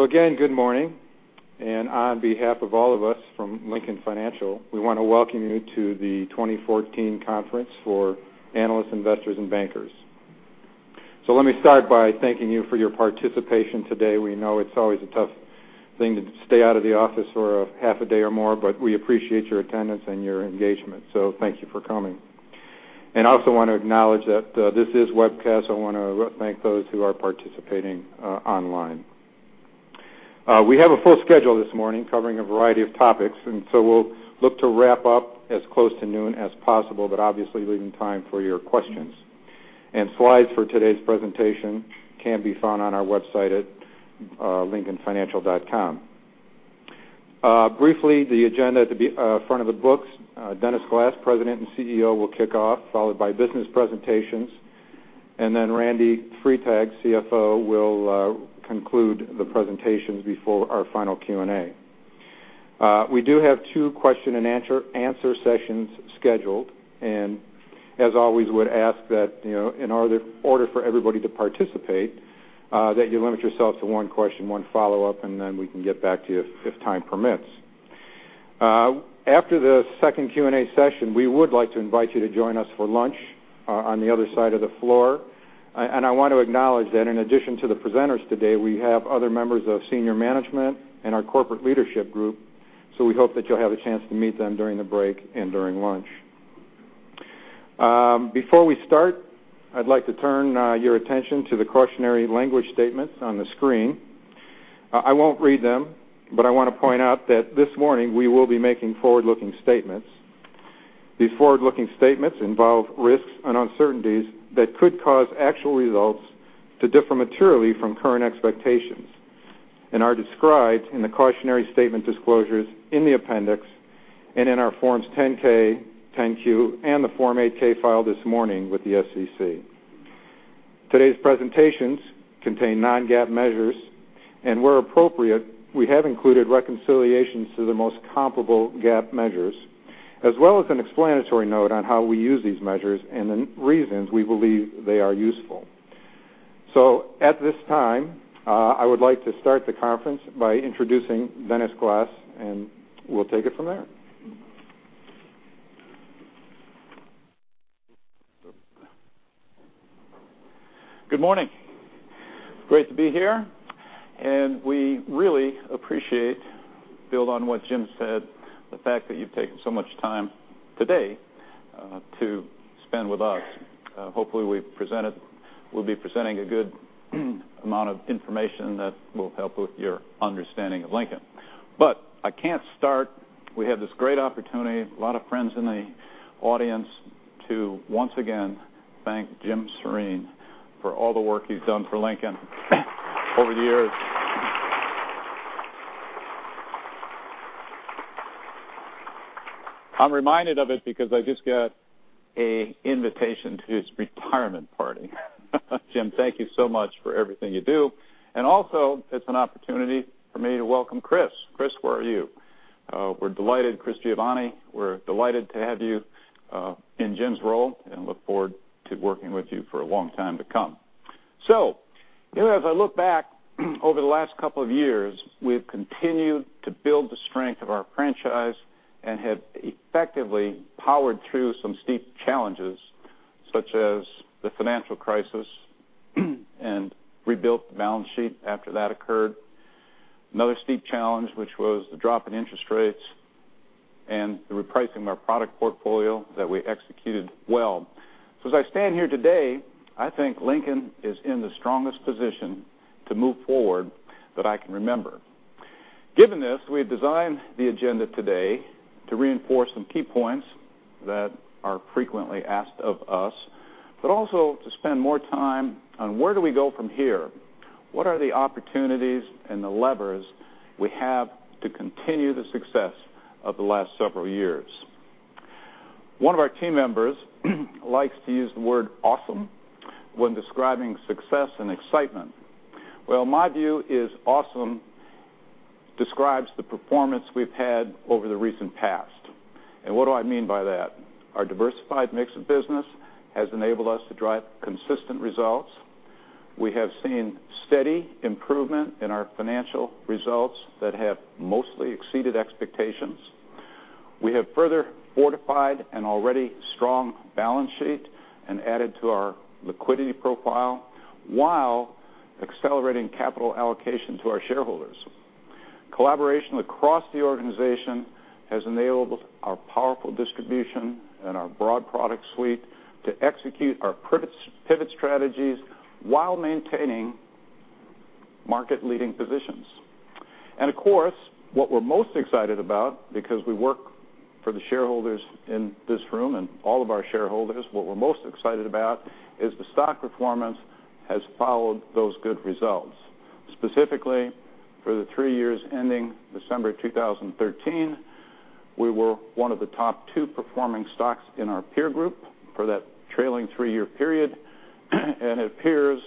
Again, good morning, on behalf of all of us from Lincoln Financial, we want to welcome you to the 2014 conference for analysts, investors, and bankers. Let me start by thanking you for your participation today. We know it's always a tough thing to stay out of the office for a half a day or more, but we appreciate your attendance and your engagement. Thank you for coming. I also want to acknowledge that this is webcast. I want to thank those who are participating online. We have a full schedule this morning covering a variety of topics. We'll look to wrap up as close to noon as possible, but obviously leaving time for your questions. Slides for today's presentation can be found on our website at lincolnfinancial.com. Briefly, the agenda at the front of the books, Dennis Glass, President and CEO, will kick off, followed by business presentations. Randy Freitag, CFO, will conclude the presentations before our final Q&A. We do have two question and answer sessions scheduled. As always, would ask that in order for everybody to participate, that you limit yourself to one question, one follow-up. We can get back to you if time permits. After the second Q&A session, we would like to invite you to join us for lunch on the other side of the floor. I want to acknowledge that in addition to the presenters today, we have other members of senior management and our corporate leadership group. We hope that you'll have a chance to meet them during the break and during lunch. Before we start, I'd like to turn your attention to the cautionary language statements on the screen. I won't read them, but I want to point out that this morning we will be making forward-looking statements. These forward-looking statements involve risks and uncertainties that could cause actual results to differ materially from current expectations and are described in the cautionary statement disclosures in the appendix and in our Forms 10-K, 10-Q, and the Form 8-K filed this morning with the SEC. Today's presentations contain non-GAAP measures. Where appropriate, we have included reconciliations to the most comparable GAAP measures, as well as an explanatory note on how we use these measures and the reasons we believe they are useful. At this time, I would like to start the conference by introducing Dennis Glass. We'll take it from there. Good morning. Great to be here. We really appreciate, build on what Jim said, the fact that you've taken so much time today to spend with us. Hopefully, we'll be presenting a good amount of information that will help with your understanding of Lincoln. I can't start, we have this great opportunity, a lot of friends in the audience, to once again thank Jim Sheeren for all the work he's done for Lincoln over the years. I'm reminded of it because I just got an invitation to his retirement party. Jim, thank you so much for everything you do. Also, it's an opportunity for me to welcome Chris. Chris, where are you? Chris Giovanni, we're delighted to have you in Jim's role and look forward to working with you for a long time to come. As I look back over the last couple of years, we've continued to build the strength of our franchise and have effectively powered through some steep challenges, such as the financial crisis, and rebuilt the balance sheet after that occurred. Another steep challenge, which was the drop in interest rates and the repricing of our product portfolio that we executed well. As I stand here today, I think Lincoln is in the strongest position to move forward that I can remember. Given this, we have designed the agenda today to reinforce some key points that are frequently asked of us, but also to spend more time on where do we go from here? What are the opportunities and the levers we have to continue the success of the last several years? One of our team members likes to use the word awesome when describing success and excitement. Well, my view is awesome describes the performance we've had over the recent past. What do I mean by that? Our diversified mix of business has enabled us to drive consistent results. We have seen steady improvement in our financial results that have mostly exceeded expectations. We have further fortified an already strong balance sheet and added to our liquidity profile while accelerating capital allocation to our shareholders. Collaboration across the organization has enabled our powerful distribution and our broad product suite to execute our pivot strategies while maintaining market-leading positions. Of course, what we're most excited about, because we work for the shareholders in this room and all of our shareholders, what we're most excited about is the stock performance has followed those good results. Specifically, for the three years ending December 2013, we were one of the top two performing stocks in our peer group for that trailing three-year period. It appears,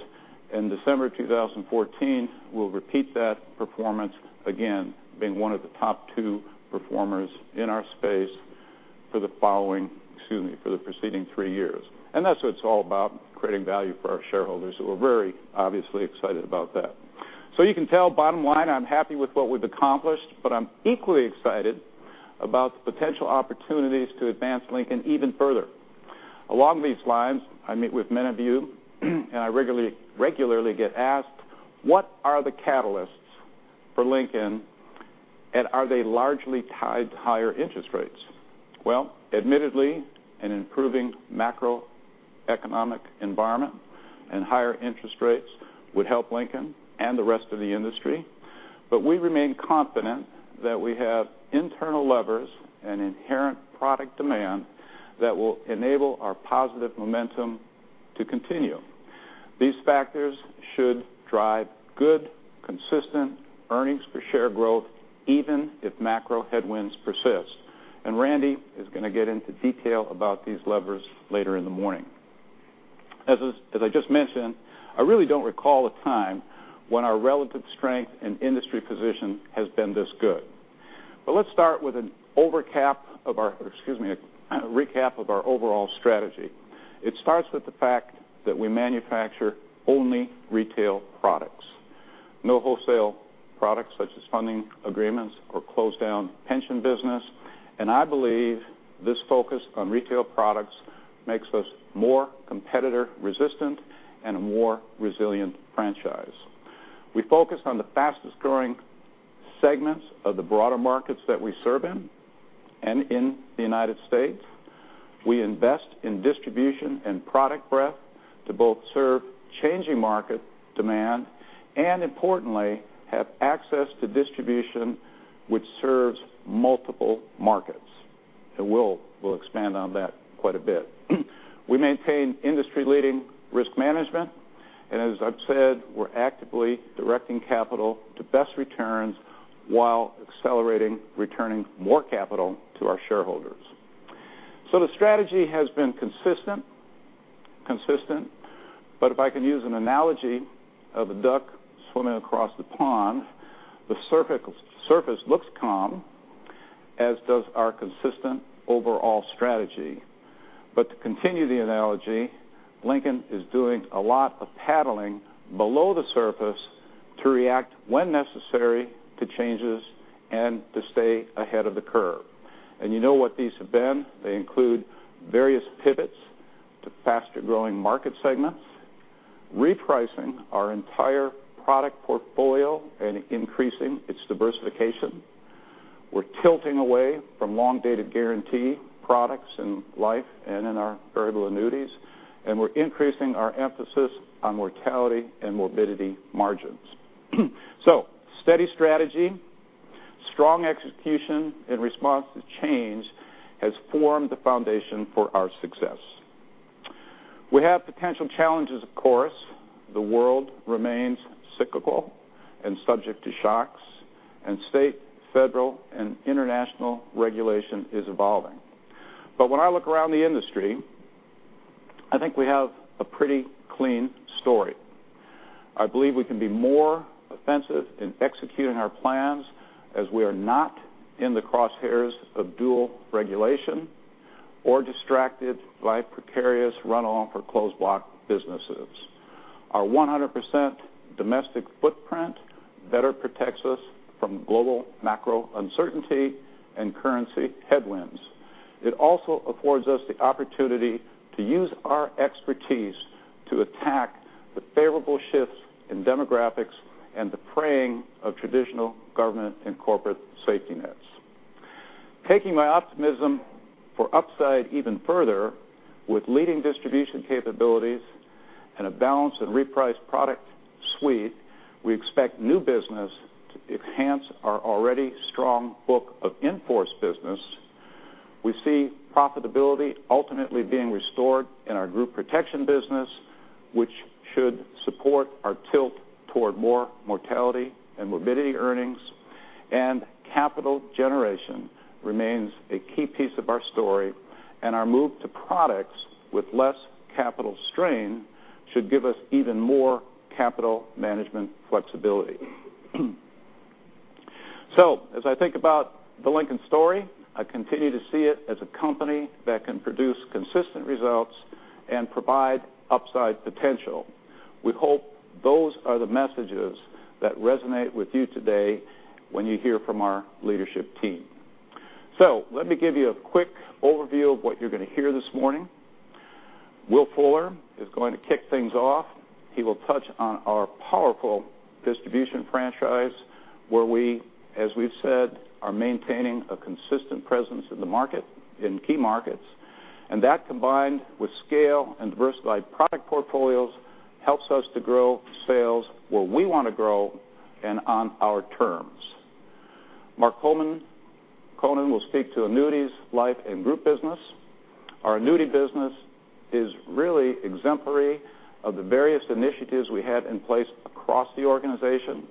in December 2014, we'll repeat that performance again, being one of the top two performers in our space. For the following, excuse me, for the preceding three years. That's what it's all about, creating value for our shareholders. We're very obviously excited about that. You can tell, bottom line, I'm happy with what we've accomplished, but I'm equally excited about the potential opportunities to advance Lincoln even further. Along these lines, I meet with many of you, and I regularly get asked, what are the catalysts for Lincoln? Are they largely tied to higher interest rates? Well, admittedly, an improving macroeconomic environment and higher interest rates would help Lincoln and the rest of the industry. We remain confident that we have internal levers and inherent product demand that will enable our positive momentum to continue. These factors should drive good, consistent earnings per share growth even if macro headwinds persist. Randy is going to get into detail about these levers later in the morning. As I just mentioned, I really don't recall a time when our relative strength and industry position has been this good. Let's start with a recap of our overall strategy. It starts with the fact that we manufacture only retail products, no wholesale products such as funding agreements or closed-down pension business. I believe this focus on retail products makes us more competitor-resistant and a more resilient franchise. We focus on the fastest-growing segments of the broader markets that we serve in. In the U.S., we invest in distribution and product breadth to both serve changing market demand and, importantly, have access to distribution which serves multiple markets. We'll expand on that quite a bit. We maintain industry-leading risk management. As I've said, we're actively directing capital to best returns while accelerating returning more capital to our shareholders. The strategy has been consistent. If I can use an analogy of a duck swimming across the pond, the surface looks calm, as does our consistent overall strategy. To continue the analogy, Lincoln is doing a lot of paddling below the surface to react when necessary to changes and to stay ahead of the curve. You know what these have been. They include various pivots to faster-growing market segments, repricing our entire product portfolio, and increasing its diversification. We're tilting away from long-dated guarantee products in life and in our variable annuities, and we're increasing our emphasis on mortality and morbidity margins. Steady strategy, strong execution in response to change has formed the foundation for our success. We have potential challenges, of course. The world remains cyclical and subject to shocks, and state, federal, and international regulation is evolving. When I look around the industry, I think we have a pretty clean story. I believe we can be more offensive in executing our plans as we are not in the crosshairs of dual regulation or distracted by precarious runoff for closed block businesses. Our 100% domestic footprint better protects us from global macro uncertainty and currency headwinds. It also affords us the opportunity to use our expertise to attack the favorable shifts in demographics and the fraying of traditional government and corporate safety nets. Taking my optimism for upside even further, with leading distribution capabilities and a balanced and repriced product suite, we expect new business to enhance our already strong book of in-force business. We see profitability ultimately being restored in our group protection business, which should support our tilt toward more mortality and morbidity earnings. Capital generation remains a key piece of our story, and our move to products with less capital strain should give us even more capital management flexibility. As I think about the Lincoln story, I continue to see it as a company that can produce consistent results and provide upside potential. We hope those are the messages that resonate with you today when you hear from our leadership team. Let me give you a quick overview of what you're going to hear this morning. Will Fuller is going to kick things off. He will touch on our powerful distribution franchise, where we, as we've said, are maintaining a consistent presence in key markets. That, combined with scale and diversified product portfolios, helps us to grow sales where we want to grow and on our terms. Mark Konen will speak to annuities, life, and group business. Our annuity business is really exemplary of the various initiatives we have in place across the organization.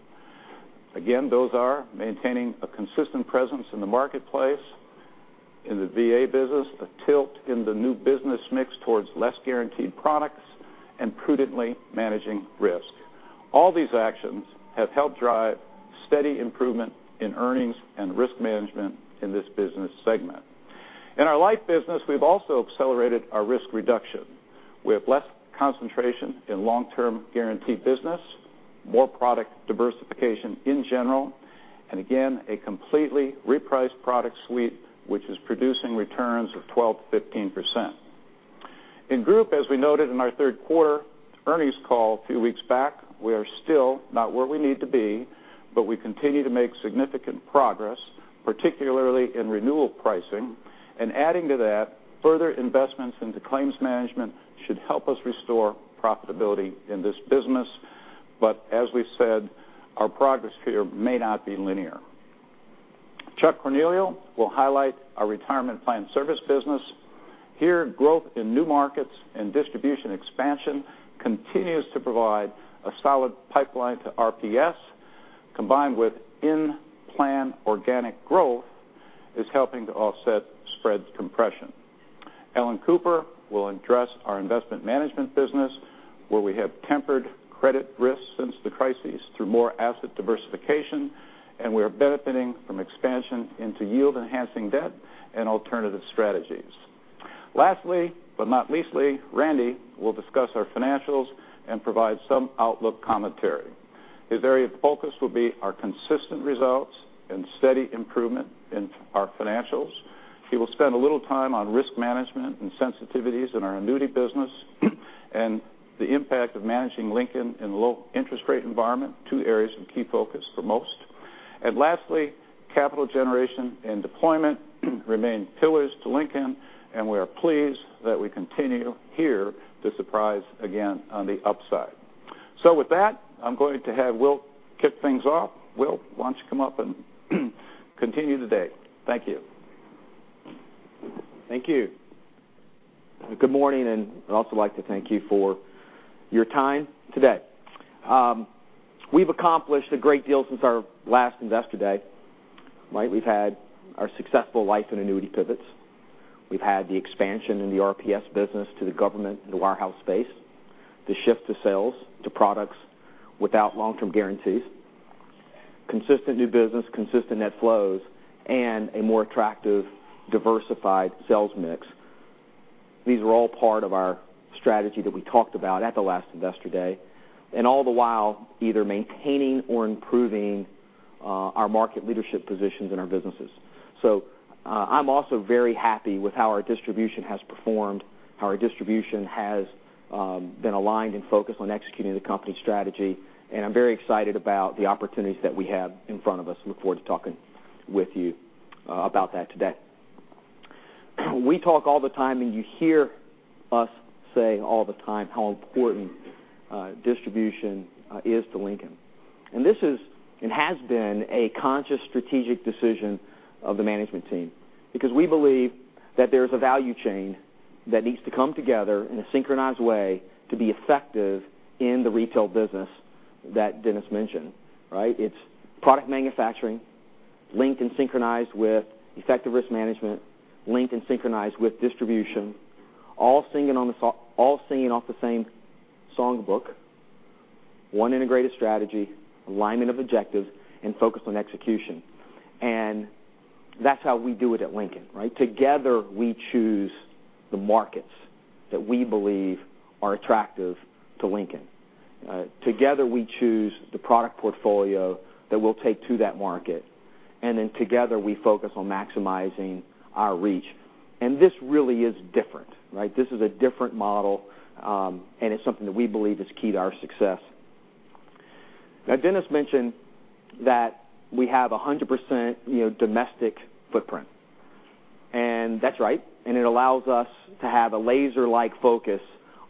Again, those are maintaining a consistent presence in the marketplace, in the VA business, a tilt in the new business mix towards less guaranteed products, and prudently managing risk. All these actions have helped drive steady improvement in earnings and risk management in this business segment. In our life business, we've also accelerated our risk reduction with less concentration in long-term guaranteed business, more product diversification in general, and again, a completely repriced product suite, which is producing returns of 12%-15%. In group, as we noted in our third quarter earnings call a few weeks back, we are still not where we need to be, but we continue to make significant progress, particularly in renewal pricing. Adding to that, further investments into claims management should help us restore profitability in this business. As we've said, our progress here may not be linear. Chuck Cornelio will highlight our Retirement Plan Services business. Here, growth in new markets and distribution expansion continues to provide a solid pipeline to RPS, combined with in-plan organic growth, is helping to offset spread compression. Ellen Cooper will address our investment management business, where we have tempered credit risk since the crisis through more asset diversification, and we are benefiting from expansion into yield-enhancing debt and alternative strategies. Lastly, but not leastly, Randy will discuss our financials and provide some outlook commentary. His area of focus will be our consistent results and steady improvement in our financials. He will spend a little time on risk management and sensitivities in our annuity business and the impact of managing Lincoln in a low interest rate environment, two areas of key focus for most. Lastly, capital generation and deployment remain pillars to Lincoln, and we are pleased that we continue here to surprise again on the upside. With that, I'm going to have Will kick things off. Will, why don't you come up and continue the day? Thank you. Thank you. Good morning. I'd also like to thank you for your time today. We've accomplished a great deal since our last Investor Day. We've had our successful life and annuity pivots. We've had the expansion in the RPS business to the government and the warehouse space, the shift to sales to products without long-term guarantees, consistent new business, consistent net flows, and a more attractive, diversified sales mix. These were all part of our strategy that we talked about at the last Investor Day, all the while, either maintaining or improving our market leadership positions in our businesses. I'm also very happy with how our distribution has performed, how our distribution has been aligned and focused on executing the company strategy, and I'm very excited about the opportunities that we have in front of us, and look forward to talking with you about that today. We talk all the time, you hear us say all the time how important distribution is to Lincoln. This is, and has been, a conscious strategic decision of the management team because we believe that there is a value chain that needs to come together in a synchronized way to be effective in the retail business that Dennis mentioned. It's product manufacturing linked and synchronized with effective risk management, linked and synchronized with distribution, all singing off the same songbook, one integrated strategy, alignment of objectives, and focus on execution. That's how we do it at Lincoln. Together, we choose the markets that we believe are attractive to Lincoln. Together, we choose the product portfolio that we'll take to that market. Then together, we focus on maximizing our reach. This really is different. This is a different model, it's something that we believe is key to our success. Dennis mentioned that we have 100% domestic footprint. That's right, it allows us to have a laser-like focus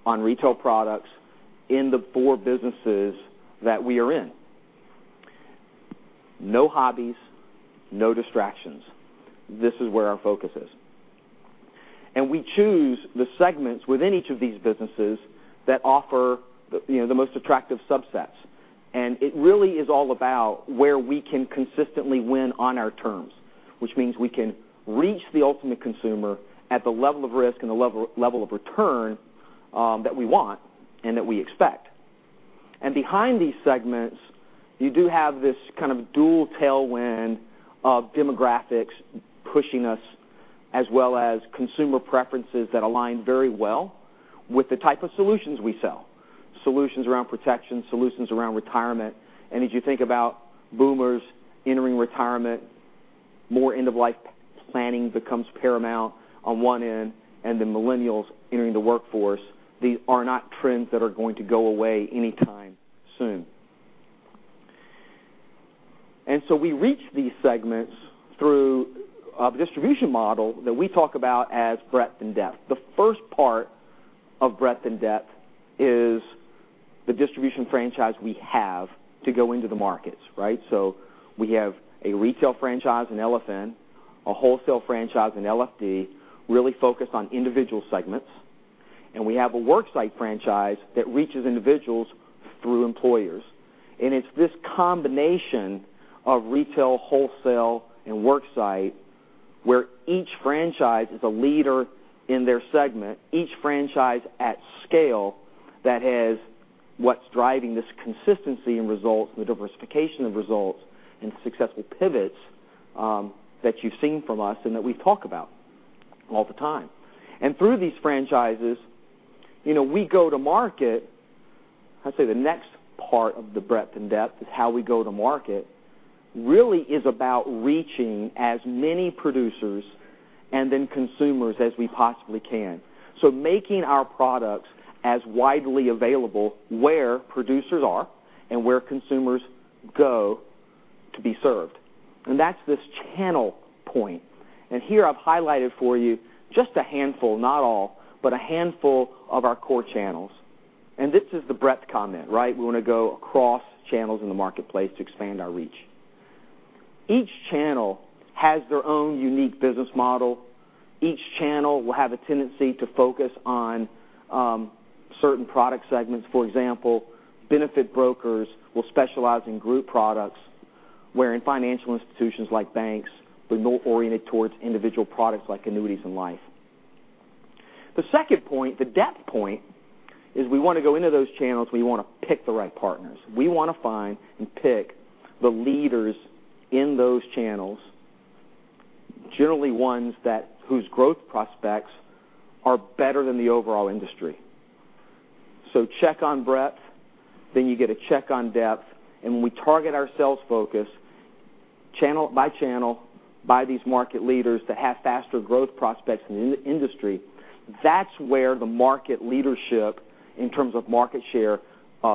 on retail products in the four businesses that we are in. No hobbies, no distractions. This is where our focus is. We choose the segments within each of these businesses that offer the most attractive subsets. It really is all about where we can consistently win on our terms, which means we can reach the ultimate consumer at the level of risk and the level of return that we want and that we expect. Behind these segments, you do have this kind of dual tailwind of demographics pushing us, as well as consumer preferences that align very well with the type of solutions we sell, solutions around protection, solutions around retirement. As you think about boomers entering retirement, more end-of-life planning becomes paramount on one end, then millennials entering the workforce. These are not trends that are going to go away anytime soon. We reach these segments through a distribution model that we talk about as breadth and depth. The first part of breadth and depth is the distribution franchise we have to go into the markets. We have a retail franchise in LFN, a wholesale franchise in LFD, really focused on individual segments, and we have a work site franchise that reaches individuals through employers. It's this combination of retail, wholesale, and work site where each franchise is a leader in their segment, each franchise at scale that has what's driving this consistency in results, the diversification of results, and successful pivots that you've seen from us and that we talk about all the time. Through these franchises, we go to market. I'd say the next part of the breadth and depth is how we go to market, really is about reaching as many producers and then consumers as we possibly can. Making our products as widely available where producers are and where consumers go to be served. That's this channel point. Here I've highlighted for you just a handful, not all, but a handful of our core channels. This is the breadth comment. We want to go across channels in the marketplace to expand our reach. Each channel has their own unique business model. Each channel will have a tendency to focus on certain product segments. For example, benefit brokers will specialize in group products, where in financial institutions like banks, we're more oriented towards individual products like annuities and life. The second point, the depth point, is we want to go into those channels. We want to pick the right partners. We want to find and pick the leaders in those channels, generally ones whose growth prospects are better than the overall industry. Check on breadth, then you get a check on depth. When we target our sales focus channel by channel by these market leaders that have faster growth prospects in the industry, that's where the market leadership in terms of market share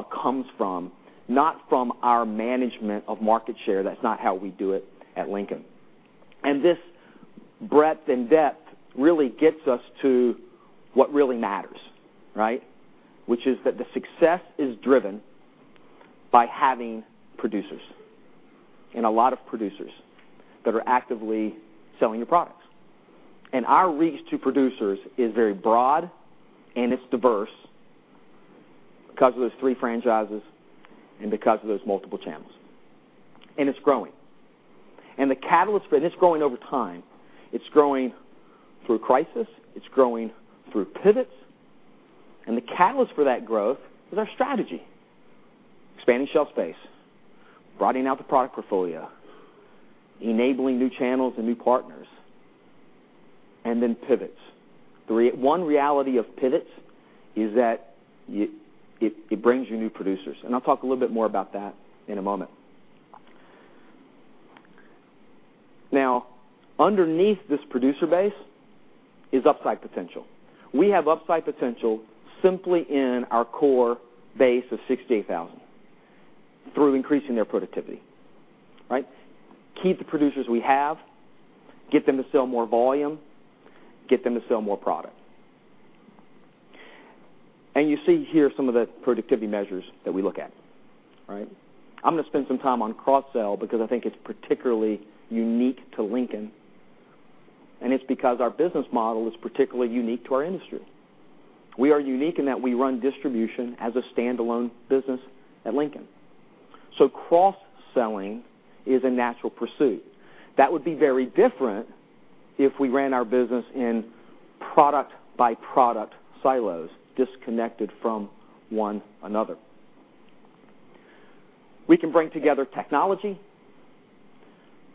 comes from, not from our management of market share. That's not how we do it at Lincoln. This breadth and depth really gets us to what really matters. Which is that the success is driven by having producers, and a lot of producers that are actively selling your products. Our reach to producers is very broad and it's diverse because of those three franchises and because of those multiple channels. It's growing. It's growing over time. It's growing through crisis. It's growing through pivots. The catalyst for that growth is our strategy. Expanding shelf space, broadening out the product portfolio, enabling new channels and new partners, and then pivots. One reality of pivots is that it brings you new producers, and I'll talk a little bit more about that in a moment. Underneath this producer base is upside potential. We have upside potential simply in our core base of 68,000 through increasing their productivity. Keep the producers we have, get them to sell more volume, get them to sell more product. You see here some of the productivity measures that we look at. I'm going to spend some time on cross-sell because I think it's particularly unique to Lincoln, and it's because our business model is particularly unique to our industry. We are unique in that we run distribution as a standalone business at Lincoln. Cross-selling is a natural pursuit. That would be very different if we ran our business in product-by-product silos disconnected from one another. We can bring together technology,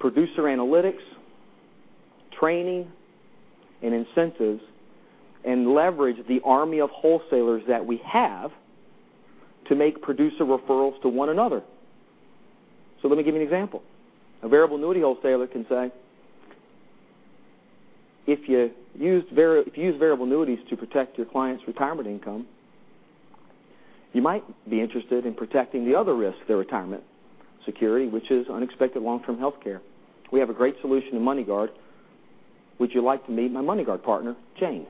producer analytics, training, and incentives and leverage the army of wholesalers that we have to make producer referrals to one another. Let me give you an example. A variable annuity wholesaler can say, "If you use variable annuities to protect your clients' retirement income, you might be interested in protecting the other risk to their retirement security, which is unexpected long-term health care. We have a great solution in MoneyGuard. Would you like to meet my MoneyGuard partner, Jane?"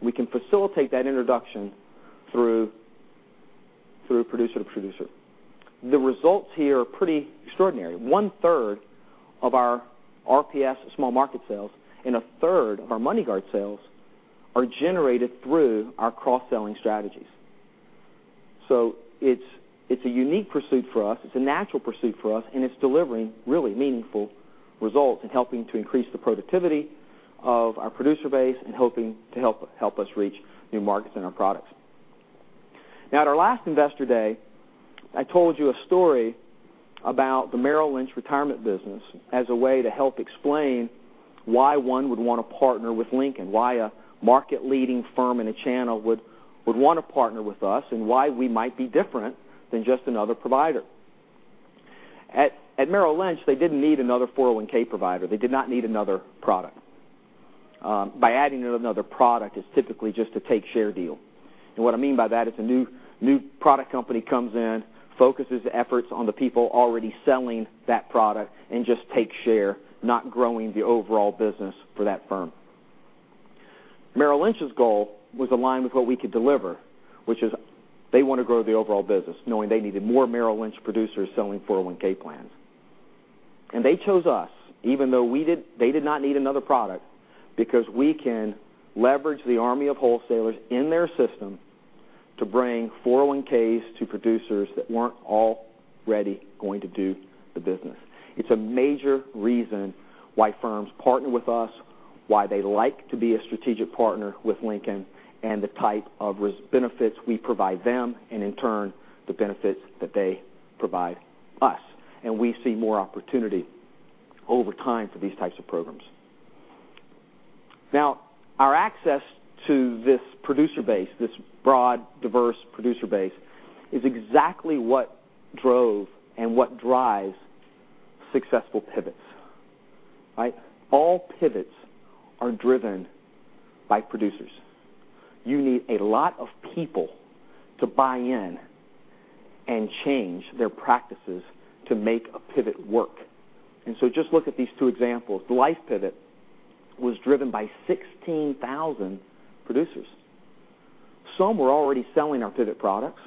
We can facilitate that introduction through producer to producer. The results here are pretty extraordinary. One third of our RPS small market sales and a third of our MoneyGuard sales are generated through our cross-selling strategies. It's a unique pursuit for us. It's a natural pursuit for us, and it's delivering really meaningful results and helping to increase the productivity of our producer base and helping to help us reach new markets and our products. At our last Investor Day, I told you a story about the Merrill Lynch retirement business as a way to help explain why one would want to partner with Lincoln, why a market-leading firm in a channel would want to partner with us, and why we might be different than just another provider. At Merrill Lynch, they didn't need another 401 provider. They did not need another product. By adding another product, it's typically just a take share deal. What I mean by that is a new product company comes in, focuses efforts on the people already selling that product and just take share, not growing the overall business for that firm. Merrill Lynch's goal was aligned with what we could deliver, which is they want to grow the overall business knowing they needed more Merrill Lynch producers selling 401 plans. They chose us even though they did not need another product because we can leverage the army of wholesalers in their system to bring 401s to producers that weren't already going to do the business. It's a major reason why firms partner with us, why they like to be a strategic partner with Lincoln, and the type of benefits we provide them and in turn, the benefits that they provide us. We see more opportunity over time for these types of programs. Our access to this producer base, this broad, diverse producer base, is exactly what drove and what drives successful pivots. All pivots are driven by producers. You need a lot of people to buy in and change their practices to make a pivot work. Just look at these two examples. The life pivot was driven by 16,000 producers. Some were already selling our pivot products.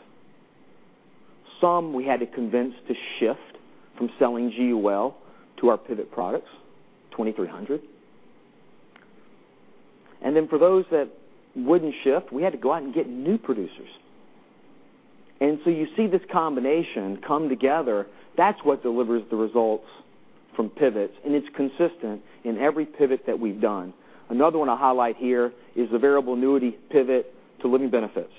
Some we had to convince to shift from selling GUL to our pivot products, 2,300. For those that wouldn't shift, we had to go out and get new producers. You see this combination come together. That's what delivers the results from pivots, and it's consistent in every pivot that we've done. Another one I highlight here is the variable annuity pivot to living benefits,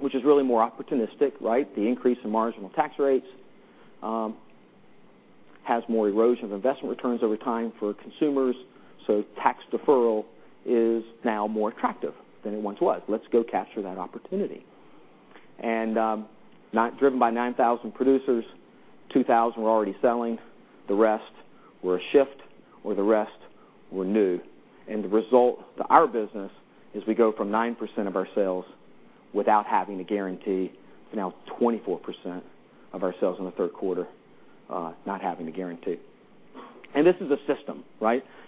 which is really more opportunistic. The increase in marginal tax rates has more erosion of investment returns over time for consumers. Tax deferral is now more attractive than it once was. Let's go capture that opportunity. Driven by 9,000 producers, 2,000 were already selling, the rest were a shift or the rest were new. The result to our business is we go from 9% of our sales without having to guarantee now 24% of our sales in the third quarter not having to guarantee. This is a system.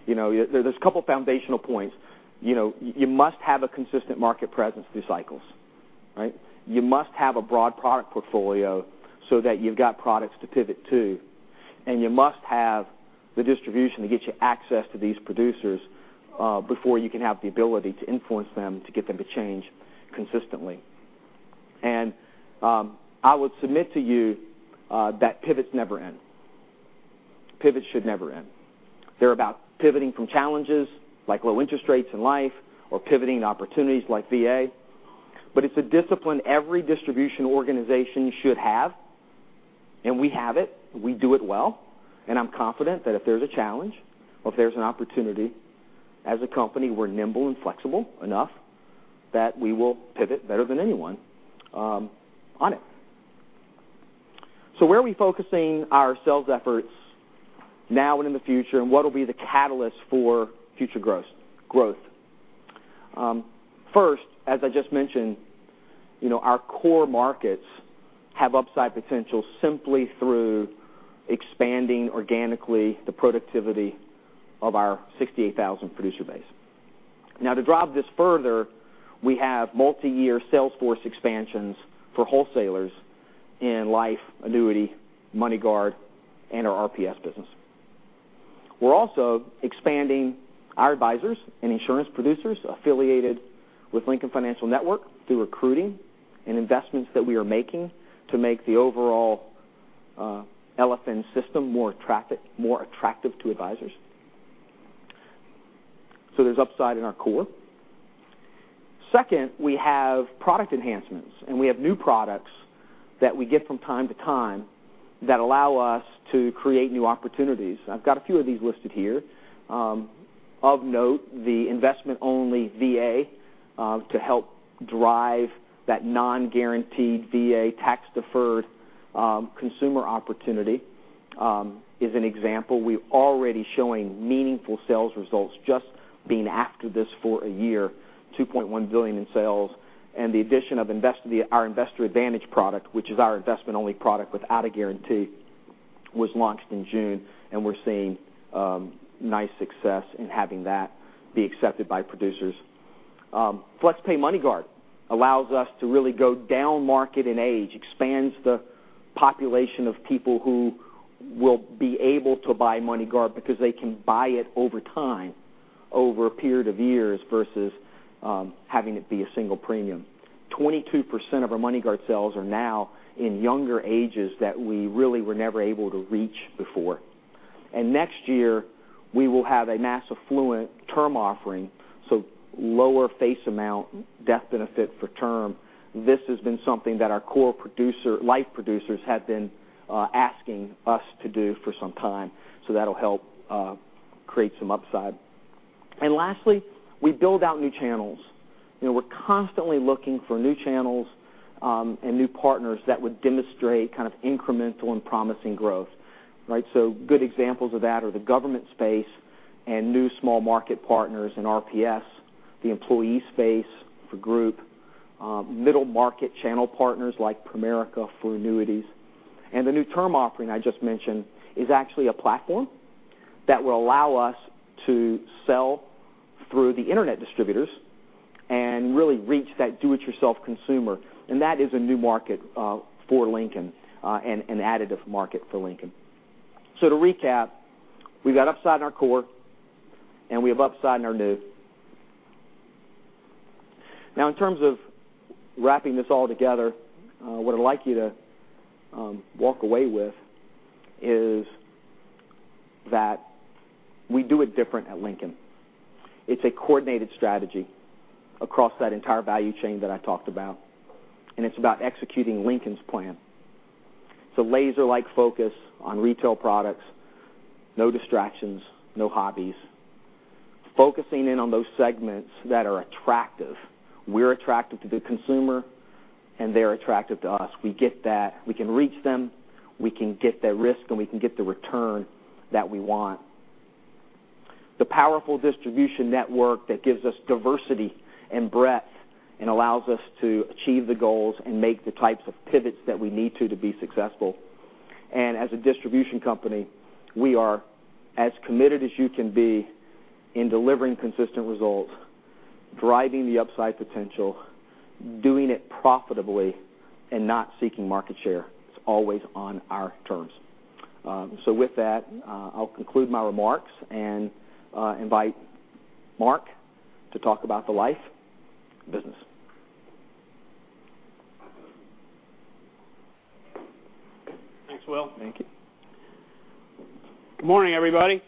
There's a couple foundational points. You must have a consistent market presence through cycles. You must have a broad product portfolio so that you've got products to pivot to, and you must have the distribution to get you access to these producers before you can have the ability to influence them, to get them to change consistently. I would submit to you that pivots never end. Pivots should never end. They're about pivoting from challenges like low interest rates in life or pivoting opportunities like VA. It's a discipline every distribution organization should have, and we have it. We do it well. I'm confident that if there's a challenge or if there's an opportunity, as a company, we're nimble and flexible enough that we will pivot better than anyone on it. Where are we focusing our sales efforts now and in the future, and what will be the catalyst for future growth? First, as I just mentioned, our core markets have upside potential simply through expanding organically the productivity of our 68,000 producer base. To drive this further, we have multi-year sales force expansions for wholesalers in life, annuity, MoneyGuard and our RPS business. We're also expanding our advisors and insurance producers affiliated with Lincoln Financial Network through recruiting and investments that we are making to make the overall LFN system more attractive to advisors. There's upside in our core. Second, we have product enhancements, and we have new products that we get from time to time that allow us to create new opportunities. I've got a few of these listed here. Of note, the investment-only VA to help drive that non-guaranteed VA tax deferred consumer opportunity is an example. We're already showing meaningful sales results just being after this for a year, $2.1 billion in sales. The addition of our Investor Advantage product, which is our investment-only product without a guarantee, was launched in June, and we're seeing nice success in having that be accepted by producers. Flex Pay MoneyGuard allows us to really go down market in age, expands the population of people who will be able to buy MoneyGuard because they can buy it over time over a period of years versus having it be a single premium. 22% of our MoneyGuard sales are now in younger ages that we really were never able to reach before. Next year, we will have a mass affluent term offering, so lower face amount death benefit for term. This has been something that our core life producers have been asking us to do for some time. That'll help create some upside. Lastly, we build out new channels. We're constantly looking for new channels and new partners that would demonstrate incremental and promising growth. Good examples of that are the government space and new small market partners in RPS, the employee space for group, middle market channel partners like Primerica for annuities. The new term offering I just mentioned is actually a platform that will allow us to sell through the internet distributors and really reach that do-it-yourself consumer. That is a new market for Lincoln and an additive market for Lincoln. To recap, we've got upside in our core. We have upside in our new. Now in terms of wrapping this all together, what I'd like you to walk away with is that we do it different at Lincoln. It's a coordinated strategy across that entire value chain that I talked about, and it's about executing Lincoln's plan. It's a laser-like focus on retail products, no distractions, no hobbies. Focusing in on those segments that are attractive. We're attractive to the consumer, and they're attractive to us. We get that. We can reach them, we can get the risk, and we can get the return that we want. The powerful distribution network that gives us diversity and breadth and allows us to achieve the goals and make the types of pivots that we need to be successful. As a distribution company, we are as committed as you can be in delivering consistent results, driving the upside potential, doing it profitably and not seeking market share. It's always on our terms. With that, I'll conclude my remarks and invite Mark to talk about the life business. Thanks, Will. Thank you. Good morning, everybody.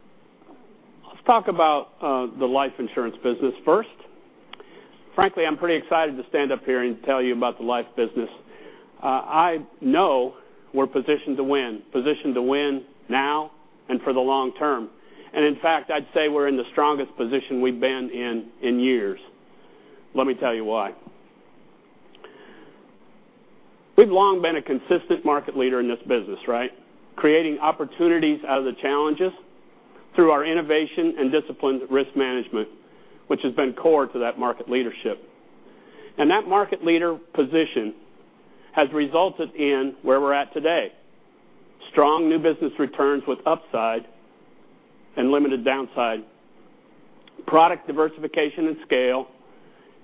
Let's talk about the life insurance business first. Frankly, I'm pretty excited to stand up here and tell you about the life business. I know we're positioned to win, positioned to win now and for the long term. In fact, I'd say we're in the strongest position we've been in years. Let me tell you why. We've long been a consistent market leader in this business. Creating opportunities out of the challenges through our innovation and disciplined risk management, which has been core to that market leadership. That market leader position has resulted in where we're at today. Strong new business returns with upside and limited downside, product diversification and scale,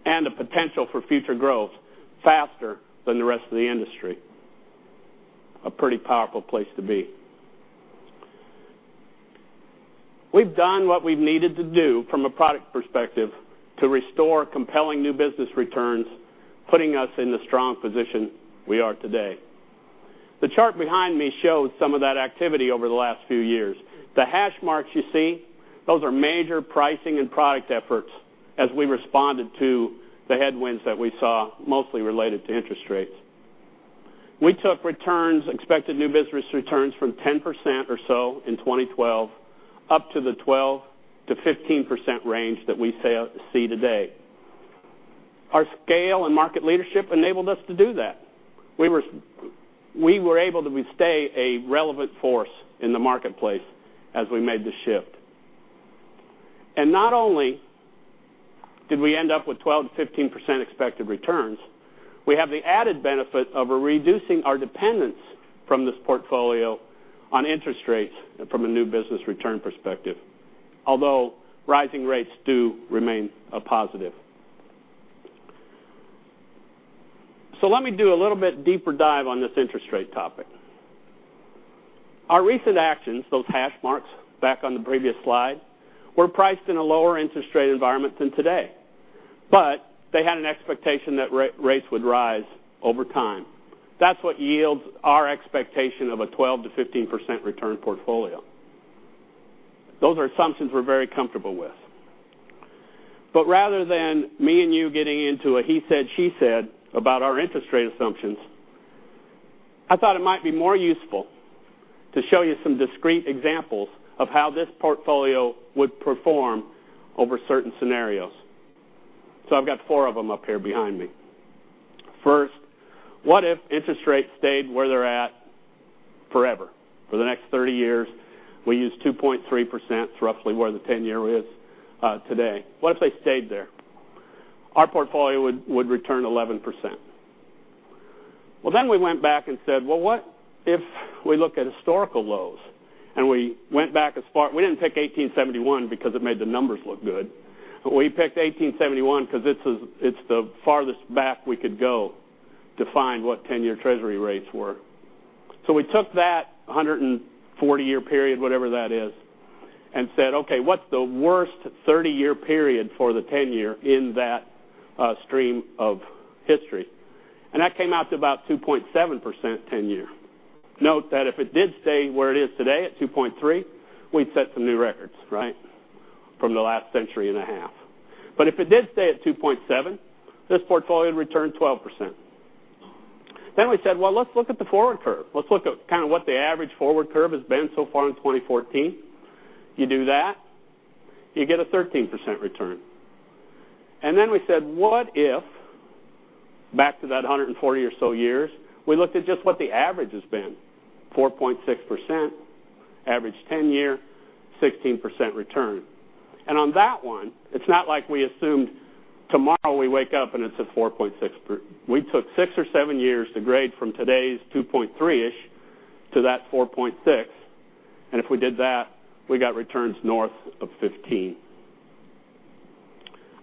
and the potential for future growth faster than the rest of the industry. A pretty powerful place to be. We've done what we've needed to do from a product perspective to restore compelling new business returns, putting us in the strong position we are today. The chart behind me shows some of that activity over the last few years. The hash marks you see, those are major pricing and product efforts as we responded to the headwinds that we saw mostly related to interest rates. We took expected new business returns from 10% or so in 2012 up to the 12%-15% range that we see today. Our scale and market leadership enabled us to do that. We were able to stay a relevant force in the marketplace as we made the shift. Not only did we end up with 12%-15% expected returns, we have the added benefit of reducing our dependence from this portfolio on interest rates from a new business return perspective, although rising rates do remain a positive. Let me do a little bit deeper dive on this interest rate topic. Our recent actions, those hash marks back on the previous slide, were priced in a lower interest rate environment than today. They had an expectation that rates would rise over time. That's what yields our expectation of a 12%-15% return portfolio. Those are assumptions we're very comfortable with. Rather than me and you getting into a he said, she said, about our interest rate assumptions, I thought it might be more useful to show you some discrete examples of how this portfolio would perform over certain scenarios. I've got four of them up here behind me. First, what if interest rates stayed where they're at forever? For the next 30 years, we use 2.3%, roughly where the 10-year is today. What if they stayed there? Our portfolio would return 11%. We went back and said, what if we look at historical lows? We went back as far-- we didn't pick 1871 because it made the numbers look good, but we picked 1871 because it's the farthest back we could go to find what 10-year Treasury rates were. We took that 140-year period, whatever that is, and said, okay, what's the worst 30-year period for the 10-year in that stream of history? That came out to about 2.7% 10-year. Note that if it did stay where it is today at 2.3, we'd set some new records. From the last century and a half. If it did stay at 2.7, this portfolio would return 12%. We said, let's look at the forward curve. Let's look at kind of what the average forward curve has been so far in 2014. You do that, you get a 13% return. We said, what if, back to that 140 or so years, we looked at just what the average has been, 4.6%, average 10-year, 16% return. On that one, it's not like we assumed tomorrow we wake up and it's a 4.6. We took six or seven years to grade from today's 2.3-ish to that 4.6, and if we did that, we got returns north of 15.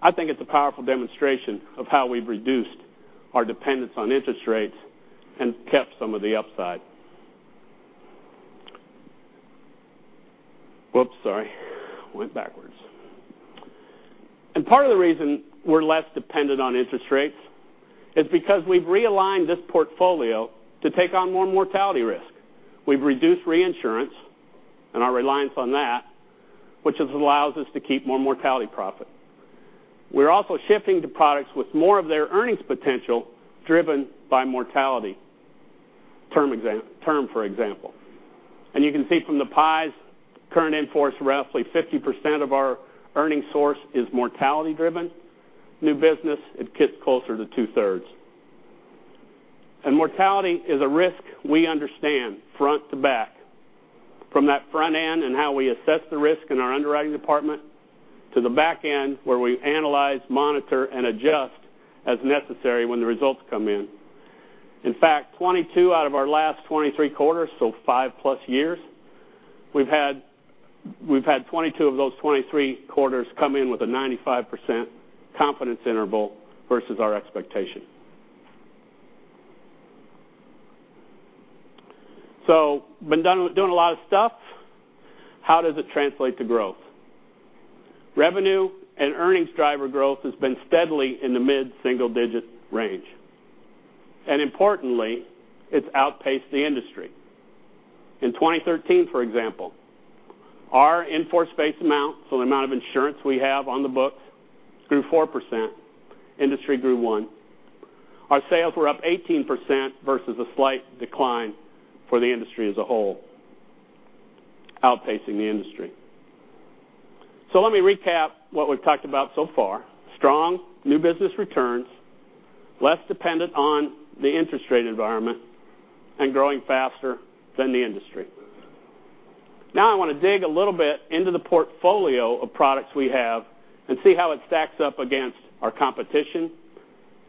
I think it's a powerful demonstration of how we've reduced our dependence on interest rates and kept some of the upside. Whoops, sorry. Went backwards. Part of the reason we're less dependent on interest rates is because we've realigned this portfolio to take on more mortality risk. We've reduced reinsurance and our reliance on that, which allows us to keep more mortality profit. We're also shifting to products with more of their earnings potential driven by mortality, term, for example. You can see from the pies, current in-force, roughly 50% of our earning source is mortality driven. New business, it gets closer to two-thirds. Mortality is a risk we understand front to back, from that front end and how we assess the risk in our underwriting department, to the back end, where we analyze, monitor, and adjust as necessary when the results come in. In fact, 22 out of our last 23 quarters, so five-plus years, we've had 22 of those 23 quarters come in with a 95% confidence interval versus our expectation. Been doing a lot of stuff. How does it translate to growth? Revenue and earnings driver growth has been steadily in the mid-single-digit range. Importantly, it's outpaced the industry. In 2013, for example, our in-force base amount, so the amount of insurance we have on the books, grew 4%. Industry grew 1%. Our sales were up 18% versus a slight decline for the industry as a whole, outpacing the industry. Let me recap what we've talked about so far. Strong new business returns, less dependent on the interest rate environment, and growing faster than the industry. Now I want to dig a little bit into the portfolio of products we have and see how it stacks up against our competition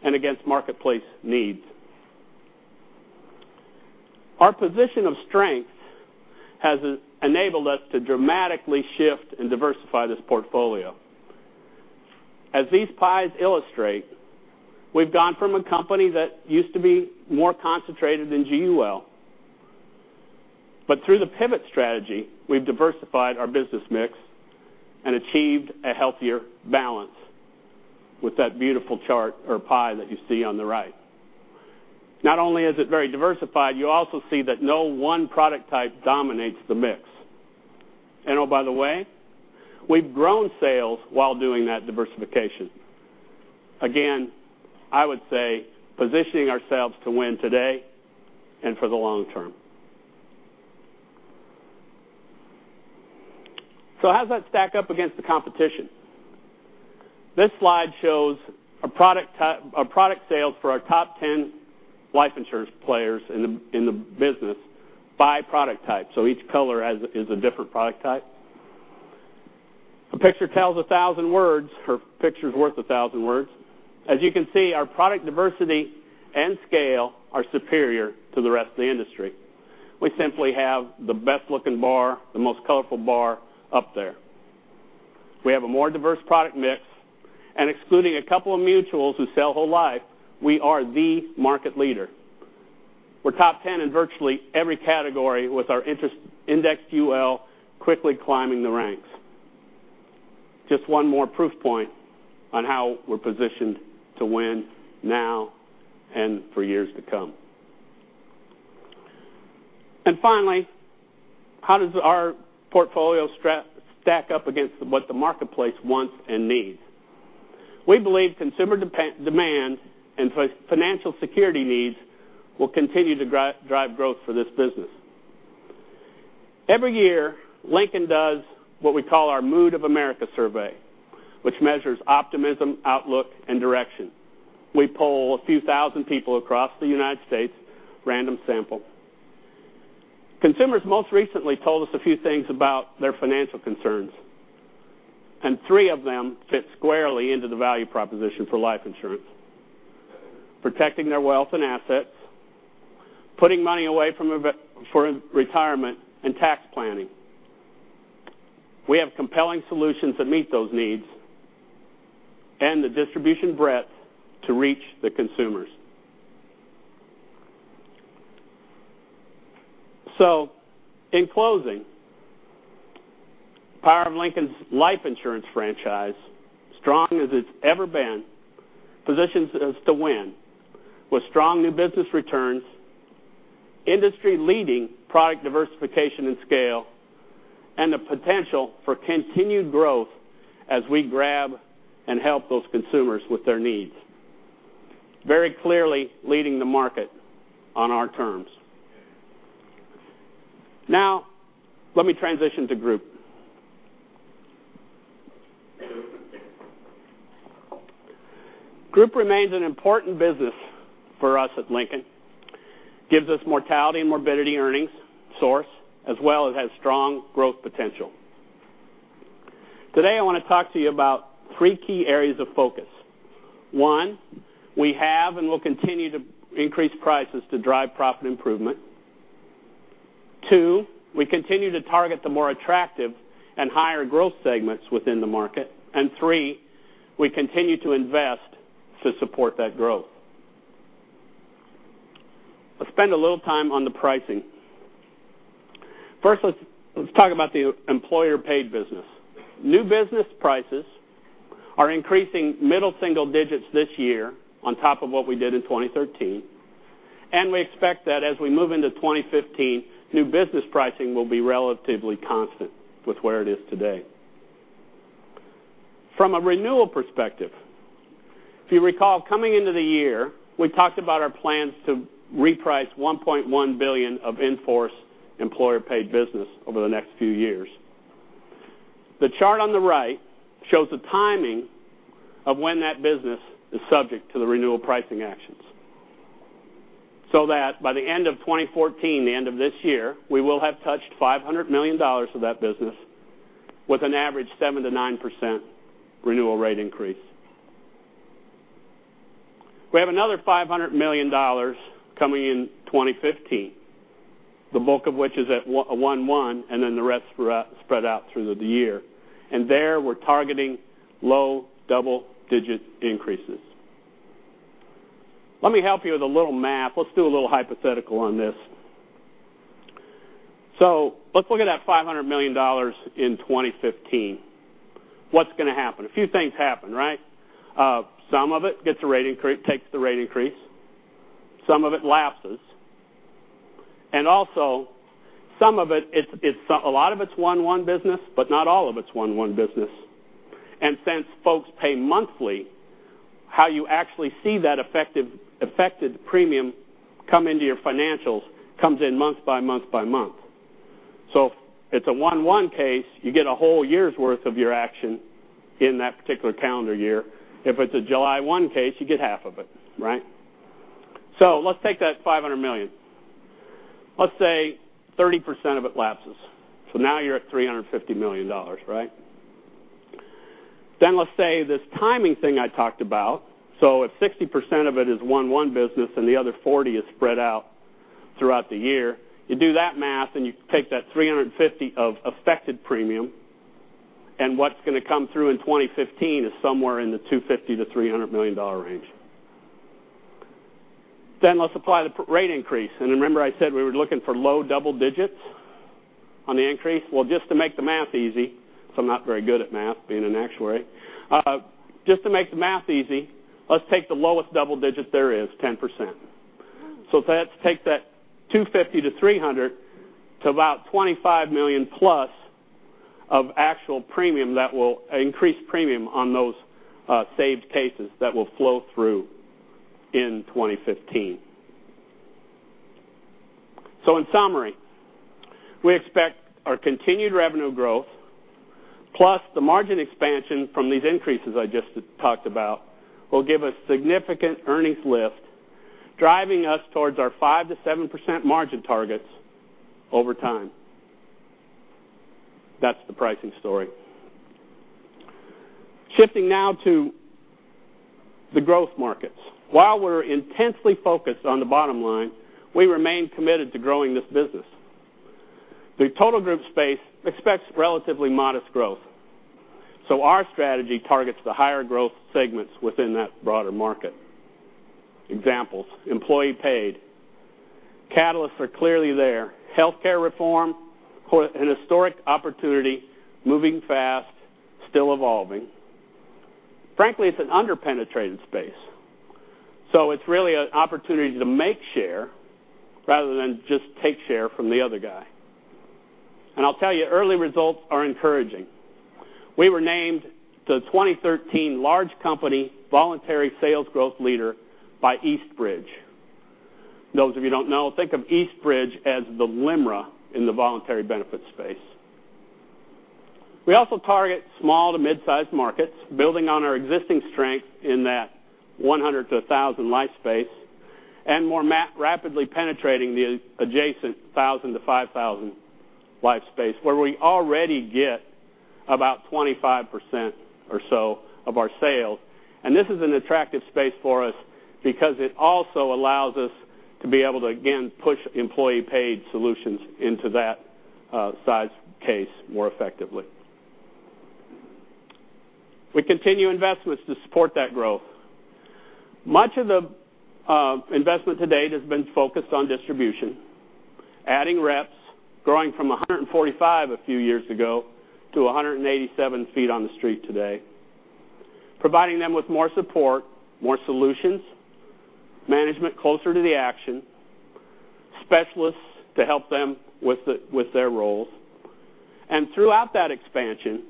and against marketplace needs. Our position of strength has enabled us to dramatically shift and diversify this portfolio. As these pies illustrate, we've gone from a company that used to be more concentrated in GUL. Through the pivot strategy, we've diversified our business mix and achieved a healthier balance with that beautiful chart or pie that you see on the right. Not only is it very diversified, you also see that no one product type dominates the mix. Oh, by the way, we've grown sales while doing that diversification. Again, I would say positioning ourselves to win today and for the long term. How does that stack up against the competition? This slide shows our product sales for our top 10 life insurance players in the business by product type, so each color is a different product type. A picture tells a thousand words, or picture's worth a thousand words. As you can see, our product diversity and scale are superior to the rest of the industry. We simply have the best-looking bar, the most colorful bar up there. We have a more diverse product mix, and excluding a couple of mutuals who sell whole life, we are the market leader. We're top 10 in virtually every category with our interest index UL quickly climbing the ranks. Just one more proof point on how we're positioned to win now and for years to come. Finally, how does our portfolio stack up against what the marketplace wants and needs? We believe consumer demand and financial security needs will continue to drive growth for this business. Every year, Lincoln does what we call our Mood of America survey, which measures optimism, outlook, and direction. We poll a few thousand people across the United States, random sample. Consumers most recently told us a few things about their financial concerns, and three of them fit squarely into the value proposition for life insurance. Protecting their wealth and assets, putting money away for retirement, and tax planning. We have compelling solutions that meet those needs and the distribution breadth to reach the consumers. In closing, power of Lincoln's life insurance franchise, strong as it's ever been, positions us to win with strong new business returns, industry-leading product diversification and scale, and the potential for continued growth as we grab and help those consumers with their needs. Very clearly leading the market on our terms. Let me transition to Group. Group remains an important business for us at Lincoln. Gives us mortality and morbidity earnings source, as well as has strong growth potential. Today, I want to talk to you about three key areas of focus. One, we have and will continue to increase prices to drive profit improvement. Two, we continue to target the more attractive and higher growth segments within the market. Three, we continue to invest to support that growth. Let's spend a little time on the pricing. First, let's talk about the employer-paid business. New business prices are increasing middle single digits this year on top of what we did in 2013. We expect that as we move into 2015, new business pricing will be relatively constant with where it is today. From a renewal perspective, if you recall, coming into the year, we talked about our plans to reprice $1.1 billion of in-force employer-paid business over the next few years. The chart on the right shows the timing of when that business is subject to the renewal pricing actions, so that by the end of 2014, the end of this year, we will have touched $500 million of that business with an average 7%-9% renewal rate increase. We have another $500 million coming in 2015, the bulk of which is at 1/1, and then the rest spread out through the year. There, we're targeting low double-digit increases. Let me help you with a little math. Let's do a little hypothetical on this. Let's look at that $500 million in 2015. What's going to happen? A few things happen, right? Some of it takes the rate increase, some of it lapses, and also a lot of it's 1/1 business, but not all of it's 1/1 business. Since folks pay monthly, how you actually see that affected premium come into your financials comes in month by month by month. If it's a 1/1 case, you get a whole year's worth of your action in that particular calendar year. If it's a July 1 case, you get half of it. Right? Let's take that $500 million. Let's say 30% of it lapses. Now you're at $350 million, right? Let's say this timing thing I talked about. If 60% of it is 1/1 business and the other 40 is spread out throughout the year, you do that math and you take that $350 million of affected premium, and what's going to come through in 2015 is somewhere in the $250 million-$300 million range. Let's apply the rate increase. Remember I said we were looking for low double digits on the increase? Well, just to make the math easy, because I'm not very good at math, being an actuary. Just to make the math easy, let's take the lowest double digits there is, 10%. Take that $250 million-$300 million to about $25 million plus of increased premium on those saved cases that will flow through in 2015. In summary, we expect our continued revenue growth plus the margin expansion from these increases I just talked about will give us significant earnings lift, driving us towards our 5%-7% margin targets over time. That's the pricing story. Shifting now to the growth markets. While we're intensely focused on the bottom line, we remain committed to growing this business. The total group space expects relatively modest growth, our strategy targets the higher growth segments within that broader market. Examples, employee-paid. Catalysts are clearly there. Healthcare reform, an historic opportunity, moving fast, still evolving. Frankly, it's an under-penetrated space. It's really an opportunity to make share rather than just take share from the other guy. I'll tell you, early results are encouraging. We were named the 2013 Large Company Voluntary Sales Growth Leader by Eastbridge. Those of you who don't know, think of Eastbridge as the LIMRA in the voluntary benefits space. We also target small to midsize markets, building on our existing strength in that 100-1,000 life space and more rapidly penetrating the adjacent 1,000-5,000 life space, where we already get about 25% or so of our sales. This is an attractive space for us because it also allows us to be able to, again, push employee-paid solutions into that size case more effectively. We continue investments to support that growth. Much of the investment to date has been focused on distribution, adding reps, growing from 145 a few years ago to 187 feet on the street today. Providing them with more support, more solutions, management closer to the action, specialists to help them with their roles. Throughout that expansion,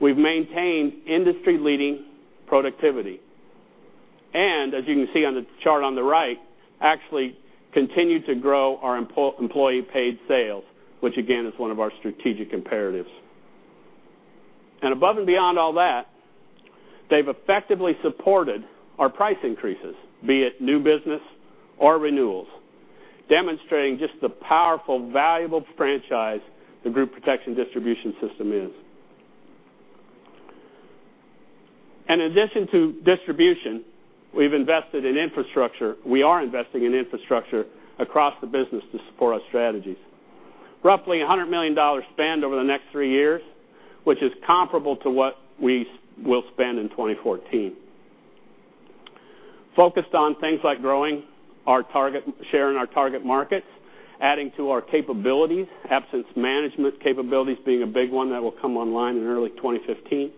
we've maintained industry-leading productivity. As you can see on the chart on the right, actually continued to grow our employee-paid sales, which again, is one of our strategic imperatives. Above and beyond all that, they've effectively supported our price increases, be it new business or renewals, demonstrating just the powerful, valuable franchise the group protection distribution system is. In addition to distribution, we've invested in infrastructure. We are investing in infrastructure across the business to support our strategies. Roughly $100 million spend over the next three years, which is comparable to what we will spend in 2014. Focused on things like growing our target share in our target markets, adding to our capabilities, absence management capabilities being a big one that will come online in early 2015.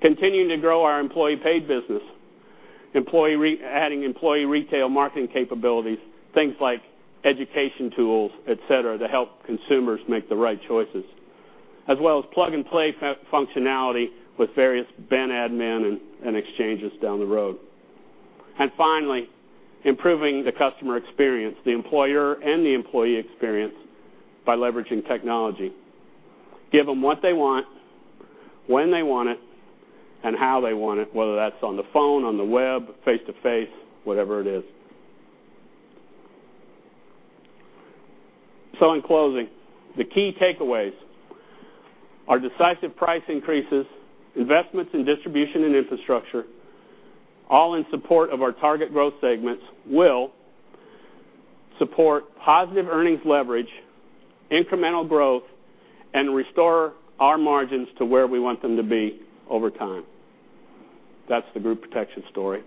Continuing to grow our employee-paid business, adding employee retail marketing capabilities, things like education tools, et cetera, to help consumers make the right choices, as well as plug-and-play functionality with various ben admin and exchanges down the road. Finally, improving the customer experience, the employer and the employee experience by leveraging technology. Give them what they want, when they want it, and how they want it, whether that's on the phone, on the web, face-to-face, whatever it is. In closing, the key takeaways are decisive price increases, investments in distribution and infrastructure, all in support of our target growth segments will support positive earnings leverage, incremental growth, and restore our margins to where we want them to be over time. That's the group protection story.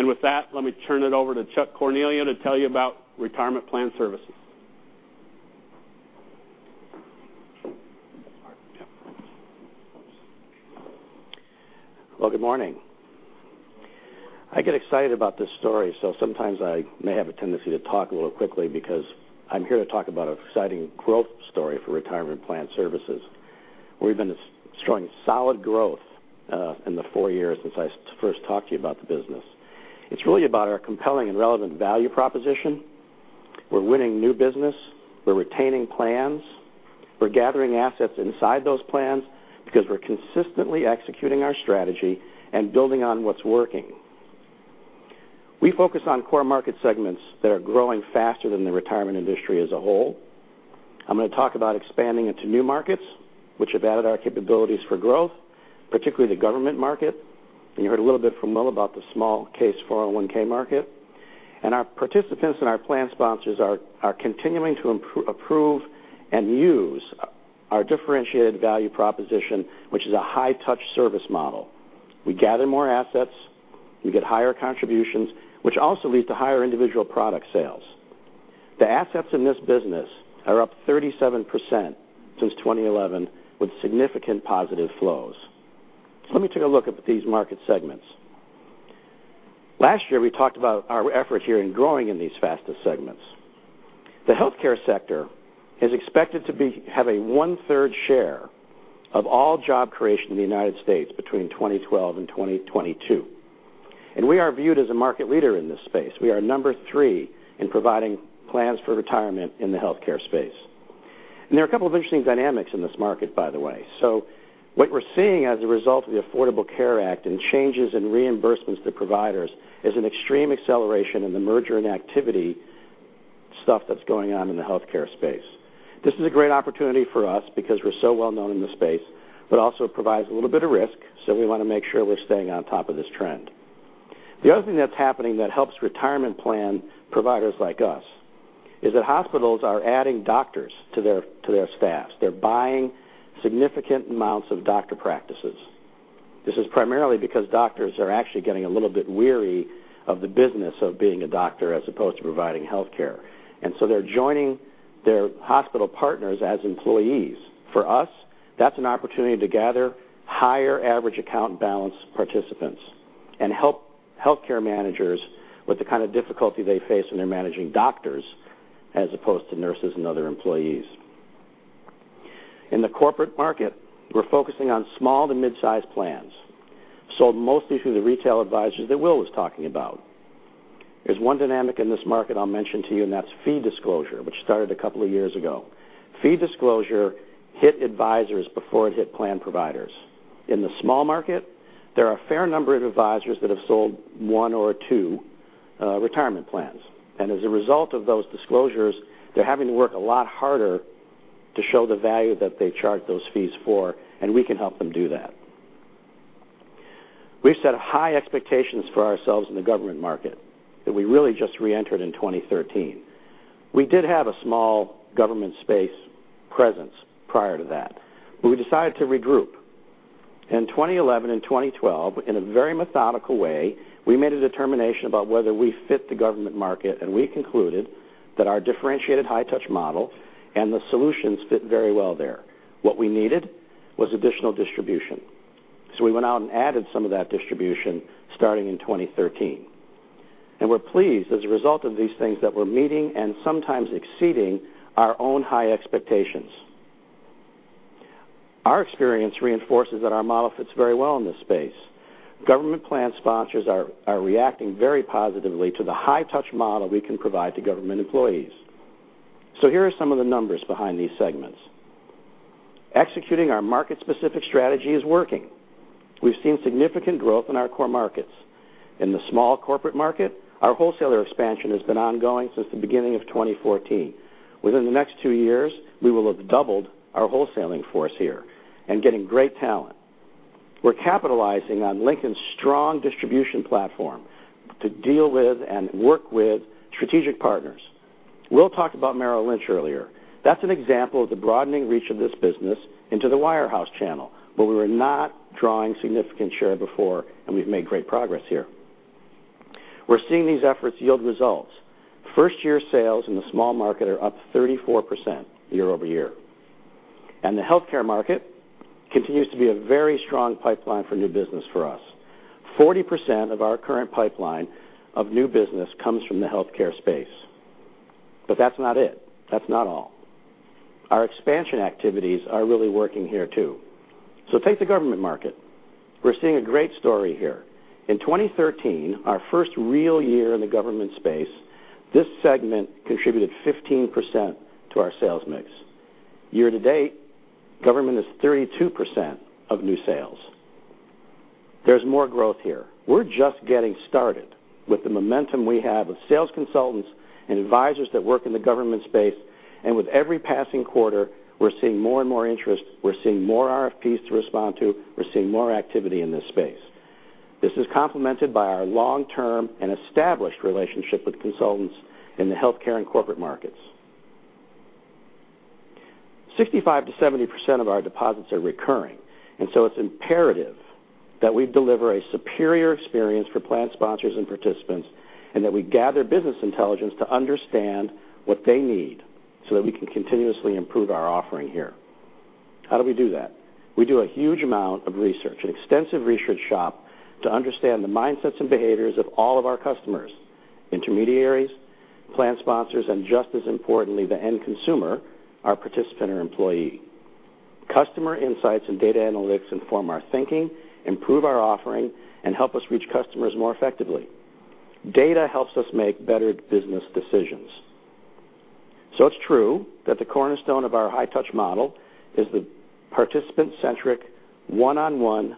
With that, let me turn it over to Chuck Cornelio to tell you about retirement plan services. Well, good morning. I get excited about this story, so sometimes I may have a tendency to talk a little quickly because I'm here to talk about an exciting growth story for Retirement Plan Services. We've been showing solid growth in the four years since I first talked to you about the business. It's really about our compelling and relevant value proposition. We're winning new business, we're retaining plans, we're gathering assets inside those plans because we're consistently executing our strategy and building on what's working. We focus on core market segments that are growing faster than the retirement industry as a whole. I'm going to talk about expanding into new markets, which have added our capabilities for growth, particularly the government market. You heard a little bit from Will about the small case 401 market. Our participants and our plan sponsors are continuing to approve and use our differentiated value proposition, which is a high-touch service model. We gather more assets, we get higher contributions, which also leads to higher individual product sales. The assets in this business are up 37% since 2011 with significant positive flows. Let me take a look at these market segments. Last year, we talked about our effort here in growing in these fastest segments. The healthcare sector is expected to have a one-third share of all job creation in the U.S. between 2012 and 2022. We are viewed as a market leader in this space. We are number 3 in providing plans for retirement in the healthcare space. There are a couple of interesting dynamics in this market, by the way. What we're seeing as a result of the Affordable Care Act and changes in reimbursements to providers is an extreme acceleration in the merger and activity stuff that's going on in the healthcare space. This is a great opportunity for us because we're so well known in the space, but also provides a little bit of risk, so we want to make sure we're staying on top of this trend. The other thing that's happening that helps retirement plan providers like us is that hospitals are adding doctors to their staffs. They're buying significant amounts of doctor practices. This is primarily because doctors are actually getting a little bit weary of the business of being a doctor as opposed to providing healthcare. They're joining their hospital partners as employees. For us, that's an opportunity to gather higher average account balance participants and help healthcare managers with the kind of difficulty they face when they're managing doctors as opposed to nurses and other employees. In the corporate market, we're focusing on small to mid-size plans, sold mostly through the retail advisors that Will was talking about. There's one dynamic in this market I'll mention to you, and that's fee disclosure, which started a couple of years ago. Fee disclosure hit advisors before it hit plan providers. In the small market, there are a fair number of advisors that have sold one or two retirement plans. As a result of those disclosures, they're having to work a lot harder to show the value that they charge those fees for, and we can help them do that. We've set high expectations for ourselves in the government market that we really just reentered in 2013. We did have a small government space presence prior to that, but we decided to regroup. In 2011 and 2012, in a very methodical way, we made a determination about whether we fit the government market, and we concluded that our differentiated high-touch model and the solutions fit very well there. What we needed was additional distribution. We went out and added some of that distribution starting in 2013. We're pleased as a result of these things that we're meeting and sometimes exceeding our own high expectations. Our experience reinforces that our model fits very well in this space. Government plan sponsors are reacting very positively to the high-touch model we can provide to government employees. Here are some of the numbers behind these segments. Executing our market-specific strategy is working. We've seen significant growth in our core markets. In the small corporate market, our wholesaler expansion has been ongoing since the beginning of 2014. Within the next two years, we will have doubled our wholesaling force here and getting great talent. We're capitalizing on Lincoln's strong distribution platform to deal with and work with strategic partners. Will talked about Merrill Lynch earlier. That's an example of the broadening reach of this business into the wirehouse channel, where we were not drawing significant share before, and we've made great progress here. We're seeing these efforts yield results. First-year sales in the small market are up 34% year-over-year. The healthcare market continues to be a very strong pipeline for new business for us. 40% of our current pipeline of new business comes from the healthcare space. That's not it. That's not all. Our expansion activities are really working here, too. Take the government market. We're seeing a great story here. In 2013, our first real year in the government space, this segment contributed 15% to our sales mix. Year-to-date, government is 32% of new sales. There's more growth here. We're just getting started with the momentum we have of sales consultants and advisors that work in the government space. With every passing quarter, we're seeing more and more interest, we're seeing more RFPs to respond to, we're seeing more activity in this space. This is complemented by our long-term and established relationship with consultants in the healthcare and corporate markets. 65%-70% of our deposits are recurring, and it's imperative that we deliver a superior experience for plan sponsors and participants, and that we gather business intelligence to understand what they need so that we can continuously improve our offering here. How do we do that? We do a huge amount of research, an extensive research shop, to understand the mindsets and behaviors of all of our customers, intermediaries, plan sponsors, and just as importantly, the end consumer, our participant or employee. Customer insights and data analytics inform our thinking, improve our offering, and help us reach customers more effectively. Data helps us make better business decisions. It's true that the cornerstone of our high-touch model is the participant-centric, one-on-one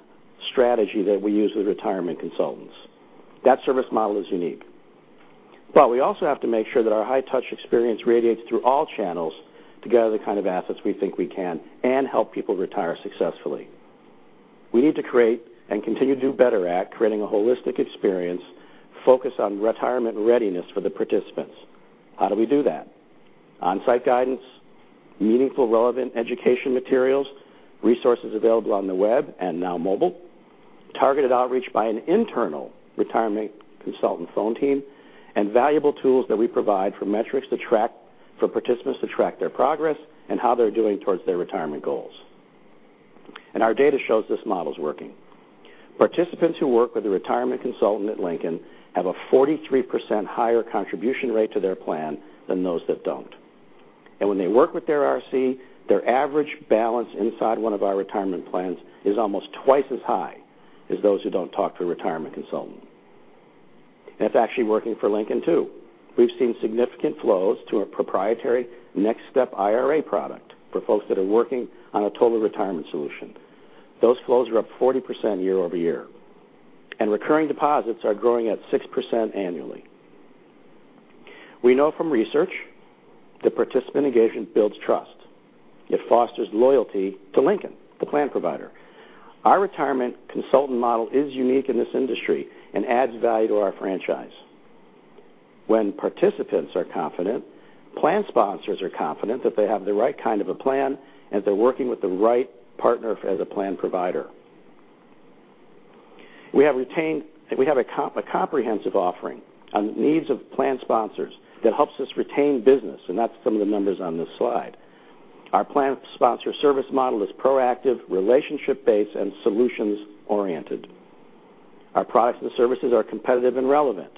strategy that we use with retirement consultants. That service model is unique. We also have to make sure that our high-touch experience radiates through all channels to gather the kind of assets we think we can and help people retire successfully. We need to create and continue to do better at creating a holistic experience focused on retirement readiness for the participants. How do we do that? On-site guidance, meaningful relevant education materials, resources available on the web and now mobile, targeted outreach by an internal retirement consultant phone team, and valuable tools that we provide for participants to track their progress and how they're doing towards their retirement goals. Our data shows this model is working. Participants who work with a retirement consultant at Lincoln have a 43% higher contribution rate to their plan than those that don't. When they work with their RC, their average balance inside one of our retirement plans is almost twice as high as those who don't talk to a retirement consultant. It's actually working for Lincoln, too. We've seen significant flows to a proprietary Next Step IRA product for folks that are working on a total retirement solution. Those flows are up 40% year-over-year, and recurring deposits are growing at 6% annually. We know from research that participant engagement builds trust. It fosters loyalty to Lincoln, the plan provider. Our retirement consultant model is unique in this industry and adds value to our franchise. When participants are confident, plan sponsors are confident that they have the right kind of a plan and they're working with the right partner as a plan provider. We have a comprehensive offering on the needs of plan sponsors that helps us retain business, and that's some of the numbers on this slide. Our plan sponsor service model is proactive, relationship-based, and solutions-oriented. Our products and services are competitive and relevant.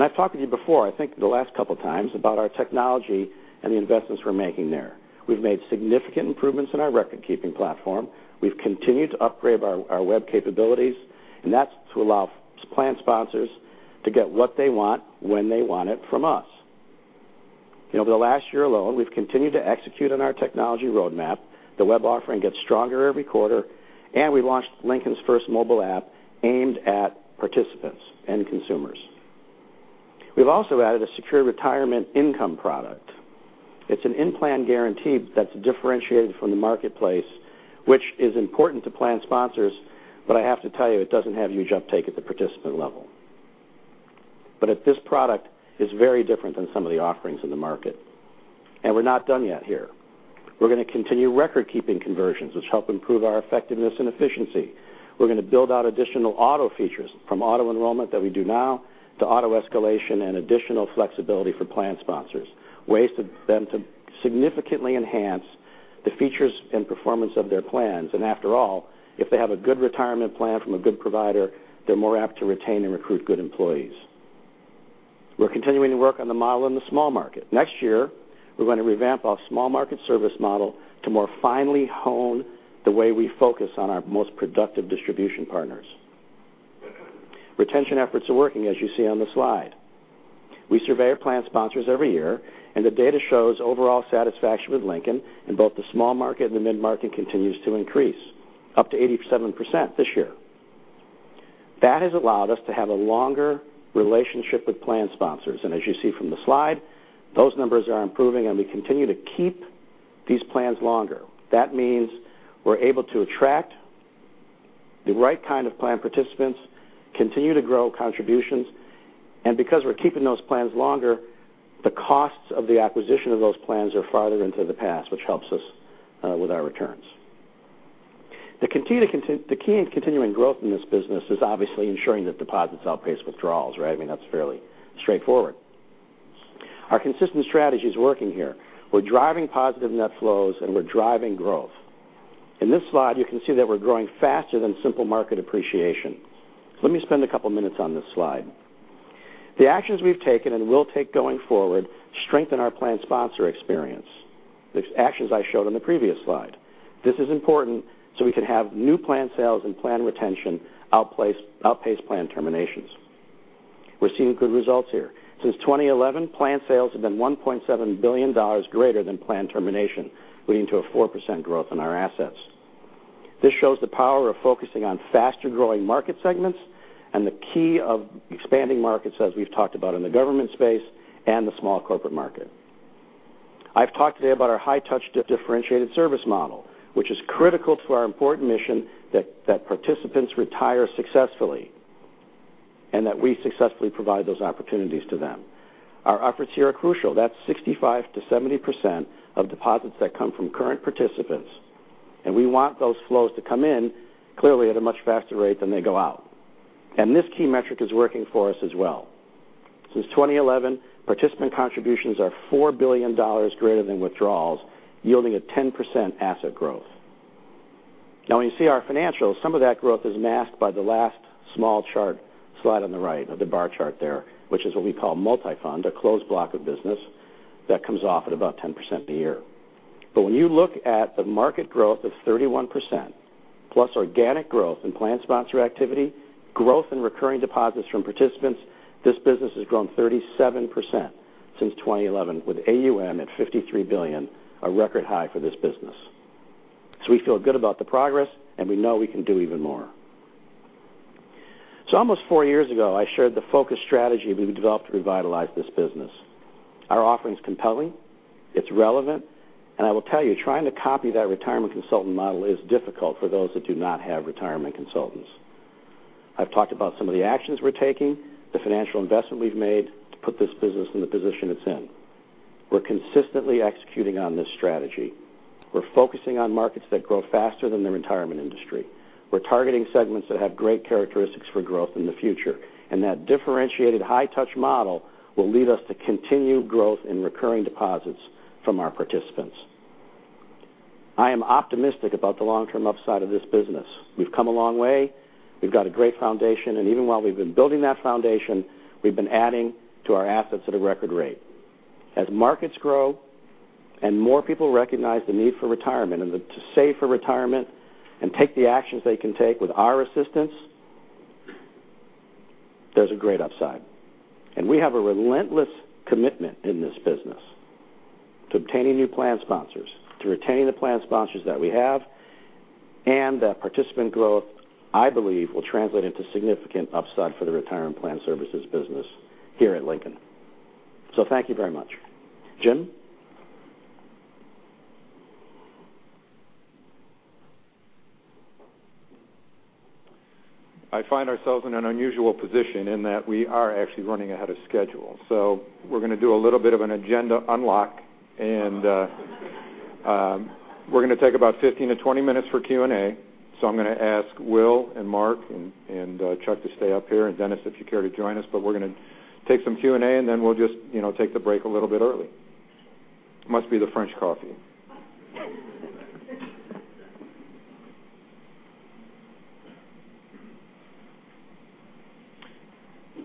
I've talked with you before, I think the last couple of times, about our technology and the investments we're making there. We've made significant improvements in our record-keeping platform. We've continued to upgrade our web capabilities, and that's to allow plan sponsors to get what they want when they want it from us. Over the last year alone, we've continued to execute on our technology roadmap. The web offering gets stronger every quarter. We launched Lincoln's first mobile app aimed at participants and consumers. We've also added a secure retirement income product. It's an in-plan guarantee that's differentiated from the marketplace, which is important to plan sponsors. I have to tell you, it doesn't have huge uptake at the participant level. This product is very different than some of the offerings in the market. We're not done yet here. We're going to continue recordkeeping conversions, which help improve our effectiveness and efficiency. We're going to build out additional auto features, from auto-enrollment that we do now to auto-escalation and additional flexibility for plan sponsors, ways for them to significantly enhance the features and performance of their plans. After all, if they have a good retirement plan from a good provider, they're more apt to retain and recruit good employees. We're continuing to work on the model in the small market. Next year, we're going to revamp our small market service model to more finely hone the way we focus on our most productive distribution partners. Retention efforts are working, as you see on the slide. We survey our plan sponsors every year, and the data shows overall satisfaction with Lincoln in both the small market and the mid-market continues to increase, up to 87% this year. That has allowed us to have a longer relationship with plan sponsors, and as you see from the slide, those numbers are improving, and we continue to keep these plans longer. That means we're able to attract the right kind of plan participants, continue to grow contributions, and because we're keeping those plans longer, the costs of the acquisition of those plans are farther into the past, which helps us with our returns. The key in continuing growth in this business is obviously ensuring that deposits outpace withdrawals, right? I mean, that's fairly straightforward. Our consistent strategy is working here. We're driving positive net flows, and we're driving growth. In this slide, you can see that we're growing faster than simple market appreciation. Let me spend a couple of minutes on this slide. The actions we've taken and will take going forward strengthen our plan sponsor experience, the actions I showed on the previous slide. This is important so we can have new plan sales and plan retention outpace plan terminations. We're seeing good results here. Since 2011, plan sales have been $1.7 billion greater than plan termination, leading to a 4% growth in our assets. This shows the power of focusing on faster-growing market segments and the key of expanding markets as we've talked about in the government space and the small corporate market. I've talked today about our high touch differentiated service model, which is critical to our important mission that participants retire successfully, and that we successfully provide those opportunities to them. Our efforts here are crucial. That's 65%-70% of deposits that come from current participants, and we want those flows to come in clearly at a much faster rate than they go out. This key metric is working for us as well. Since 2011, participant contributions are $4 billion greater than withdrawals, yielding a 10% asset growth. Now, when you see our financials, some of that growth is masked by the last small chart slide on the right of the bar chart there, which is what we call multi-fund, a closed block of business that comes off at about 10% a year. When you look at the market growth of 31%, plus organic growth in plan sponsor activity, growth in recurring deposits from participants, this business has grown 37% since 2011, with AUM at $53 billion, a record high for this business. We feel good about the progress, and we know we can do even more. Almost four years ago, I shared the focus strategy we've developed to revitalize this business. Our offering is compelling, it's relevant, and I will tell you, trying to copy that retirement consultant model is difficult for those that do not have retirement consultants. I've talked about some of the actions we're taking, the financial investment we've made to put this business in the position it's in. We're consistently executing on this strategy. We're focusing on markets that grow faster than the retirement industry. We're targeting segments that have great characteristics for growth in the future, and that differentiated high touch model will lead us to continued growth in recurring deposits from our participants. I am optimistic about the long-term upside of this business. We've come a long way. We've got a great foundation, and even while we've been building that foundation, we've been adding to our assets at a record rate. As markets grow and more people recognize the need for retirement and to save for retirement and take the actions they can take with our assistance, there's a great upside. We have a relentless commitment in this business to obtaining new plan sponsors, to retaining the plan sponsors that we have, and that participant growth, I believe, will translate into significant upside for the retirement plan services business here at Lincoln. Thank you very much. Jim? I find ourselves in an unusual position in that we are actually running ahead of schedule. We're going to do a little bit of an agenda unlock, and we're going to take about 15 to 20 minutes for Q&A. I'm going to ask Will and Mark and Chuck to stay up here, and Dennis, if you care to join us, but we're going to take some Q&A, and then we'll just take the break a little bit early. Must be the French coffee.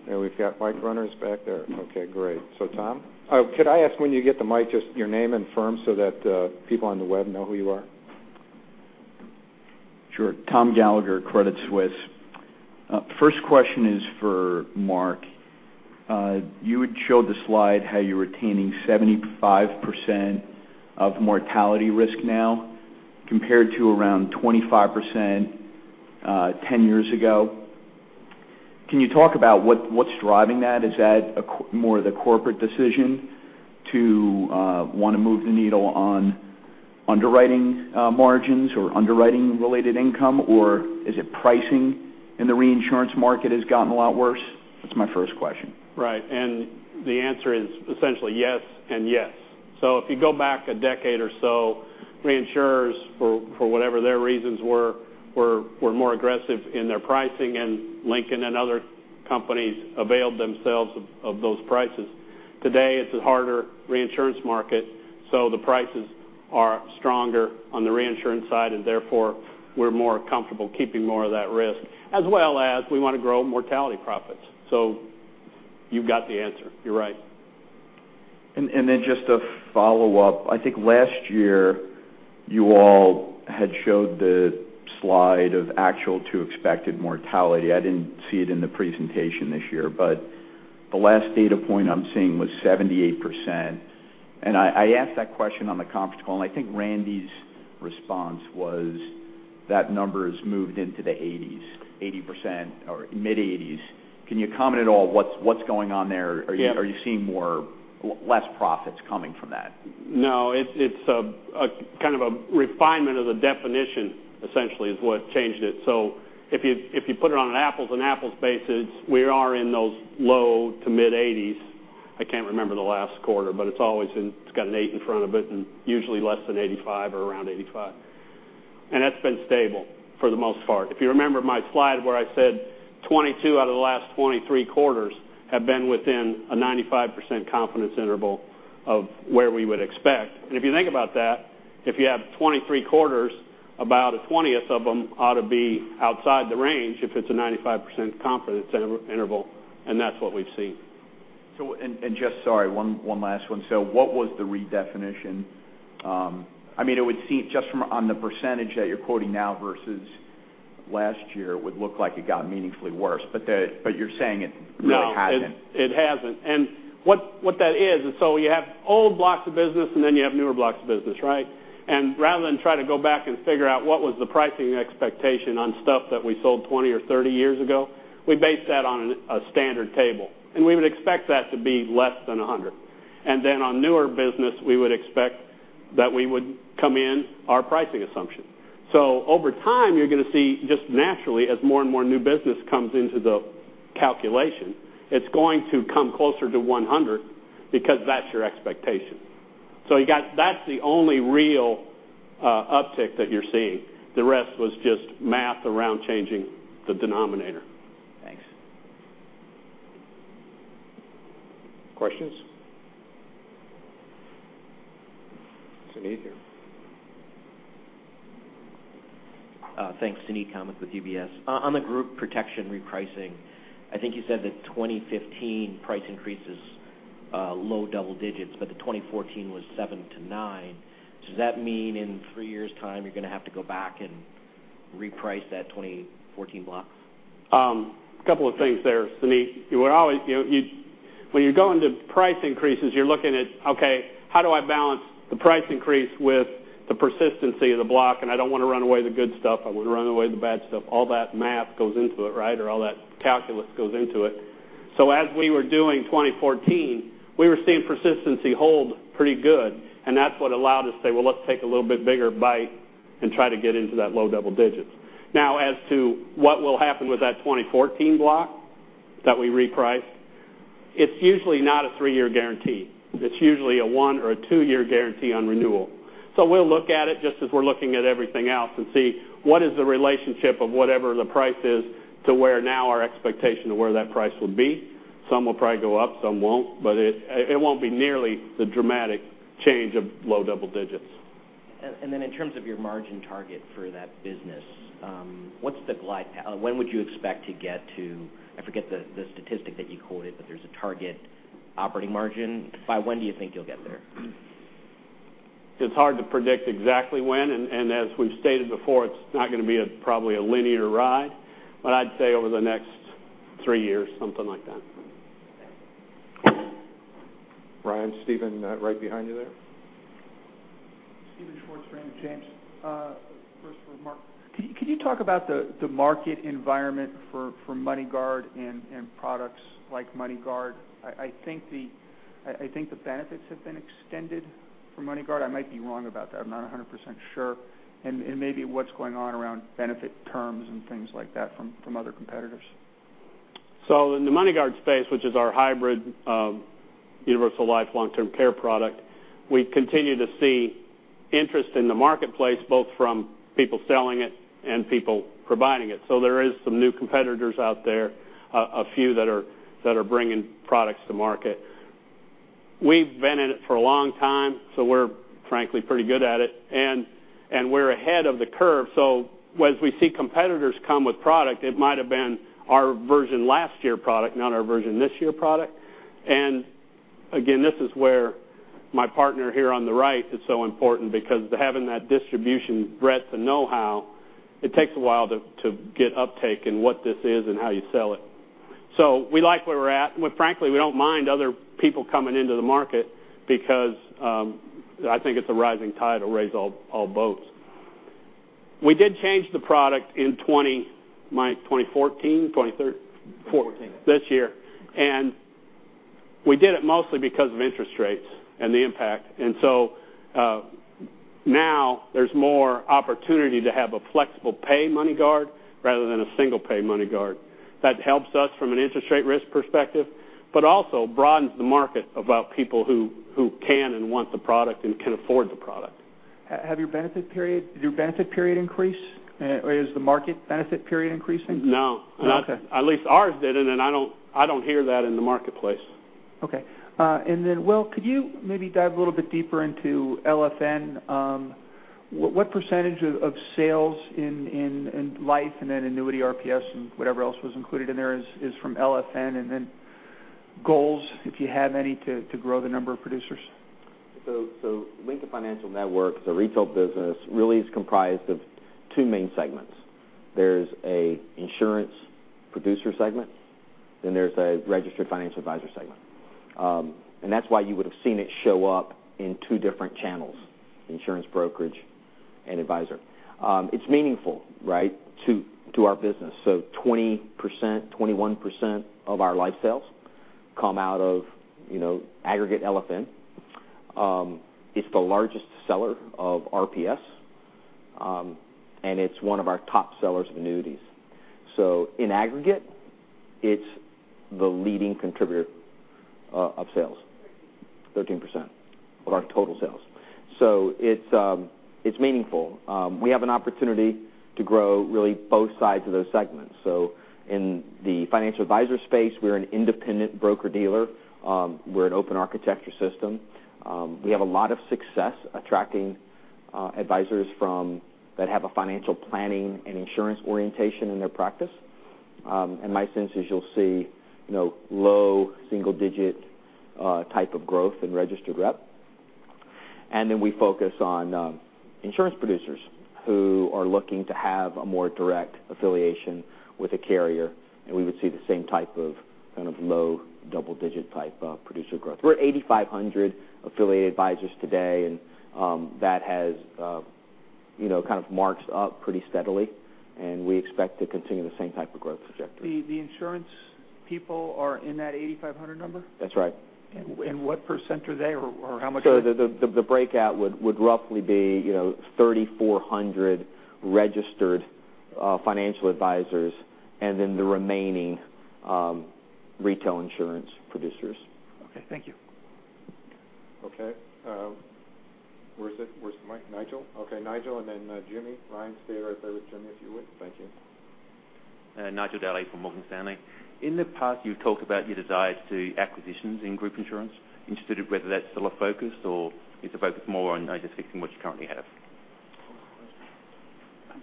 We've got mic runners back there. Okay, great. Tom. Could I ask when you get the mic, just your name and firm so that people on the web know who you are? Sure. Thomas Gallagher, Credit Suisse. First question is for Mark. You had showed the slide how you're retaining 75% of mortality risk now compared to around 25% 10 years ago. Can you talk about what's driving that? Is that more of the corporate decision to want to move the needle on underwriting margins or underwriting related income, or is it pricing in the reinsurance market has gotten a lot worse? That's my first question. Right. The answer is essentially yes and yes. If you go back a decade or so, reinsurers, for whatever their reasons were more aggressive in their pricing, and Lincoln and other companies availed themselves of those prices. Today, it's a harder reinsurance market, the prices are stronger on the reinsurance side, and therefore, we're more comfortable keeping more of that risk, as well as we want to grow mortality profits. You've got the answer. You're right. Just a follow-up. I think last year you all had showed the slide of actual to expected mortality. I didn't see it in the presentation this year, but the last data point I'm seeing was 78%, and I asked that question on the conference call, and I think Randy's response was that number has moved into the 80s, 80% or mid-80s. Can you comment at all what's going on there? Yes. Are you seeing less profits coming from that? No. It's a kind of a refinement of the definition, essentially, is what changed it. If you put it on an apples-and-apples basis, we are in those low to mid-80s. I can't remember the last quarter, but it's got an eight in front of it and usually less than 85 or around 85. That's been stable for the most part. If you remember my slide where I said 22 out of the last 23 quarters have been within a 95% confidence interval of where we would expect. If you think about that, if you have 23 quarters, about a 20th of them ought to be outside the range if it's a 95% confidence interval, and that's what we've seen. Sorry, one last one. What was the redefinition? It would seem just from on the % that you're quoting now versus last year, it would look like it got meaningfully worse, but you're saying it really hasn't. No, it hasn't. What that is, you have old blocks of business and then you have newer blocks of business, right? Rather than try to go back and figure out what was the pricing expectation on stuff that we sold 20 or 30 years ago, we base that on a standard table, and we would expect that to be less than 100. Then on newer business, we would expect that we would come in our pricing assumption. Over time you're going to see just naturally, as more and more new business comes into the calculation, it's going to come closer to 100 because that's your expectation. That's the only real uptick that you're seeing. The rest was just math around changing the denominator. Thanks. Questions? Suneet here. Thanks. Suneet Kamath with UBS. On the group protection repricing, I think you said that 2015 price increase is low double digits, but the 2014 was 7 to 9. Does that mean in three years' time, you're going to have to go back and reprice that 2014 block? A couple of things there, Suneet. When you go into price increases, you're looking at, okay, how do I balance the price increase with the persistency of the block? I don't want to run away the good stuff. I want to run away the bad stuff. All that math goes into it, right? All that calculus goes into it. As we were doing 2014, we were seeing persistency hold pretty good, and that's what allowed us to say, "Well, let's take a little bit bigger bite and try to get into that low double digits." Now, as to what will happen with that 2014 block that we repriced, it's usually not a three-year guarantee. It's usually a one or a two-year guarantee on renewal. We'll look at it just as we're looking at everything else and see what is the relationship of whatever the price is to where now our expectation of where that price will be. Some will probably go up, some won't, but it won't be nearly the dramatic change of low double digits. In terms of your margin target for that business, when would you expect to get to? I forget the statistic that you quoted, but there's a target operating margin. By when do you think you'll get there? It's hard to predict exactly when, and as we've stated before, it's not going to be probably a linear ride, but I'd say over the next three years, something like that. Okay. Brian, Stephen, right behind you there. Stephen Schwarzman, James. First for Mark. Could you talk about the market environment for MoneyGuard and products like MoneyGuard? I think the benefits have been extended for MoneyGuard. I might be wrong about that. I'm not 100% sure. Maybe what's going on around benefit terms and things like that from other competitors. In the MoneyGuard space, which is our hybrid universal life long-term care product, we continue to see interest in the marketplace both from people selling it and people providing it. There are some new competitors out there, a few that are bringing products to market. We've been in it for a long time, we're frankly pretty good at it and we're ahead of the curve. As we see competitors come with product, it might have been our version last year product, not our version this year product. Again, this is where my partner here on the right is so important because having that distribution breadth and know-how, it takes a while to get uptake in what this is and how you sell it. We like where we're at. Frankly, we don't mind other people coming into the market because I think it's a rising tide will raise all boats. We did change the product in 2014? 2013? '14. We did it mostly because of interest rates and the impact. Now there's more opportunity to have a flexible pay MoneyGuard rather than a single pay MoneyGuard. That helps us from an interest rate risk perspective, but also broadens the market about people who can and want the product and can afford the product. Have your benefit period increased? Is the market benefit period increasing? No. Okay. At least ours didn't. I don't hear that in the marketplace. Okay. Will, could you maybe dive a little bit deeper into LFN. What percentage of sales in life and then annuity RPS and whatever else was included in there is from LFN? Then goals, if you have any, to grow the number of producers. Lincoln Financial Network, the retail business, really is comprised of two main segments. There's an insurance producer segment, then there's a registered financial advisor segment. That's why you would've seen it show up in two different channels, insurance brokerage and advisor. It's meaningful to our business. 20%-21% of our life sales come out of aggregate LFN. It's the largest seller of RPS, and it's one of our top sellers of annuities. In aggregate, it's the leading contributor of sales, 13% of our total sales. It's meaningful. We have an opportunity to grow really both sides of those segments. In the financial advisor space, we're an independent broker-dealer. We're an open architecture system. We have a lot of success attracting advisors that have a financial planning and insurance orientation in their practice. My sense is you'll see low single-digit type of growth in registered rep. Then we focus on insurance producers who are looking to have a more direct affiliation with a carrier, and we would see the same type of low double-digit type of producer growth. We're at 8,500 affiliated advisors today, and that has marked up pretty steadily, and we expect to continue the same type of growth trajectory. The insurance people are in that 8,500 number? That's right. What percent are they, or how much? The breakout would roughly be 3,400 registered financial advisors and then the remaining retail insurance producers. Okay. Thank you. Okay. Where is it? Where's Mike? Nigel? Okay, Nigel, and then Jimmy. Ryan, stay right there with Jimmy, if you would. Thank you. Nigel D'Souza from Morgan Stanley. In the past, you've talked about your desires to acquisitions in group insurance. Interested whether that's still a focus, or it's a focus more on just fixing what you currently have?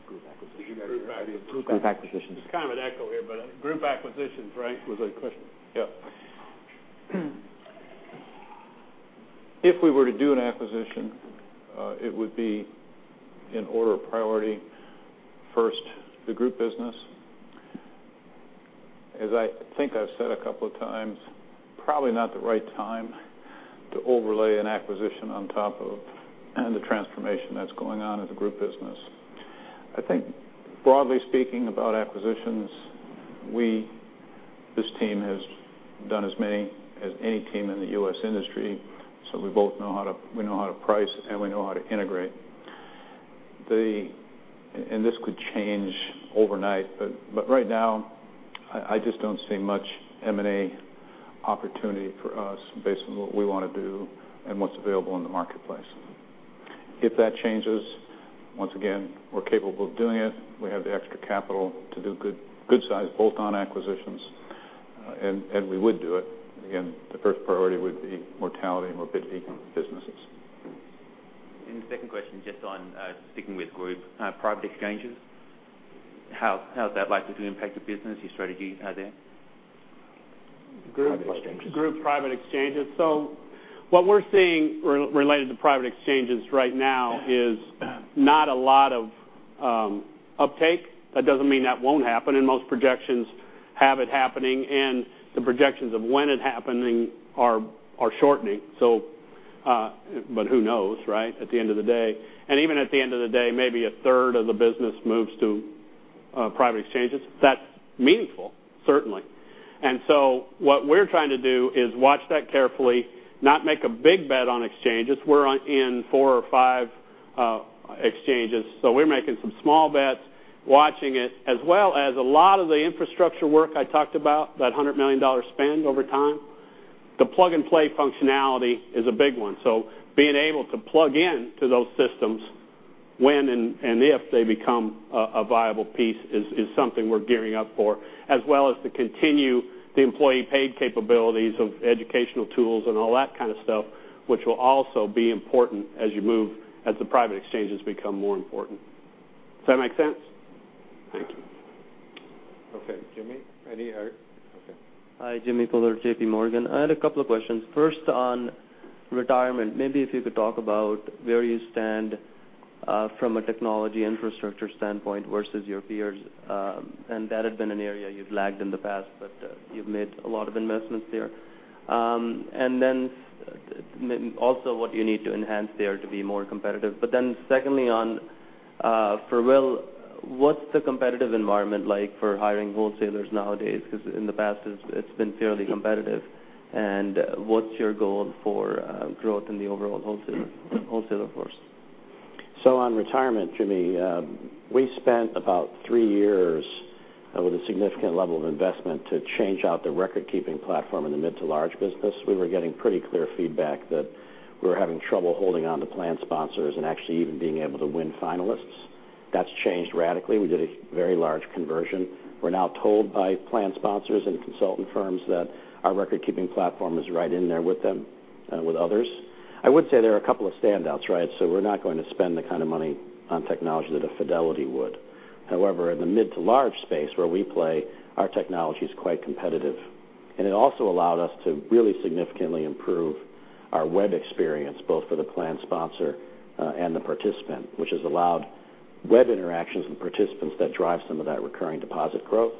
Group acquisitions. Group acquisitions. There's kind of an echo here, but group acquisitions, right, was the question? Yeah. If we were to do an acquisition, it would be in order of priority, first, the group business. As I think I've said a couple of times, probably not the right time to overlay an acquisition on top of the transformation that's going on in the group business. I think broadly speaking about acquisitions, this team has done as many as any team in the U.S. industry, so we know how to price, and we know how to integrate. This could change overnight, but right now, I just don't see much M&A opportunity for us based on what we want to do and what's available in the marketplace. If that changes, once again, we're capable of doing it. We have the extra capital to do good size bolt-on acquisitions, and we would do it. Again, the first priority would be mortality and morbidity businesses. The second question, just on sticking with group. Private exchanges, how is that likely to impact the business, your strategies there? Private exchanges. Group private exchanges. What we're seeing related to private exchanges right now is not a lot of uptake. That doesn't mean that won't happen, and most projections have it happening, and the projections of when it happening are shortening. Who knows, right, at the end of the day. Even at the end of the day, maybe a third of the business moves to private exchanges. That's meaningful, certainly. What we're trying to do is watch that carefully, not make a big bet on exchanges. We're in four or five exchanges. We're making some small bets, watching it, as well as a lot of the infrastructure work I talked about, that $100 million spend over time. The plug-and-play functionality is a big one. Being able to plug in to those systems when and if they become a viable piece is something we're gearing up for, as well as to continue the employee-paid capabilities of educational tools and all that kind of stuff, which will also be important as you move, the private exchanges become more important. Does that make sense? Thank you. Okay. Jimmy? All right. Okay. Hi, Jamminder Bhullar at J.P. Morgan. I had a couple of questions. First, on retirement, maybe if you could talk about where you stand from a technology infrastructure standpoint versus your peers. That had been an area you've lagged in the past, but you've made a lot of investments there. Also what you need to enhance there to be more competitive. Secondly, for Will, what's the competitive environment like for hiring wholesalers nowadays? Because in the past, it's been fairly competitive. What's your goal for growth in the overall wholesaler force? On retirement, Jammi, we spent about three years with a significant level of investment to change out the record-keeping platform in the mid to large business. We were getting pretty clear feedback that we were having trouble holding onto plan sponsors and actually even being able to win finalists. That's changed radically. We did a very large conversion. We're now told by plan sponsors and consultant firms that our record-keeping platform is right in there with them, with others. I would say there are a couple of standouts. We're not going to spend the kind of money on technology that a Fidelity would. However, in the mid to large space where we play, our technology is quite competitive. It also allowed us to really significantly improve our web experience, both for the plan sponsor and the participant, which has allowed web interactions and participants that drive some of that recurring deposit growth.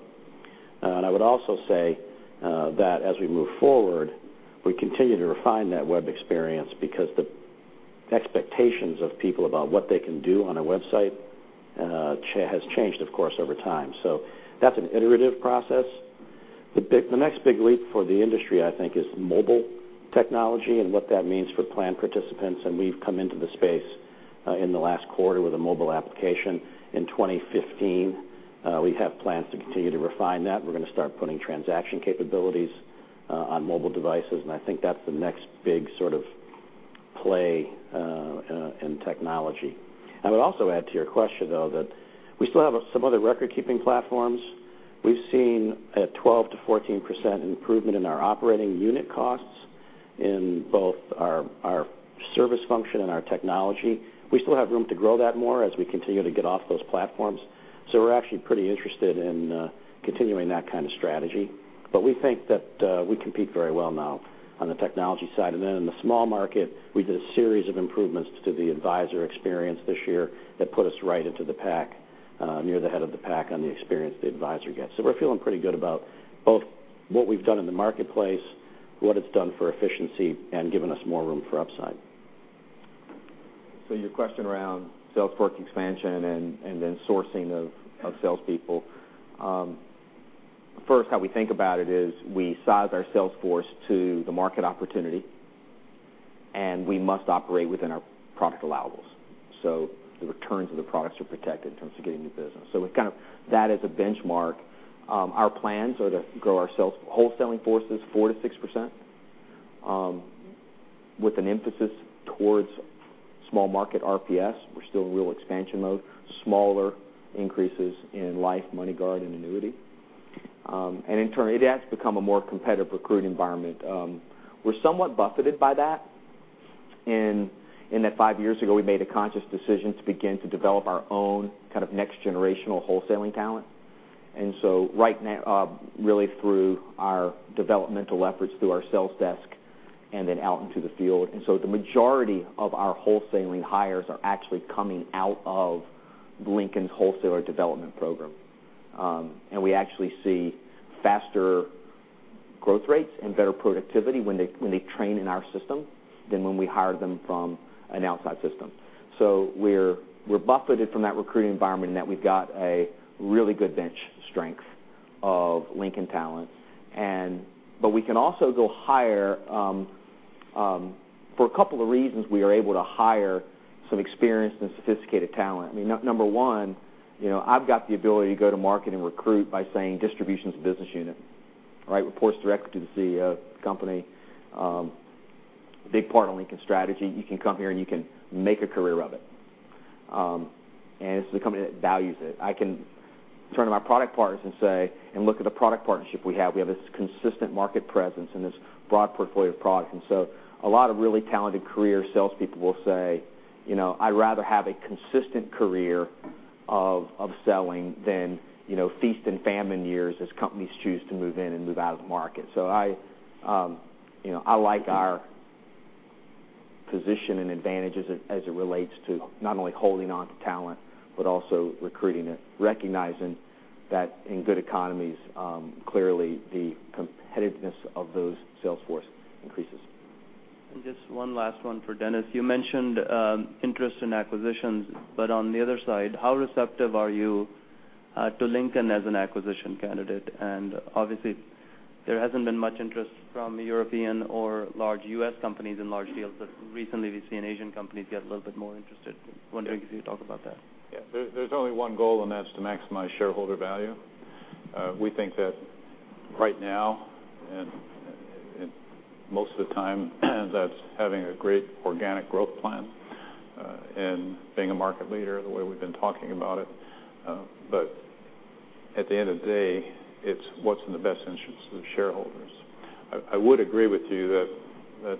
I would also say that as we move forward, we continue to refine that web experience because the expectations of people about what they can do on a website has changed, of course, over time. That's an iterative process. The next big leap for the industry, I think, is mobile technology and what that means for plan participants. We've come into the space in the last quarter with a mobile application. In 2015, we have plans to continue to refine that. We're going to start putting transaction capabilities on mobile devices. I think that's the next big play in technology. I would also add to your question, though, that we still have some other record-keeping platforms. We've seen a 12%-14% improvement in our operating unit costs in both our service function and our technology. We still have room to grow that more as we continue to get off those platforms. We're actually pretty interested in continuing that kind of strategy. We think that we compete very well now on the technology side. In the small market, we did a series of improvements to the advisor experience this year that put us right into the pack, near the head of the pack on the experience the advisor gets. We're feeling pretty good about both what we've done in the marketplace, what it's done for efficiency, and given us more room for upside. Your question around sales force expansion and then sourcing of salespeople. First, how we think about it is we size our sales force to the market opportunity, and we must operate within our product allowables. The returns of the products are protected in terms of getting new business. With that as a benchmark, our plans are to grow our wholesaling forces 4%-6% with an emphasis towards small market RPS. We're still in real expansion mode. Smaller increases in life, MoneyGuard, and annuity. In turn, it has become a more competitive recruiting environment. We're somewhat buffeted by that in that five years ago, we made a conscious decision to begin to develop our own next-generational wholesaling talent. Right now, really through our developmental efforts through our sales desk and then out into the field. The majority of our wholesaling hires are actually coming out of Lincoln's wholesaler development program. We actually see faster growth rates and better productivity when they train in our system than when we hire them from an outside system. We're buffeted from that recruiting environment in that we've got a really good bench strength of Lincoln talent. We can also go higher. For a couple of reasons, we are able to hire some experienced and sophisticated talent. Number one, I've got the ability to go to market and recruit by saying distribution is a business unit. Reports direct to the CEO of the company. Big part of Lincoln strategy. You can come here, and you can make a career of it. This is a company that values it. I can turn to my product partners and say, look at the product partnership we have. We have this consistent market presence and this broad portfolio of products. A lot of really talented career salespeople will say, "I'd rather have a consistent career of selling than feast and famine years as companies choose to move in and move out of the market." I like our position and advantages as it relates to not only holding onto talent but also recruiting it, recognizing that in good economies, clearly, the competitiveness of those sales force increases. Just one last one for Dennis. You mentioned interest in acquisitions. On the other side, how receptive are you to Lincoln as an acquisition candidate? Obviously, there hasn't been much interest from European or large U.S. companies in large deals. Recently, we've seen Asian companies get a little bit more interested. Wondering if you could talk about that. There's only one goal, and that's to maximize shareholder value. We think that right now and most of the time, that's having a great organic growth plan and being a market leader the way we've been talking about it. At the end of the day, it's what's in the best interest of shareholders. I would agree with you that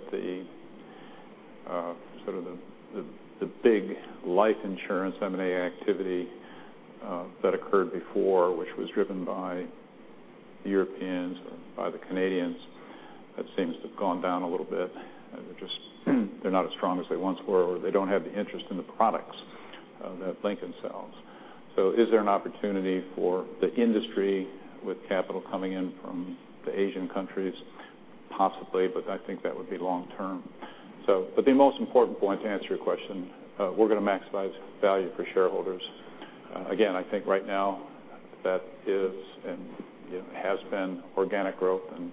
the big life insurance M&A activity that occurred before, which was driven by the Europeans or by the Canadians, that seems to have gone down a little bit. They're not as strong as they once were, or they don't have the interest in the products that Lincoln sells. Is there an opportunity for the industry with capital coming in from the Asian countries? Possibly, I think that would be long term. The most important point, to answer your question, we're going to maximize value for shareholders. Again, I think right now that is and it has been organic growth and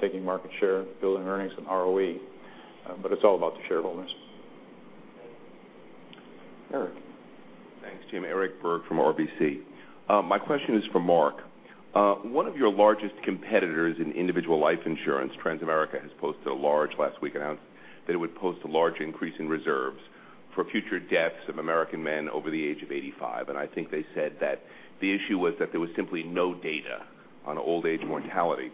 taking market share, building earnings, and ROE. It's all about the shareholders. Eric. Thanks, Jim. Eric Berg from RBC. My question is for Mark. One of your largest competitors in individual life insurance, Transamerica, last week announced that it would post a large increase in reserves for future deaths of American men over the age of 85. I think they said that the issue was that there was simply no data on old age mortality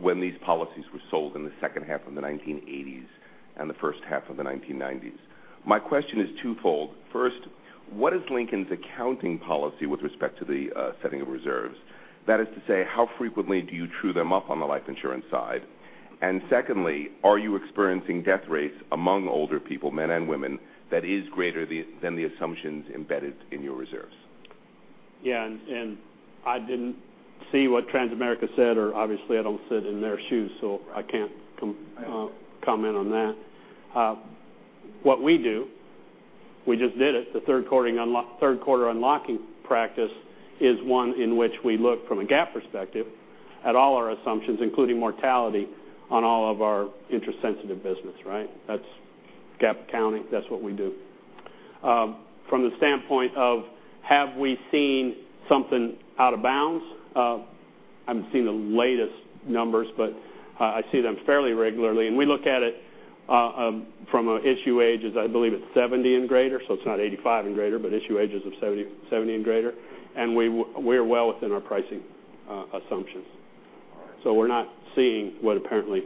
when these policies were sold in the second half of the 1980s and the first half of the 1990s. My question is twofold. First, what is Lincoln's accounting policy with respect to the setting of reserves? That is to say, how frequently do you true them up on the life insurance side? Secondly, are you experiencing death rates among older people, men and women, that is greater than the assumptions embedded in your reserves? I didn't see what Transamerica said, or obviously I don't sit in their shoes, so I can't comment on that. What we do, we just did it. The third quarter unlocking practice is one in which we look from a GAAP perspective at all our assumptions, including mortality on all of our interest-sensitive business. That's GAAP accounting. That's what we do. From the standpoint of have we seen something out of bounds? I haven't seen the latest numbers, but I see them fairly regularly. We look at it from an issue age as I believe it's 70 and greater. So it's not 85 and greater, but issue ages of 70 and greater. We are well within our pricing assumptions. All right. We're not seeing what apparently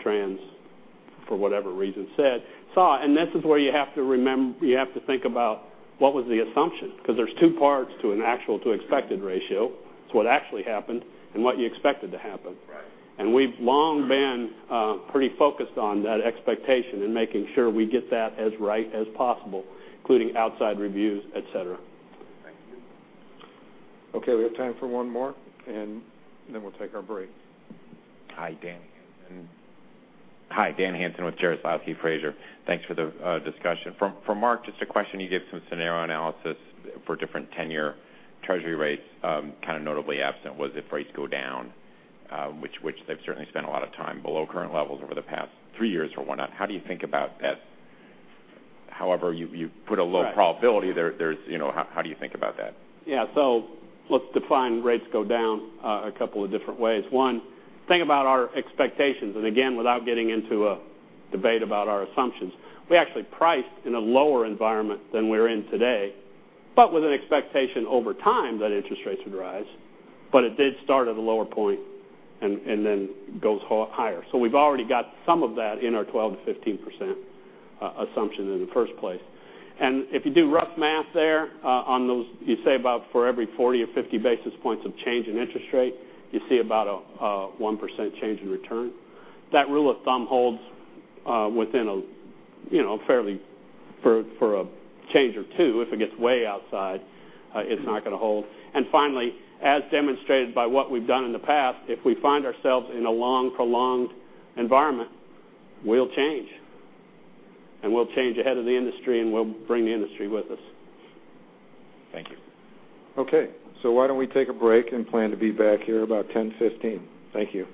Trans, for whatever reason, said, saw. This is where you have to think about what was the assumption. Because there's two parts to an actual to expected ratio. It's what actually happened and what you expected to happen. Right. We've long been pretty focused on that expectation and making sure we get that as right as possible, including outside reviews, et cetera. Thank you. Okay, we have time for one more, and then we'll take our break. Hi, Daniel Hanson with Jarislowsky Fraser. Thanks for the discussion. For Mark, just a question. You gave some scenario analysis for different 10-year Treasury rates. Kind of notably absent was if rates go down, which they've certainly spent a lot of time below current levels over the past three years for whatnot. How do you think about that? You put a low probability there. How do you think about that? Let's define rates go down a couple of different ways. One, think about our expectations. Again, without getting into a debate about our assumptions, we actually priced in a lower environment than we're in today, with an expectation over time that interest rates would rise. It did start at a lower point and then goes higher. We've already got some of that in our 12%-15% assumption in the first place. If you do rough math there on those, you say about for every 40 or 50 basis points of change in interest rate, you see about a 1% change in return. That rule of thumb holds for a change or two. If it gets way outside, it's not going to hold. Finally, as demonstrated by what we've done in the past, if we find ourselves in a long, prolonged environment, we'll change. We'll change ahead of the industry, and we'll bring the industry with us. Thank you. Okay. Why don't we take a break and plan to be back here about 10:15 A.M. Thank you.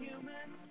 I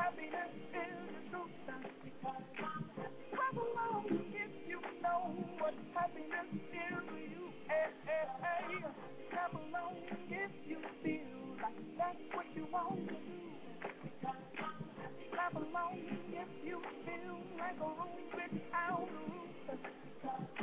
Because I'm happy. Clap along if you feel like happiness is the truth. Because I'm happy. Clap along if you know what happiness is to you. Because I'm happy. Clap along if you feel like that's what you want to do. Here come bad news, talking this and that. Yeah. Give me all you got, and don't hold it back. Yeah. I should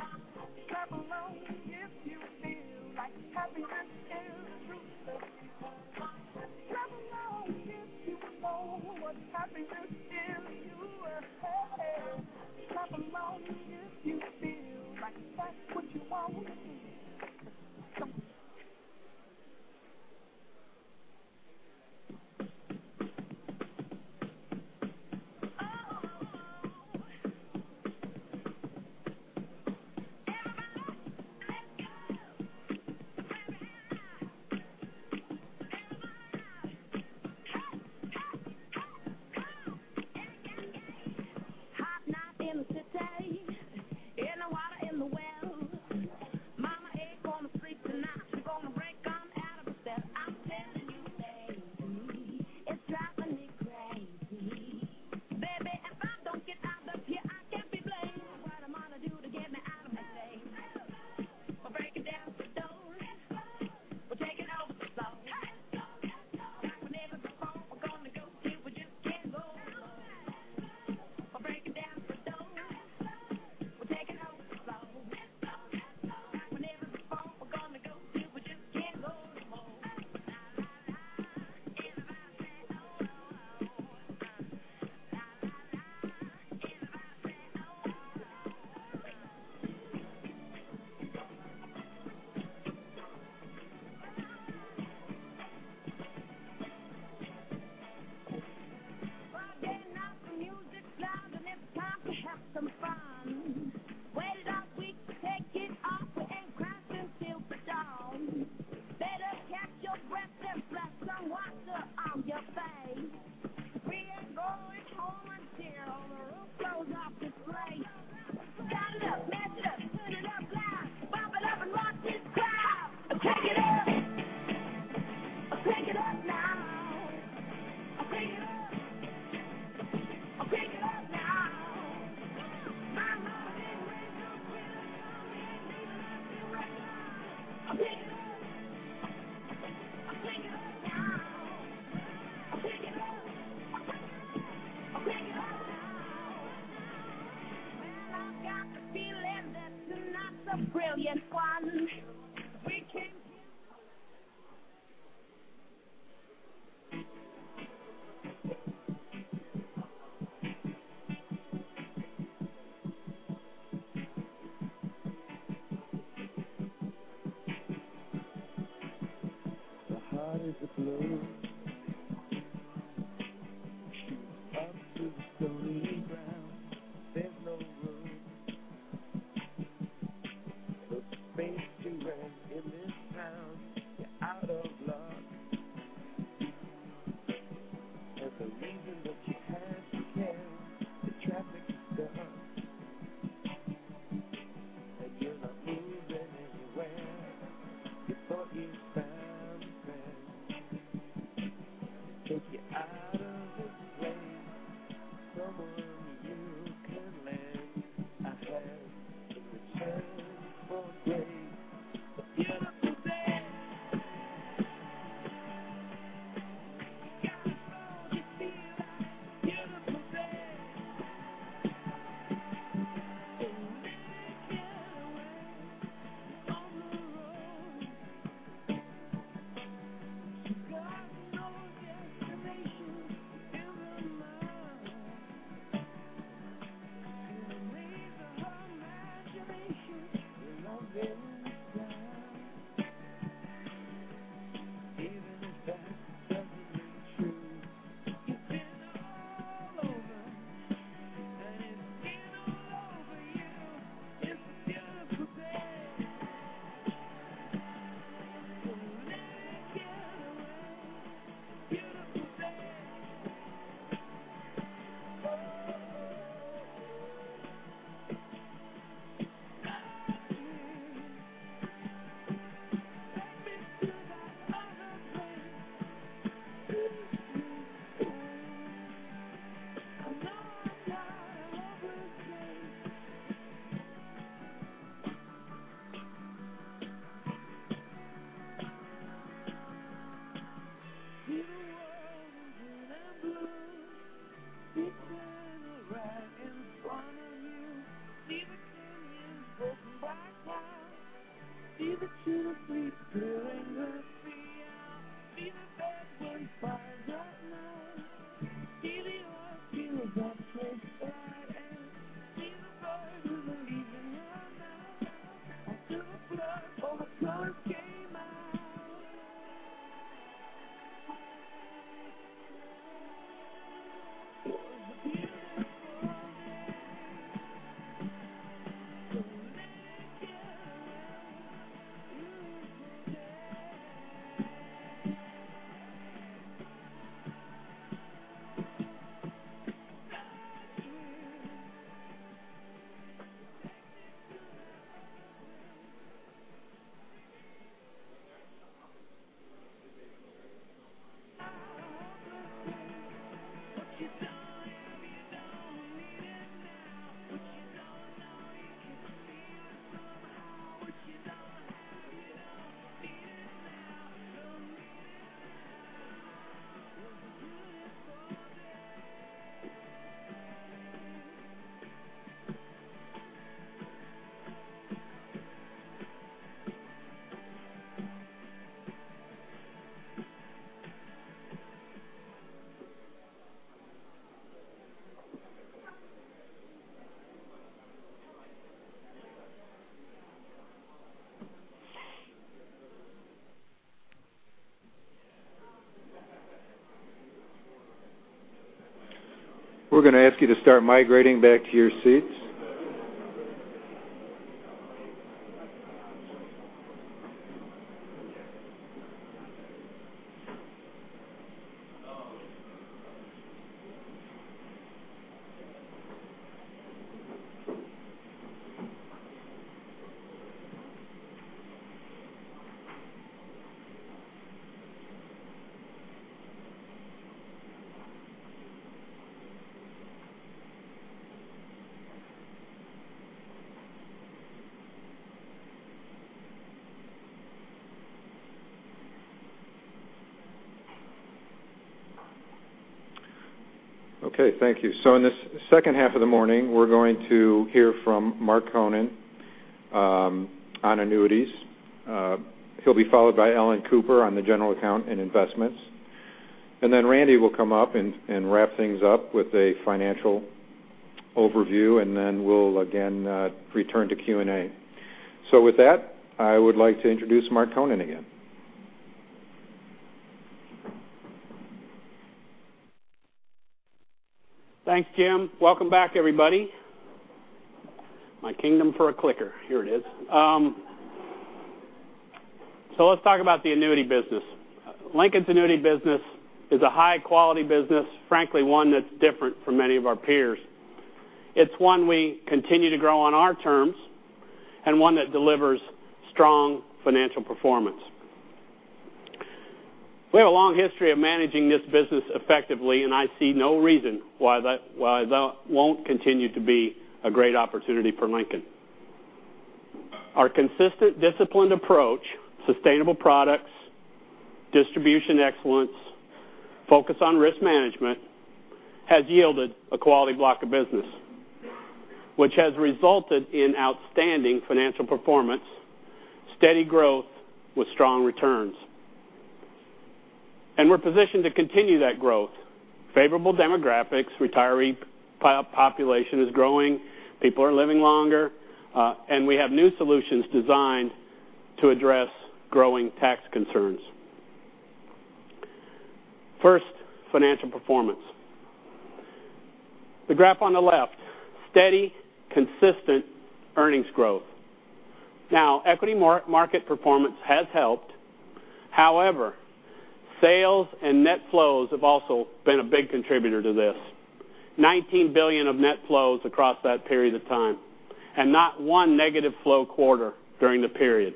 probably warn you I'll be just fine. Yeah. No offense to you, don't waste your time. Here's why. Because I'm happy. Clap along if you feel like a room without a roof. Because I'm happy. Clap along if you feel like happiness is the truth. Because I'm happy. Clap along if you know what happiness is to you. Because I'm happy. Clap along if you feel like that's what you want to do. Hey, Okay, thank you. In this second half of the morning, we're going to hear from Mark Konen on annuities. He'll be followed by Ellen Cooper on the general account and investments. Then Randy will come up and wrap things up with a financial overview, and then we'll again return to Q&A. With that, I would like to introduce Mark Konen again. Thanks, Jim. Welcome back, everybody. My kingdom for a clicker. Here it is. Let's talk about the annuity business. Lincoln's annuity business is a high-quality business, frankly, one that's different from many of our peers. It's one we continue to grow on our terms and one that delivers strong financial performance. We have a long history of managing this business effectively, and I see no reason why that won't continue to be a great opportunity for Lincoln. Our consistent disciplined approach, sustainable products, distribution excellence, focus on risk management, has yielded a quality block of business, which has resulted in outstanding financial performance, steady growth with strong returns. And we're positioned to continue that growth. Favorable demographics, retiree population is growing, people are living longer, and we have new solutions designed to address growing tax concerns. First, financial performance. The graph on the left, steady, consistent earnings growth. Equity market performance has helped. However, sales and net flows have also been a big contributor to this. $19 billion of net flows across that period of time, and not one negative flow quarter during the period.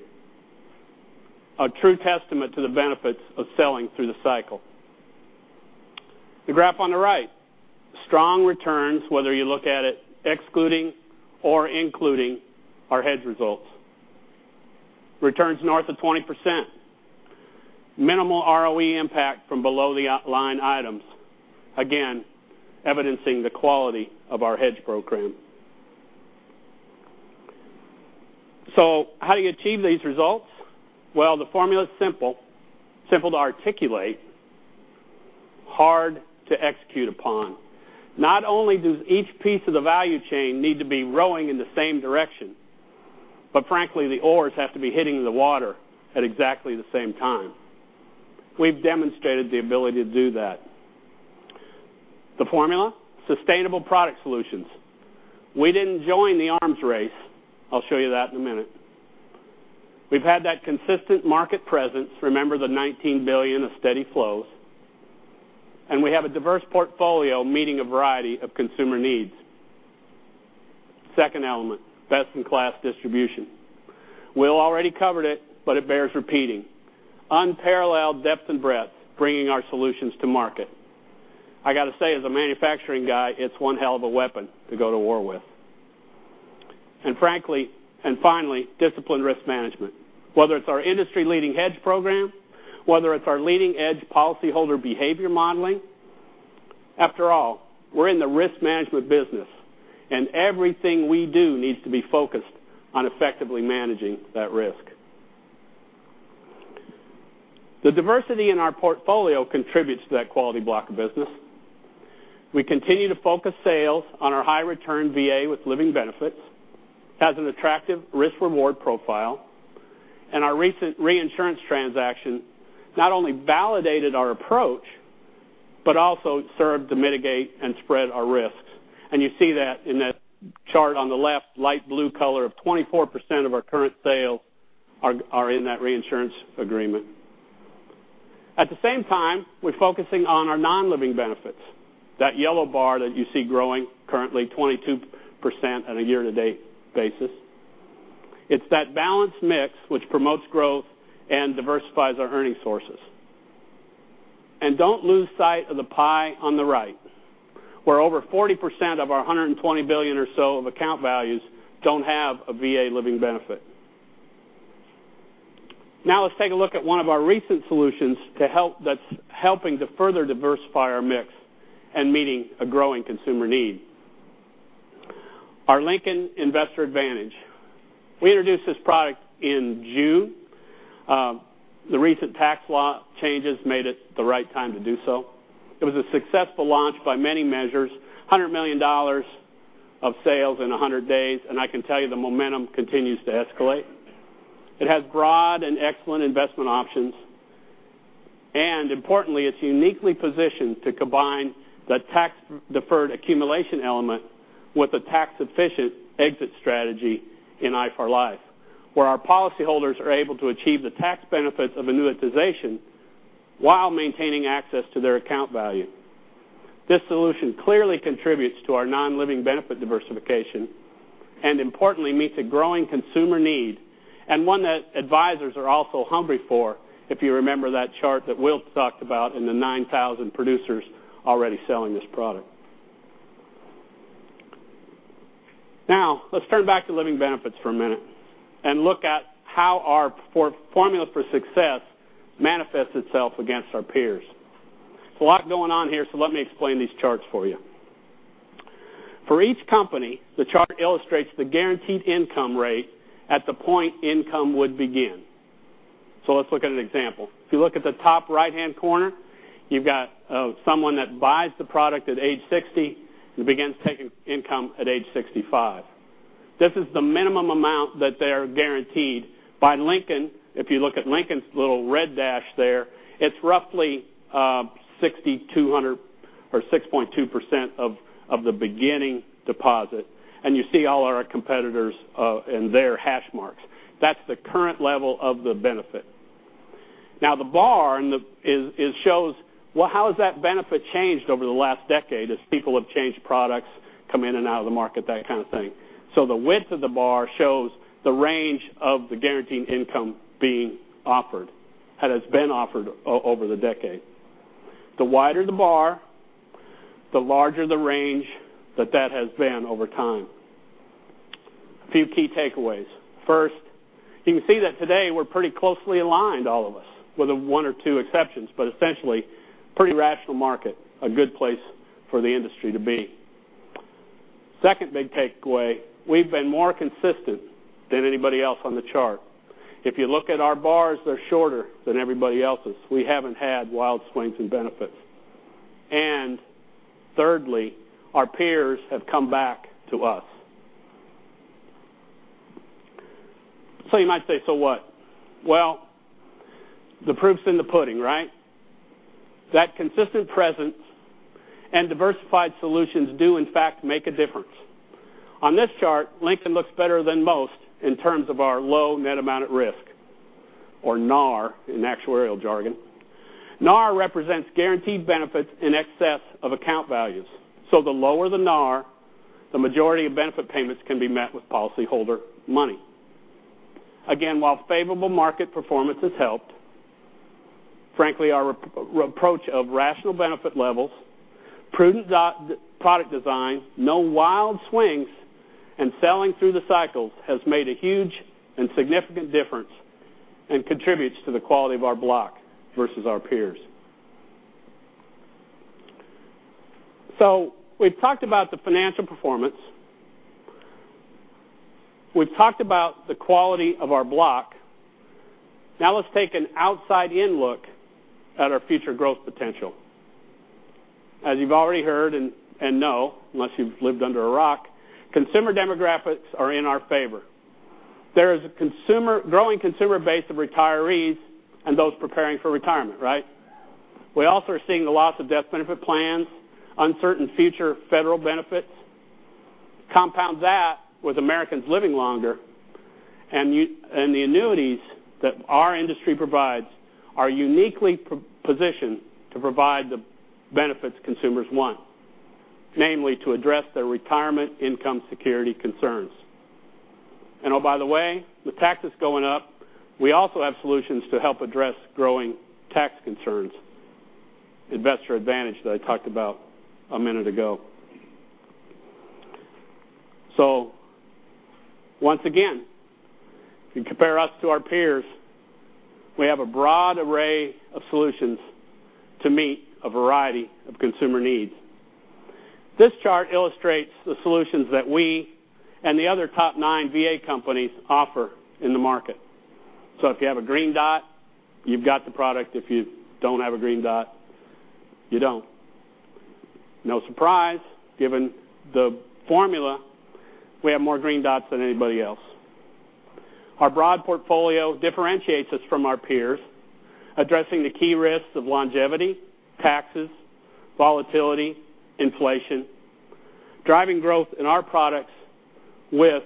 A true testament to the benefits of selling through the cycle. The graph on the right, strong returns, whether you look at it excluding or including our hedge results. Returns north of 20%. Minimal ROE impact from below-the-line items, again, evidencing the quality of our hedge program. How do you achieve these results? The formula is simple. Simple to articulate, hard to execute upon. Not only does each piece of the value chain need to be rowing in the same direction, but frankly, the oars have to be hitting the water at exactly the same time. We've demonstrated the ability to do that. The formula, sustainable product solutions. We didn't join the arms race. I'll show you that in a minute. We've had that consistent market presence. Remember the $19 billion of steady flows. We have a diverse portfolio meeting a variety of consumer needs. Second element, best-in-class distribution. Will already covered it, but it bears repeating. Unparalleled depth and breadth, bringing our solutions to market. I got to say, as a manufacturing guy, it's one hell of a weapon to go to war with. Finally, disciplined risk management, whether it's our industry-leading hedge program, whether it's our leading-edge policyholder behavior modeling. After all, we're in the risk management business, and everything we do needs to be focused on effectively managing that risk. The diversity in our portfolio contributes to that quality block of business. We continue to focus sales on our high return VA with living benefits, has an attractive risk-reward profile. Our recent reinsurance transaction not only validated our approach, but also served to mitigate and spread our risks. You see that in that chart on the left, light blue color of 24% of our current sales are in that reinsurance agreement. At the same time, we're focusing on our non-living benefits. That yellow bar that you see growing currently 22% on a year-to-date basis. It's that balanced mix which promotes growth and diversifies our earning sources. Don't lose sight of the pie on the right, where over 40% of our $120 billion or so of account values don't have a VA living benefit. Let's take a look at one of our recent solutions that's helping to further diversify our mix and meeting a growing consumer need. Our Lincoln Investor Advantage. We introduced this product in June. The recent tax law changes made it the right time to do so. It was a successful launch by many measures, $100 million of sales in 100 days. I can tell you the momentum continues to escalate. It has broad and excellent investment options. Importantly, it's uniquely positioned to combine the tax deferred accumulation element with a tax efficient exit strategy in i4LIFE, where our policyholders are able to achieve the tax benefits of annuitization while maintaining access to their account value. This solution clearly contributes to our non-living benefit diversification. Importantly, meets a growing consumer need, one that advisors are also hungry for, if you remember that chart that Will talked about in the 9,000 producers already selling this product. Let's turn back to living benefits for a minute and look at how our formula for success manifests itself against our peers. There's a lot going on here, let me explain these charts for you. For each company, the chart illustrates the guaranteed income rate at the point income would begin. Let's look at an example. If you look at the top right-hand corner, you've got someone that buys the product at age 60 and begins taking income at age 65. This is the minimum amount that they're guaranteed by Lincoln. If you look at Lincoln's little red dash there, it's roughly 6,200 or 6.2% of the beginning deposit. You see all our competitors and their hash marks. That's the current level of the benefit. The bar shows, well, how has that benefit changed over the last decade as people have changed products, come in and out of the market, that kind of thing. The width of the bar shows the range of the guaranteeing income being offered, that has been offered over the decade. The wider the bar, the larger the range that that has been over time. A few key takeaways. First, you can see that today we're pretty closely aligned, all of us, with one or two exceptions, but essentially, pretty rational market, a good place for the industry to be. Second big takeaway, we've been more consistent than anybody else on the chart. If you look at our bars, they're shorter than everybody else's. We haven't had wild swings in benefits. Thirdly, our peers have come back to us. You might say, "So what?" Well, the proof's in the pudding, right? That consistent presence and diversified solutions do in fact, make a difference. On this chart, Lincoln looks better than most in terms of our low net amount at risk or NAR in actuarial jargon. NAR represents guaranteed benefits in excess of account values. The lower the NAR, the majority of benefit payments can be met with policyholder money. Again, while favorable market performance has helped, frankly, our approach of rational benefit levels, prudent product design, no wild swings, and selling through the cycles has made a huge and significant difference and contributes to the quality of our block versus our peers. We've talked about the financial performance. We've talked about the quality of our block. Let's take an outside-in look at our future growth potential. As you've already heard and know, unless you've lived under a rock, consumer demographics are in our favor. There is a growing consumer base of retirees and those preparing for retirement, right? We also are seeing the loss of death benefit plans, uncertain future federal benefits. Compound that with Americans living longer, the annuities that our industry provides are uniquely positioned to provide the benefits consumers want. Namely, to address their retirement income security concerns. Oh, by the way, with taxes going up, we also have solutions to help address growing tax concerns. Investor Advantage that I talked about a minute ago. Once again, if you compare us to our peers, we have a broad array of solutions to meet a variety of consumer needs. This chart illustrates the solutions that we and the other top nine VA companies offer in the market. If you have a green dot, you've got the product. If you don't have a green dot, you don't. No surprise, given the formula, we have more green dots than anybody else. Our broad portfolio differentiates us from our peers, addressing the key risks of longevity, taxes, volatility, inflation, driving growth in our products with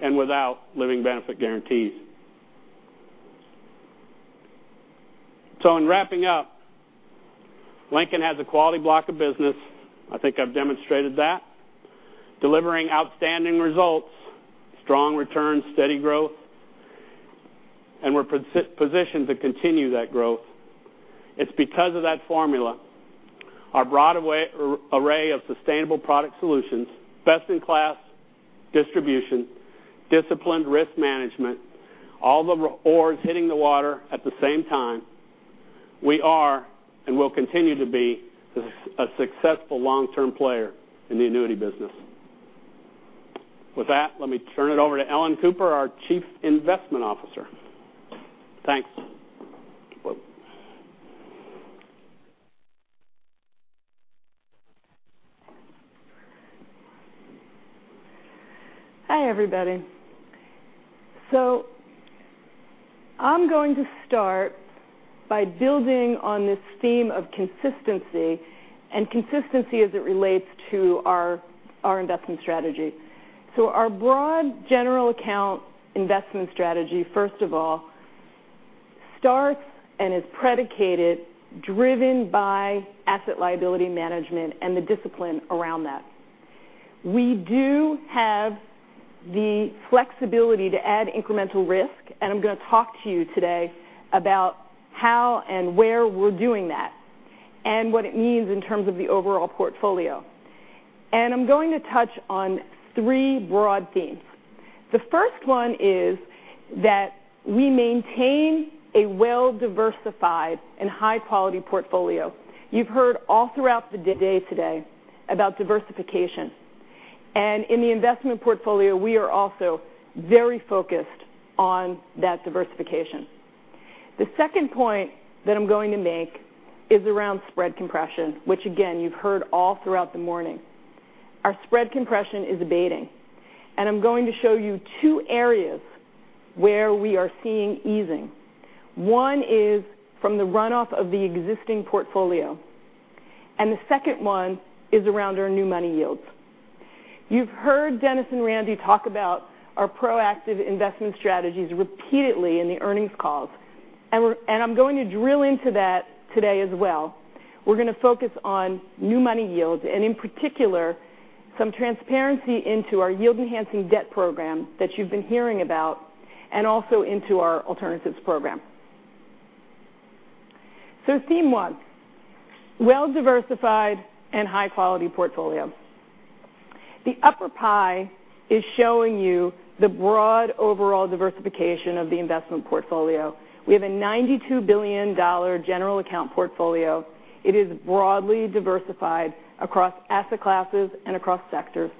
and without living benefit guarantees. In wrapping up, Lincoln has a quality block of business. I think I've demonstrated that. Delivering outstanding results, strong returns, steady growth, and we're positioned to continue that growth. It's because of that formula, our broad array of sustainable product solutions, best-in-class distribution, disciplined risk management, all the oars hitting the water at the same time. We are and will continue to be a successful long-term player in the annuity business. With that, let me turn it over to Ellen Cooper, our Chief Investment Officer. Thanks. Hi, everybody. I'm going to start by building on this theme of consistency and consistency as it relates to our investment strategy. Our broad general account investment strategy, first of all, starts and is predicated, driven by asset liability management and the discipline around that. We do have the flexibility to add incremental risk, and I'm going to talk to you today about how and where we're doing that and what it means in terms of the overall portfolio. I'm going to touch on three broad themes. The first one is that we maintain a well-diversified and high-quality portfolio. You've heard all throughout the day today about diversification. In the investment portfolio, we are also very focused on that diversification. The second point that I'm going to make is around spread compression, which again, you've heard all throughout the morning. Our spread compression is abating. I'm going to show you two areas where we are seeing easing. One is from the runoff of the existing portfolio, and the second one is around our new money yields. You've heard Dennis and Randy talk about our proactive investment strategies repeatedly in the earnings calls, and I'm going to drill into that today as well. We're going to focus on new money yields and, in particular, some transparency into our yield-enhancing debt program that you've been hearing about, and also into our alternatives program. Theme 1, well-diversified and high-quality portfolio. The upper pie is showing you the broad overall diversification of the investment portfolio. We have a $92 billion general account portfolio. It is broadly diversified across asset classes and across sectors.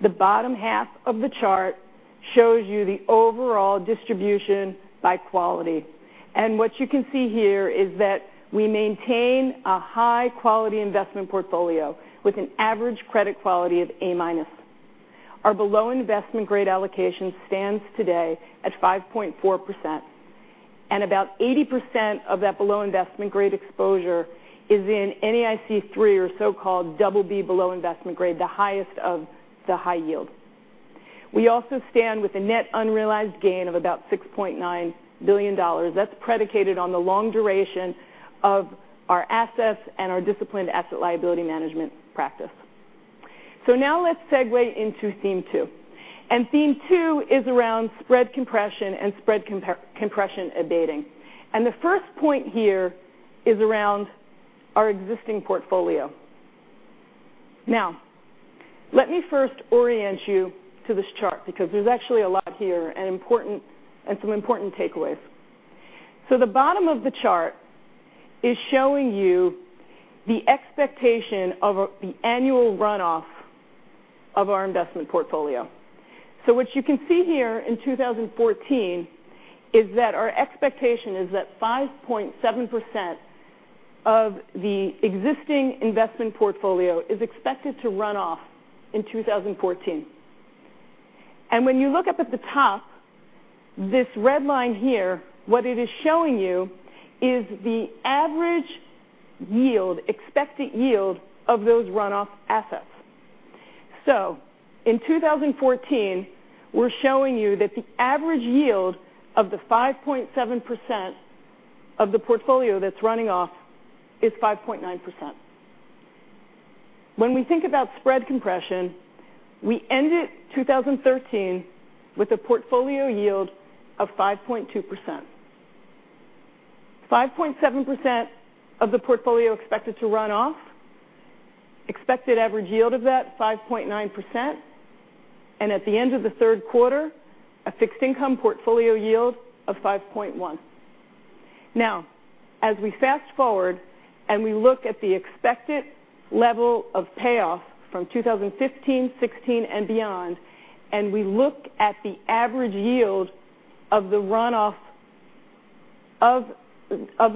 The bottom half of the chart shows you the overall distribution by quality. What you can see here is that we maintain a high-quality investment portfolio with an average credit quality of A minus. Our below investment grade allocation stands today at 5.4%, and about 80% of that below investment grade exposure is in NAIC 3 or so-called BB below investment grade, the highest of the high yield. We also stand with a net unrealized gain of about $6.9 billion. That's predicated on the long duration of our assets and our disciplined asset liability management practice. Now let's segue into theme 2. Theme 2 is around spread compression and spread compression abating. The first point here is around our existing portfolio. Now, let me first orient you to this chart because there's actually a lot here and some important takeaways. The bottom of the chart is showing you the expectation of the annual runoff of our investment portfolio. What you can see here in 2014 is that our expectation is that 5.7% of the existing investment portfolio is expected to run off in 2014. When you look up at the top, this red line here, what it is showing you is the average expected yield of those runoff assets. In 2014, we're showing you that the average yield of the 5.7% of the portfolio that's running off is 5.9%. When we think about spread compression, we ended 2013 with a portfolio yield of 5.2%. 5.7% of the portfolio expected to run off, expected average yield of that 5.9%, and at the end of the third quarter, a fixed income portfolio yield of 5.1. As we fast-forward, we look at the expected level of payoff from 2015, 2016, and beyond, we look at the average yield of the runoff of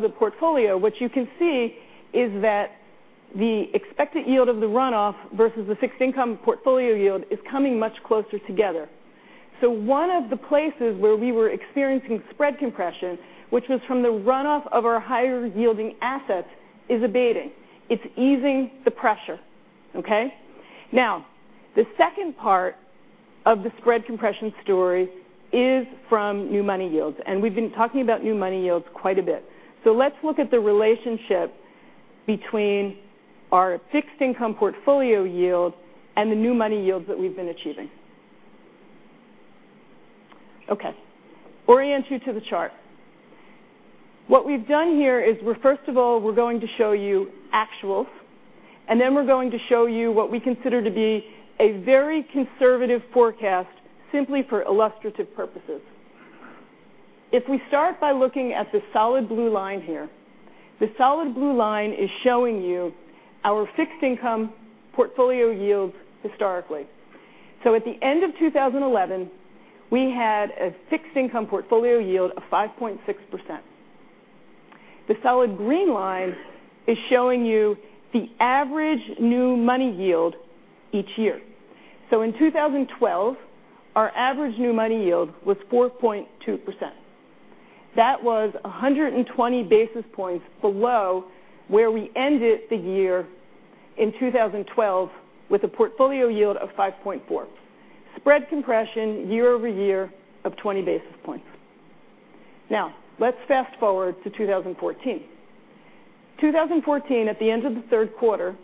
the portfolio. What you can see is that the expected yield of the runoff versus the fixed income portfolio yield is coming much closer together. One of the places where we were experiencing spread compression, which was from the runoff of our higher-yielding assets, is abating. It's easing the pressure. Okay. The second part of the spread compression story is from new money yields, we've been talking about new money yields quite a bit. Let's look at the relationship between our fixed income portfolio yield and the new money yields that we've been achieving. Okay. Orient you to the chart. What we've done here is, first of all, we're going to show you actuals, then we're going to show you what we consider to be a very conservative forecast, simply for illustrative purposes. If we start by looking at the solid blue line here, the solid blue line is showing you our fixed income portfolio yields historically. At the end of 2011, we had a fixed income portfolio yield of 5.6%. The solid green line is showing you the average new money yield each year. In 2012, our average new money yield was 4.2%. That was 120 basis points below where we ended the year in 2012 with a portfolio yield of 5.4. Spread compression year-over-year of 20 basis points. Let's fast-forward to 2014. 2014, at the end of the third quarter,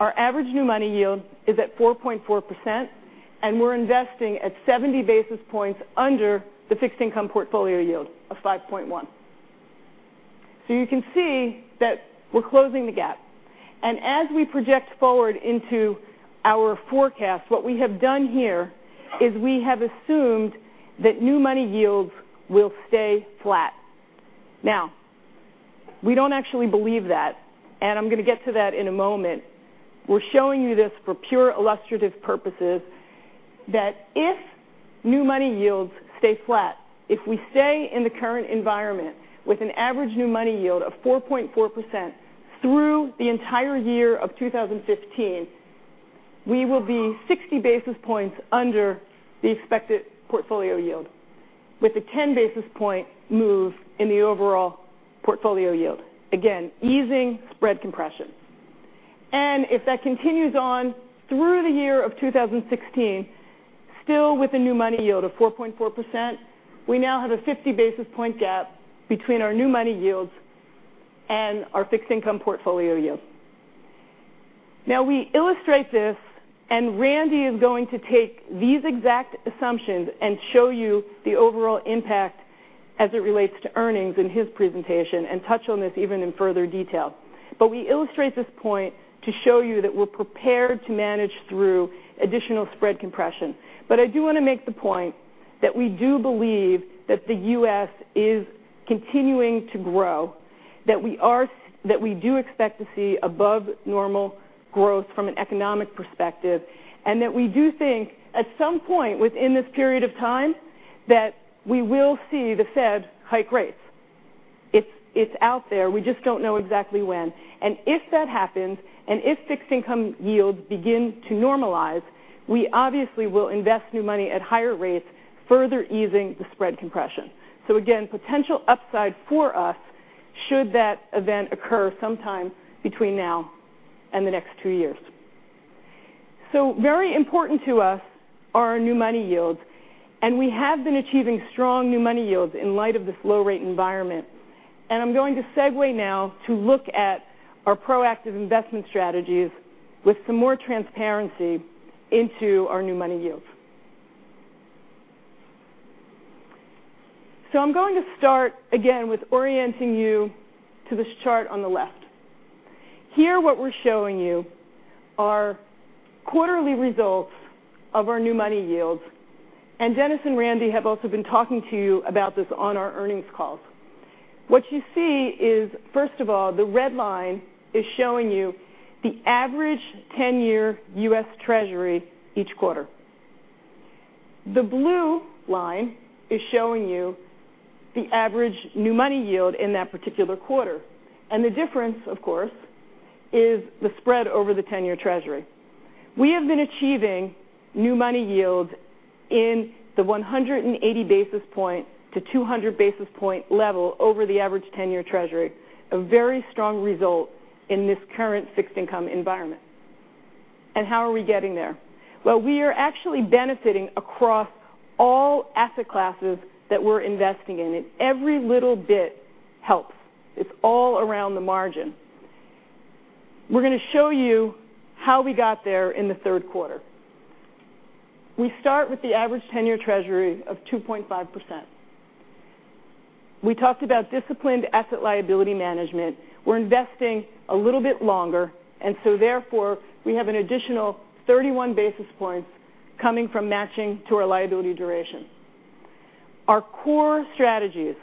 our average new money yield is at 4.4%, we're investing at 70 basis points under the fixed income portfolio yield of 5.1. You can see that we're closing the gap. As we project forward into our forecast, what we have done here is we have assumed that new money yields will stay flat. We don't actually believe that, I'm going to get to that in a moment. We're showing you this for pure illustrative purposes, that if new money yields stay flat, if we stay in the current environment with an average new money yield of 4.4% through the entire year of 2015, we will be 60 basis points under the expected portfolio yield with a 10 basis point move in the overall portfolio yield. Again, easing spread compression. If that continues on through the year of 2016, still with a new money yield of 4.4%, we now have a 50 basis point gap between our new money yields and our fixed income portfolio yield. We illustrate this, Randy is going to take these exact assumptions and show you the overall impact as it relates to earnings in his presentation and touch on this even in further detail. We illustrate this point to show you that we're prepared to manage through additional spread compression. I do want to make the point that we do believe that the U.S. is continuing to grow, that we do expect to see above-normal growth from an economic perspective, and that we do think at some point within this period of time that we will see the Fed hike rates. It's out there. We just don't know exactly when. If that happens, if fixed income yields begin to normalize, we obviously will invest new money at higher rates, further easing the spread compression. Again, potential upside for us should that event occur sometime between now and the next two years. Very important to us are our new money yields. We have been achieving strong new money yields in light of this low-rate environment. I'm going to segue now to look at our proactive investment strategies with some more transparency into our new money yields. I'm going to start, again, with orienting you to this chart on the left. Here, what we're showing you are quarterly results of our new money yields. Dennis and Randy have also been talking to you about this on our earnings calls. What you see is, first of all, the red line is showing you the average 10-year U.S. Treasury each quarter. The blue line is showing you the average new money yield in that particular quarter. The difference, of course, is the spread over the 10-year Treasury. We have been achieving new money yield in the 180 basis points to 200 basis points level over the average 10-year Treasury, a very strong result in this current fixed income environment. How are we getting there? Well, we are actually benefiting across all asset classes that we're investing in it. Every little bit helps. It's all around the margin. We're going to show you how we got there in the third quarter. We start with the average 10-year Treasury of 2.5%. We talked about disciplined ALM. We're investing a little bit longer. Therefore, we have an additional 31 basis points coming from matching to our liability duration. Our core strategies,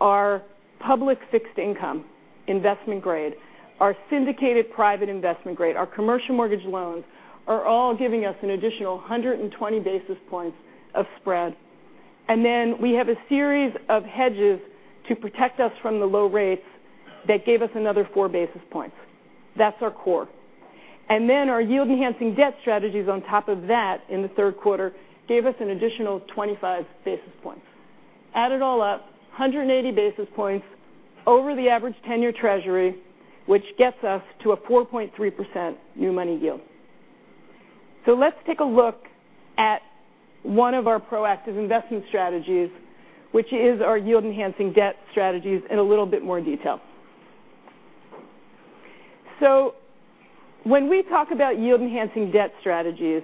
our public fixed income, investment grade, our syndicated private investment grade, our commercial mortgage loans are all giving us an additional 120 basis points of spread. We have a series of hedges to protect us from the low rates that gave us another four basis points. That's our core. Our yield-enhancing debt strategies on top of that in the third quarter gave us an additional 25 basis points. Add it all up, 180 basis points over the average 10-year Treasury, which gets us to a 4.3% new money yield. Let's take a look at one of our proactive investment strategies, which is our yield-enhancing debt strategies in a little bit more detail. When we talk about yield-enhancing debt strategies,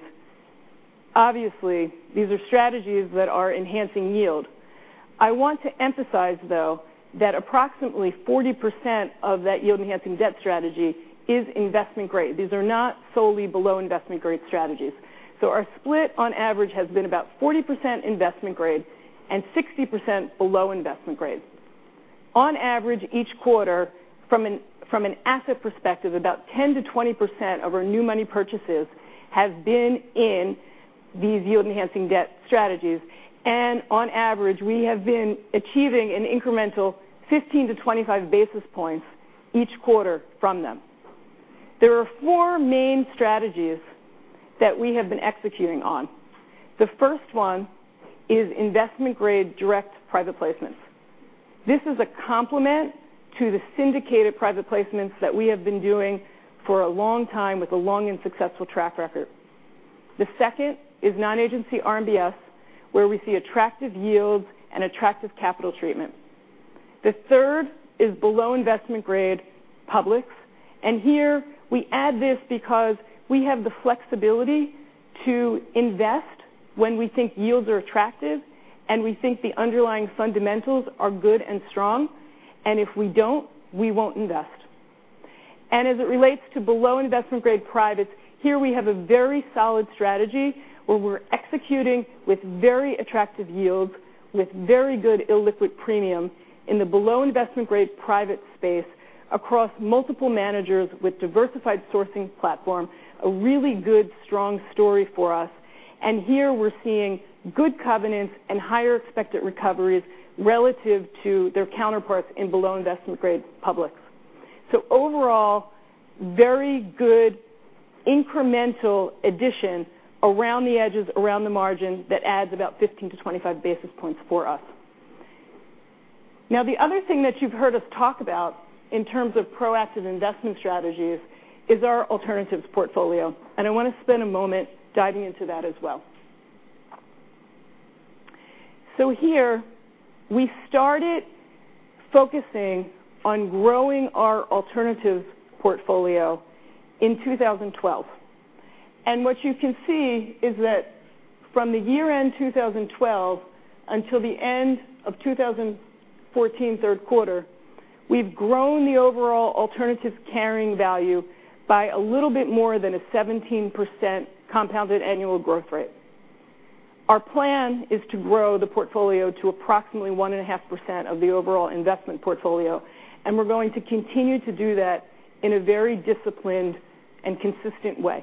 obviously these are strategies that are enhancing yield. I want to emphasize, though, that approximately 40% of that yield-enhancing debt strategy is investment grade. These are not solely below investment grade strategies. Our split on average has been about 40% investment grade and 60% below investment grade. On average, each quarter, from an asset perspective, about 10%-20% of our new money purchases have been in these yield-enhancing debt strategies. On average, we have been achieving an incremental 15 to 25 basis points each quarter from them. There are four main strategies that we have been executing on. The first one is investment-grade direct private placements. This is a complement to the syndicated private placements that we have been doing for a long time with a long and successful track record. The second is non-agency RMBS, where we see attractive yields and attractive capital treatment. The third is below investment-grade public. Here we add this because we have the flexibility to invest when we think yields are attractive and we think the underlying fundamentals are good and strong. If we don't, we won't invest. As it relates to below investment-grade privates, here we have a very solid strategy where we're executing with very attractive yields, with very good illiquid premium in the below investment-grade private space across multiple managers with diversified sourcing platform, a really good, strong story for us. Here we're seeing good covenants and higher expected recoveries relative to their counterparts in below investment-grade public. Overall, very good incremental addition around the edges, around the margin, that adds about 15 to 25 basis points for us. The other thing that you've heard us talk about in terms of proactive investment strategies is our alternatives portfolio, and I want to spend a moment diving into that as well. Here we started focusing on growing our alternatives portfolio in 2012. What you can see is that from the year-end 2012 until the end of 2014, third quarter, we've grown the overall alternatives carrying value by a little bit more than a 17% compounded annual growth rate. Our plan is to grow the portfolio to approximately 1.5% of the overall investment portfolio, and we're going to continue to do that in a very disciplined and consistent way.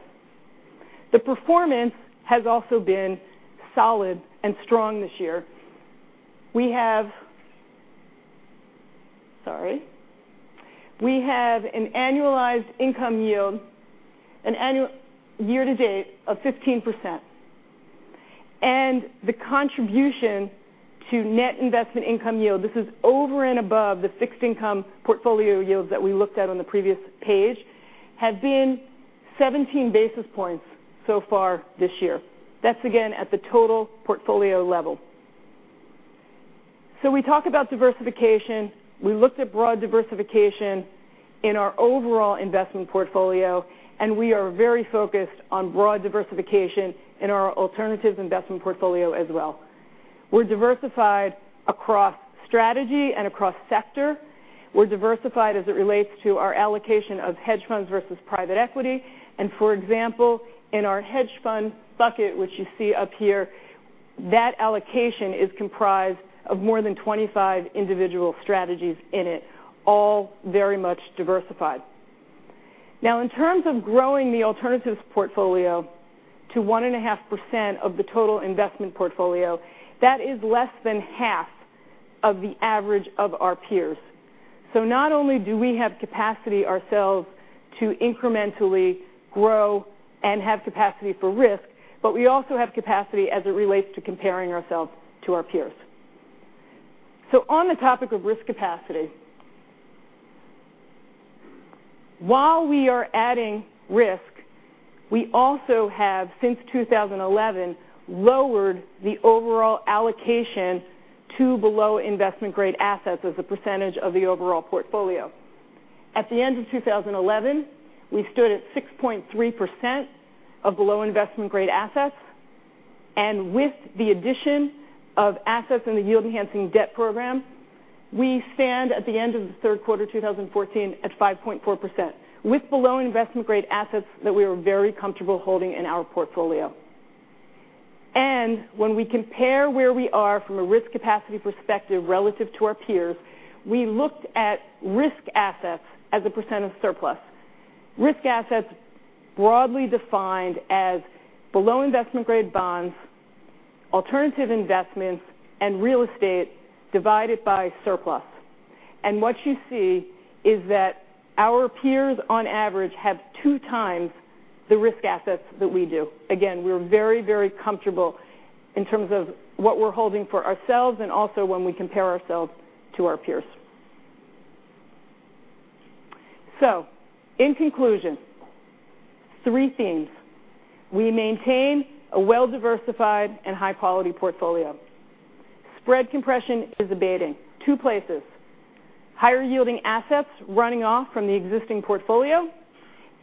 The performance has also been solid and strong this year. We have an annualized income yield, year to date, of 15%. The contribution to net investment income yield, this is over and above the fixed income portfolio yields that we looked at on the previous page, have been 17 basis points so far this year. That's again at the total portfolio level. We talk about diversification. We looked at broad diversification in our overall investment portfolio, and we are very focused on broad diversification in our alternatives investment portfolio as well. We're diversified across strategy and across sector. We're diversified as it relates to our allocation of hedge funds versus private equity. For example, in our hedge fund bucket, which you see up here, that allocation is comprised of more than 25 individual strategies in it, all very much diversified. In terms of growing the alternatives portfolio to 1.5% of the total investment portfolio, that is less than half of the average of our peers. Not only do we have capacity ourselves to incrementally grow and have capacity for risk, we also have capacity as it relates to comparing ourselves to our peers. On the topic of risk capacity, while we are adding risk, we also have, since 2011, lowered the overall allocation to below investment-grade assets as a percentage of the overall portfolio. At the end of 2011, we stood at 6.3% of below investment-grade assets, and with the addition of assets in the yield enhancing debt program, we stand at the end of the third quarter 2014 at 5.4% with below investment-grade assets that we are very comfortable holding in our portfolio. When we compare where we are from a risk capacity perspective relative to our peers, we looked at risk assets as a % of surplus. Risk assets broadly defined as below investment-grade bonds, alternative investments, and real estate divided by surplus. What you see is that our peers on average have two times the risk assets that we do. Again, we're very comfortable in terms of what we're holding for ourselves and also when we compare ourselves to our peers. In conclusion, three themes. We maintain a well-diversified and high-quality portfolio. Spread compression is abating. Two places, higher yielding assets running off from the existing portfolio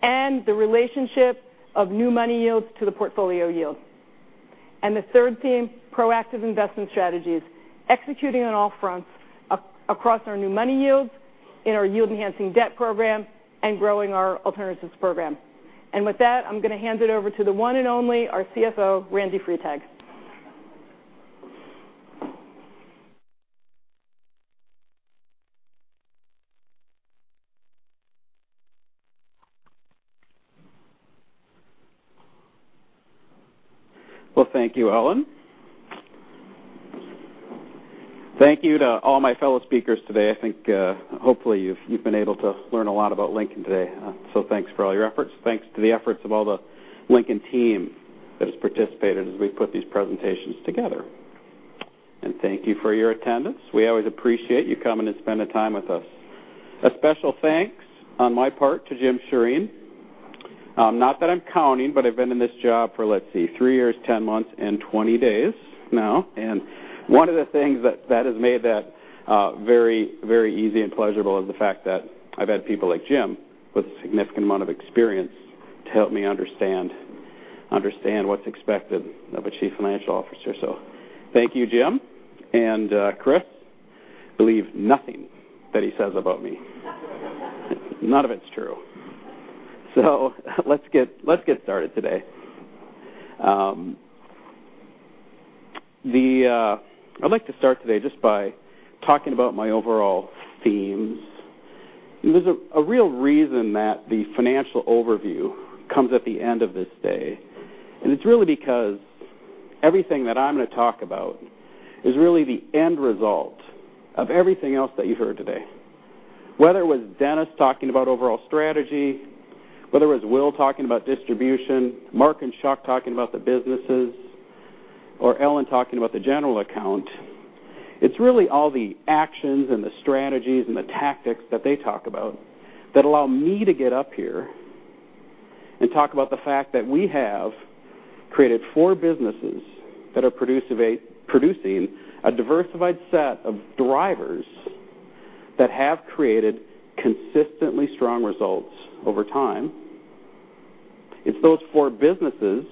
and the relationship of new money yields to the portfolio yield. The third theme, proactive investment strategies, executing on all fronts across our new money yields in our yield enhancing debt program and growing our alternatives program. With that, I'm going to hand it over to the one and only, our CFO, Randy Freitag. Well, thank you, Ellen. Thank you to all my fellow speakers today. I think, hopefully, you've been able to learn a lot about Lincoln today. Thanks for all your efforts. Thanks to the efforts of all the Lincoln team that has participated as we put these presentations together. Thank you for your attendance. We always appreciate you coming to spend the time with us. A special thanks on my part to Jim Sheeren. Not that I'm counting, but I've been in this job for, let's see, three years, 10 months and 20 days now. One of the things that has made that very easy and pleasurable is the fact that I've had people like Jim with a significant amount of experience to help me understand what's expected of a Chief Financial Officer. Thank you, Jim. Chris, believe nothing that he says about me. None of it's true. Let's get started today. I'd like to start today just by talking about my overall themes. There's a real reason that the financial overview comes at the end of this day, it's really because everything that I'm going to talk about is really the end result of everything else that you heard today. Whether it was Dennis talking about overall strategy, whether it was Will talking about distribution, Mark and Chuck talking about the businesses, or Ellen talking about the general account, it's really all the actions and the strategies and the tactics that they talk about that allow me to get up here and talk about the fact that we have created four businesses that are producing a diversified set of drivers that have created consistently strong results over time. It's those four businesses that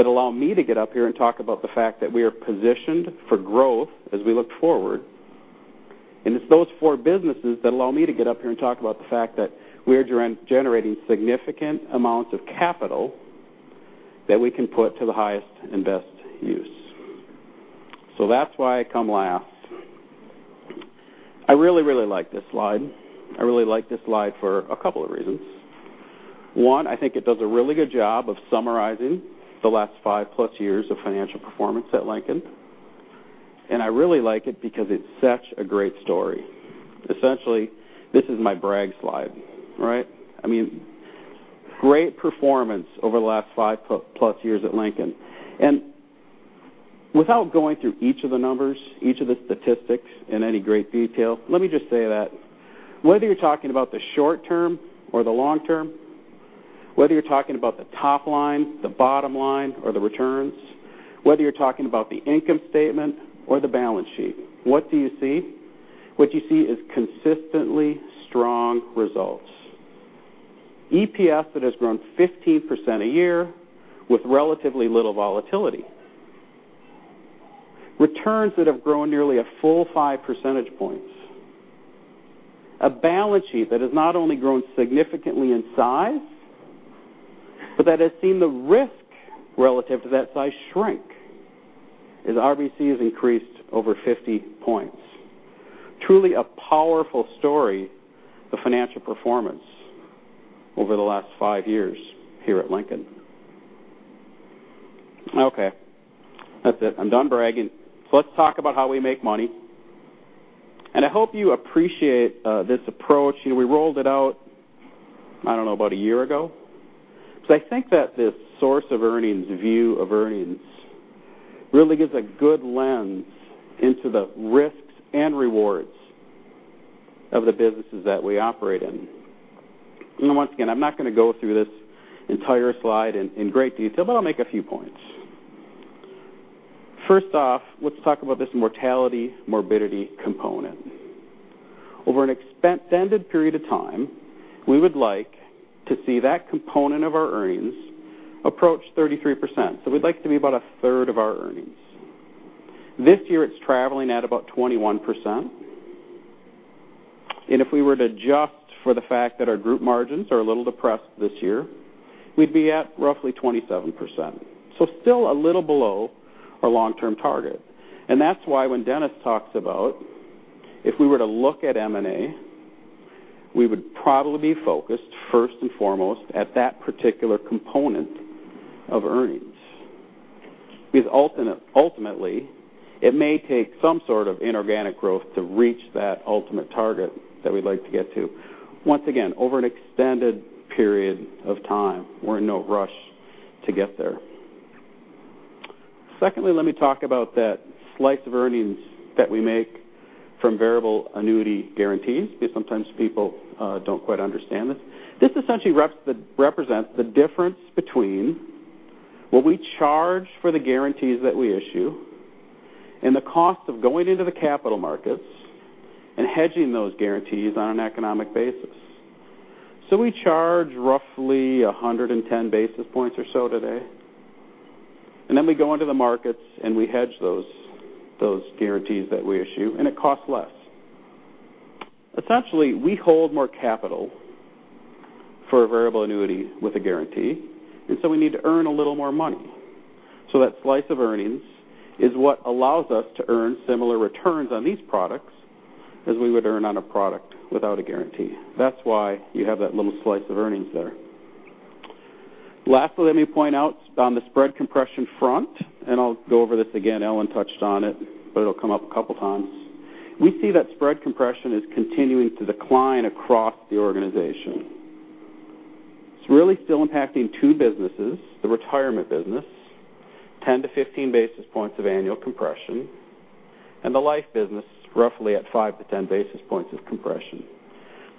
allow me to get up here and talk about the fact that we are positioned for growth as we look forward. It's those four businesses that allow me to get up here and talk about the fact that we are generating significant amounts of capital that we can put to the highest and best use. That's why I come last. I really like this slide. I really like this slide for a couple of reasons. One, I think it does a really good job of summarizing the last five plus years of financial performance at Lincoln. I really like it because it's such a great story. Essentially, this is my brag slide, right? Great performance over the last five plus years at Lincoln. Without going through each of the numbers, each of the statistics in any great detail, let me just say that whether you're talking about the short term or the long term, whether you're talking about the top line, the bottom line, or the returns, whether you're talking about the income statement or the balance sheet, what do you see? What you see is consistently strong results. EPS that has grown 15% a year with relatively little volatility. Returns that have grown nearly a full five percentage points. A balance sheet that has not only grown significantly in size, but that has seen the risk relative to that size shrink as RBC has increased over 50 points. Truly a powerful story of financial performance over the last five years here at Lincoln. Okay. That's it. I'm done bragging. Let's talk about how we make money, and I hope you appreciate this approach. We rolled it out, I don't know, about a year ago. I think that this source of earnings, view of earnings, really gives a good lens into the risks and rewards of the businesses that we operate in. Once again, I'm not going to go through this entire slide in great detail, but I'll make a few points. First off, let's talk about this mortality, morbidity component. Over an extended period of time, we would like to see that component of our earnings approach 33%. We'd like to be about a third of our earnings. This year, it's traveling at about 21%, and if we were to adjust for the fact that our group margins are a little depressed this year, we'd be at roughly 27%. Still a little below our long-term target. That's why when Dennis talks about if we were to look at M&A, we would probably be focused first and foremost at that particular component of earnings. Ultimately, it may take some sort of inorganic growth to reach that ultimate target that we'd like to get to. Once again, over an extended period of time. We're in no rush to get there. Secondly, let me talk about that slice of earnings that we make from variable annuity guarantees, because sometimes people don't quite understand this. This essentially represents the difference between what we charge for the guarantees that we issue and the cost of going into the capital markets and hedging those guarantees on an economic basis. We charge roughly 110 basis points or so today. We go into the markets, we hedge those guarantees that we issue, it costs less. Essentially, we hold more capital for a variable annuity with a guarantee, we need to earn a little more money. That slice of earnings is what allows us to earn similar returns on these products as we would earn on a product without a guarantee. That's why you have that little slice of earnings there. Lastly, let me point out on the spread compression front. I'll go over this again, Ellen touched on it'll come up a couple times. We see that spread compression is continuing to decline across the organization. It's really still impacting two businesses, the retirement business, 10-15 basis points of annual compression, the life business, roughly at 5-10 basis points of compression.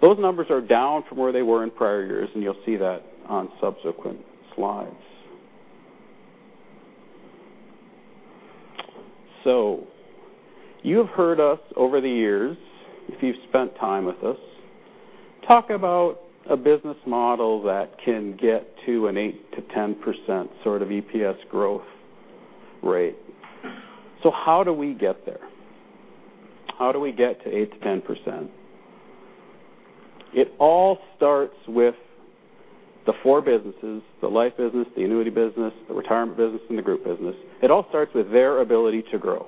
Those numbers are down from where they were in prior years, you'll see that on subsequent slides. You have heard us over the years, if you've spent time with us, talk about a business model that can get to an 8%-10% sort of EPS growth rate. How do we get there? How do we get to 8%-10%? It all starts with the four businesses, the life business, the annuity business, the retirement business, the group business. It all starts with their ability to grow.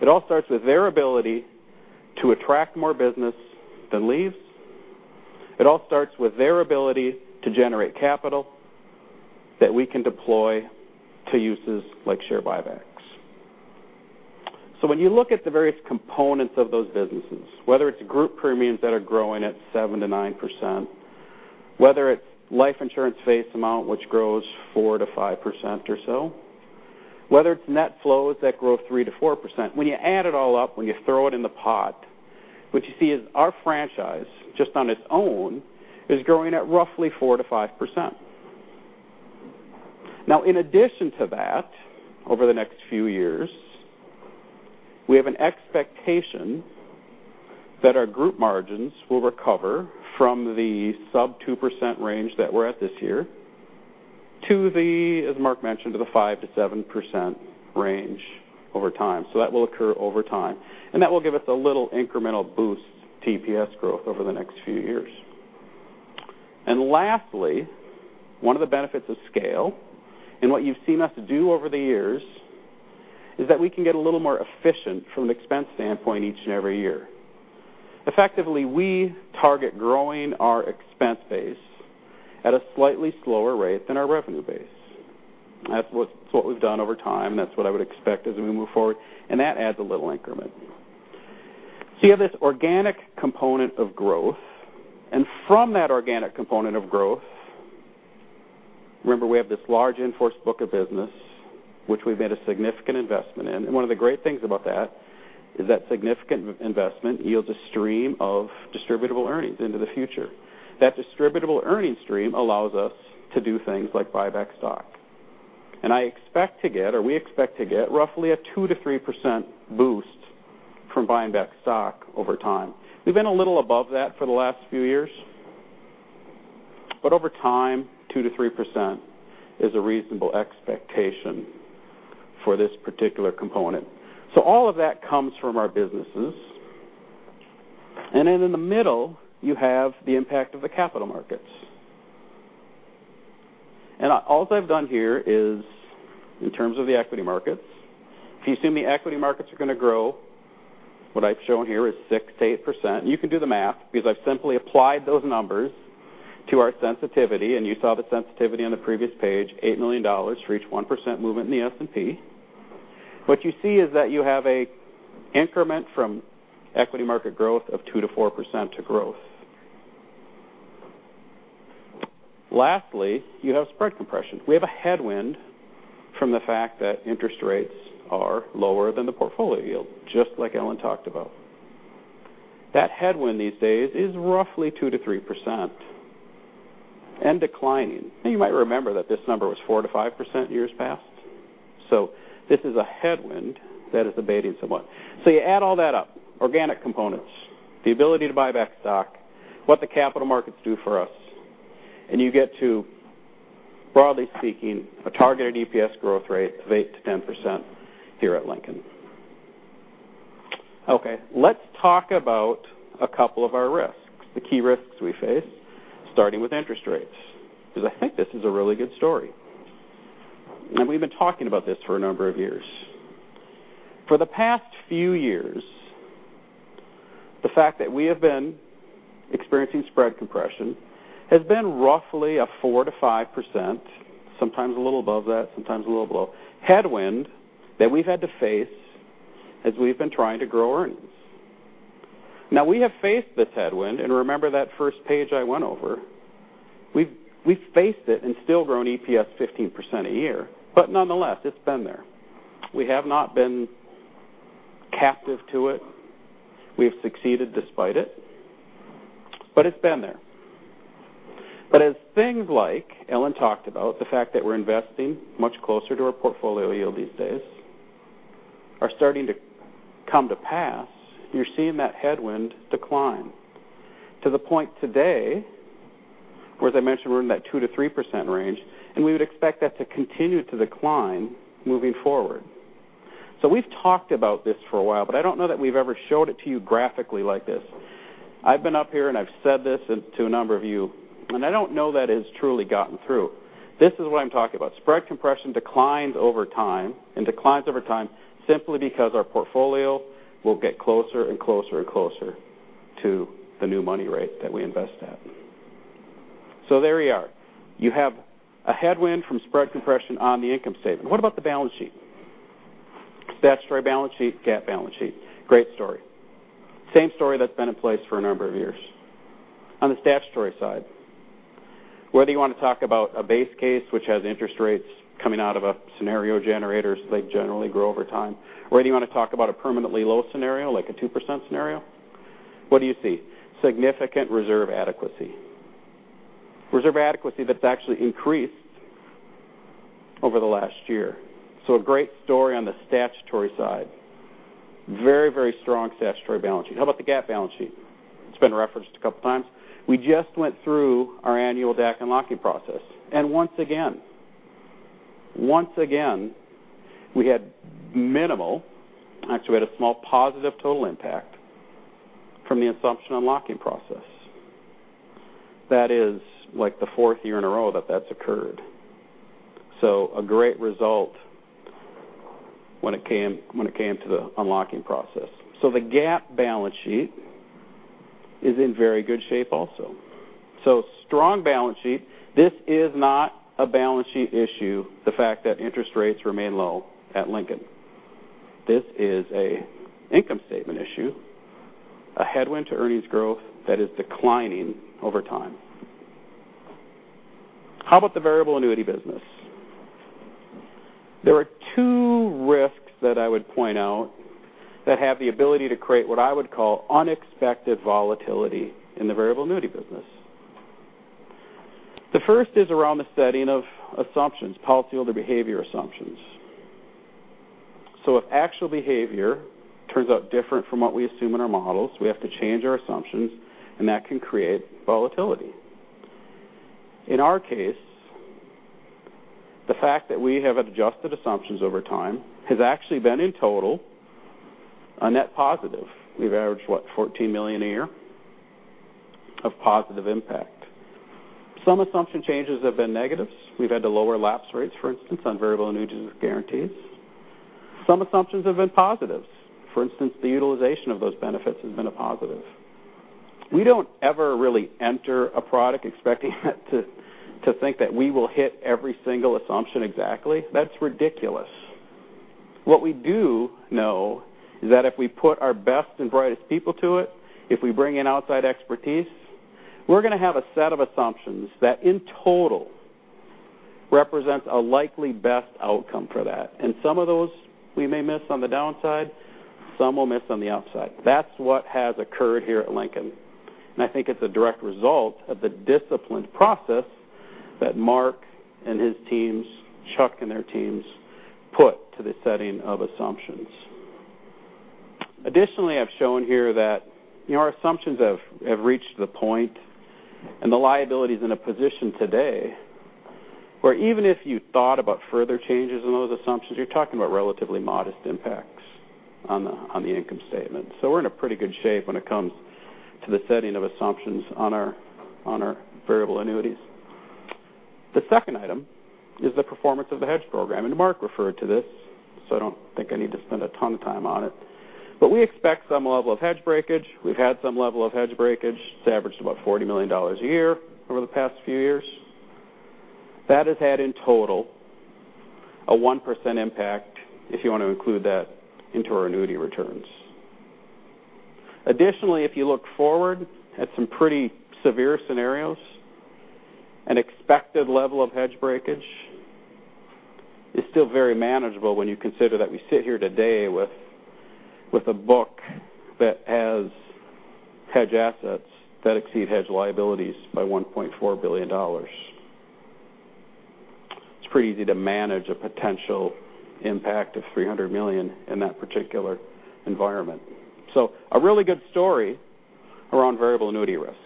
It all starts with their ability to attract more business than leaves. It all starts with their ability to generate capital that we can deploy to uses like share buybacks. When you look at the various components of those businesses, whether it's group premiums that are growing at 7%-9%, whether it's life insurance face amount, which grows 4%-5% or so, whether it's net flows that grow 3%-4%, when you add it all up, when you throw it in the pot, what you see is our franchise, just on its own, is growing at roughly 4%-5%. In addition to that, over the next few years, we have an expectation that our group margins will recover from the sub 2% range that we're at this year to the, as Mark mentioned, to the 5%-7% range over time. That will occur over time, that will give us a little incremental boost to EPS growth over the next few years. Lastly, one of the benefits of scale, what you've seen us do over the years, is that we can get a little more efficient from an expense standpoint each and every year. Effectively, we target growing our expense base at a slightly slower rate than our revenue base. That's what we've done over time. That's what I would expect as we move forward, that adds a little increment. You have this organic component of growth, from that organic component of growth, remember, we have this large in-force book of business, which we've made a significant investment in. One of the great things about that is that significant investment yields a stream of distributable earnings into the future. That distributable earnings stream allows us to do things like buy back stock. I expect to get, or we expect to get, roughly a 2%-3% boost from buying back stock over time. We've been a little above that for the last few years. Over time, 2%-3% is a reasonable expectation for this particular component. All of that comes from our businesses. In the middle, you have the impact of the capital markets. All that I've done here is in terms of the equity markets. If you assume the equity markets are going to grow, what I've shown here is 6%-8%. You can do the math because I've simply applied those numbers to our sensitivity, and you saw the sensitivity on the previous page, $8 million for each 1% movement in the S&P. What you see is that you have an increment from equity market growth of 2%-4% to growth. Lastly, you have spread compression. We have a headwind from the fact that interest rates are lower than the portfolio yield, just like Ellen talked about. That headwind these days is roughly 2%-3% and declining. Now, you might remember that this number was 4%-5% years past. This is a headwind that is abating somewhat. You add all that up, organic components, the ability to buy back stock, what the capital markets do for us, and you get to, broadly speaking, a targeted EPS growth rate of 8%-10% here at Lincoln. Okay, let's talk about a couple of our risks, the key risks we face, starting with interest rates, because I think this is a really good story. We've been talking about this for a number of years. For the past few years, the fact that we have been experiencing spread compression has been roughly a 4%-5%, sometimes a little above that, sometimes a little below, headwind that we've had to face as we've been trying to grow earnings. Now, we have faced this headwind, and remember that first page I went over. We've faced it and still grown EPS 15% a year, but nonetheless, it's been there. We have not been captive to it. We have succeeded despite it, but it's been there. As things like Ellen talked about, the fact that we're investing much closer to our portfolio yield these days, are starting to come to pass, you're seeing that headwind decline to the point today, where as I mentioned, we're in that 2%-3% range, and we would expect that to continue to decline moving forward. We've talked about this for a while, but I don't know that we've ever showed it to you graphically like this. I've been up here and I've said this to a number of you, and I don't know that it has truly gotten through. This is what I'm talking about. Spread compression declines over time, and declines over time simply because our portfolio will get closer and closer to the new money rate that we invest at. There we are. You have a headwind from spread compression on the income statement. What about the balance sheet? Statutory balance sheet, GAAP balance sheet. Great story. Same story that's been in place for a number of years. On the statutory side, whether you want to talk about a base case which has interest rates coming out of a scenario generator, so they generally grow over time, or whether you want to talk about a permanently low scenario, like a 2% scenario, what do you see? Significant reserve adequacy. Reserve adequacy that's actually increased over the last year. A great story on the statutory side. Very strong statutory balance sheet. How about the GAAP balance sheet? It's been referenced a couple times. We just went through our annual DAC unlocking process. Once again, we had minimal, actually, we had a small positive total impact from the assumption unlocking process. That is the fourth year in a row that that's occurred. A great result when it came to the unlocking process. The GAAP balance sheet is in very good shape also. Strong balance sheet. This is not a balance sheet issue, the fact that interest rates remain low at Lincoln. This is an income statement issue, a headwind to earnings growth that is declining over time. How about the variable annuity business? There are two risks that I would point out that have the ability to create what I would call unexpected volatility in the variable annuity business. The first is around the setting of assumptions, policyholder behavior assumptions. If actual behavior turns out different from what we assume in our models, we have to change our assumptions, and that can create volatility. In our case, the fact that we have adjusted assumptions over time has actually been, in total, a net positive. We've averaged, what, $14 million a year of positive impact. Some assumption changes have been negatives. We've had to lower lapse rates, for instance, on variable annuity guarantees. Some assumptions have been positives. For instance, the utilization of those benefits has been a positive. We don't ever really enter a product expecting it to think that we will hit every single assumption exactly. That's ridiculous. What we do know is that if we put our best and brightest people to it, if we bring in outside expertise, we're going to have a set of assumptions that, in total, represents a likely best outcome for that. Some of those we may miss on the downside, some we'll miss on the upside. That's what has occurred here at Lincoln. I think it's a direct result of the disciplined process that Mark and his teams, Chuck and their teams put to the setting of assumptions. Additionally, I've shown here that our assumptions have reached the point, and the liability is in a position today where even if you thought about further changes in those assumptions, you're talking about relatively modest impacts on the income statement. We're in a pretty good shape when it comes to the setting of assumptions on our variable annuities. The second item is the performance of the hedge program, and Mark referred to this, I don't think I need to spend a ton of time on it. We expect some level of hedge breakage. We've had some level of hedge breakage. It's averaged about $40 million a year over the past few years. That has had, in total, a 1% impact if you want to include that into our annuity returns. Additionally, if you look forward at some pretty severe scenarios, an expected level of hedge breakage is still very manageable when you consider that we sit here today with a book that has hedge assets that exceed hedge liabilities by $1.4 billion. It's pretty easy to manage a potential impact of $300 million in that particular environment. A really good story around variable annuity risk.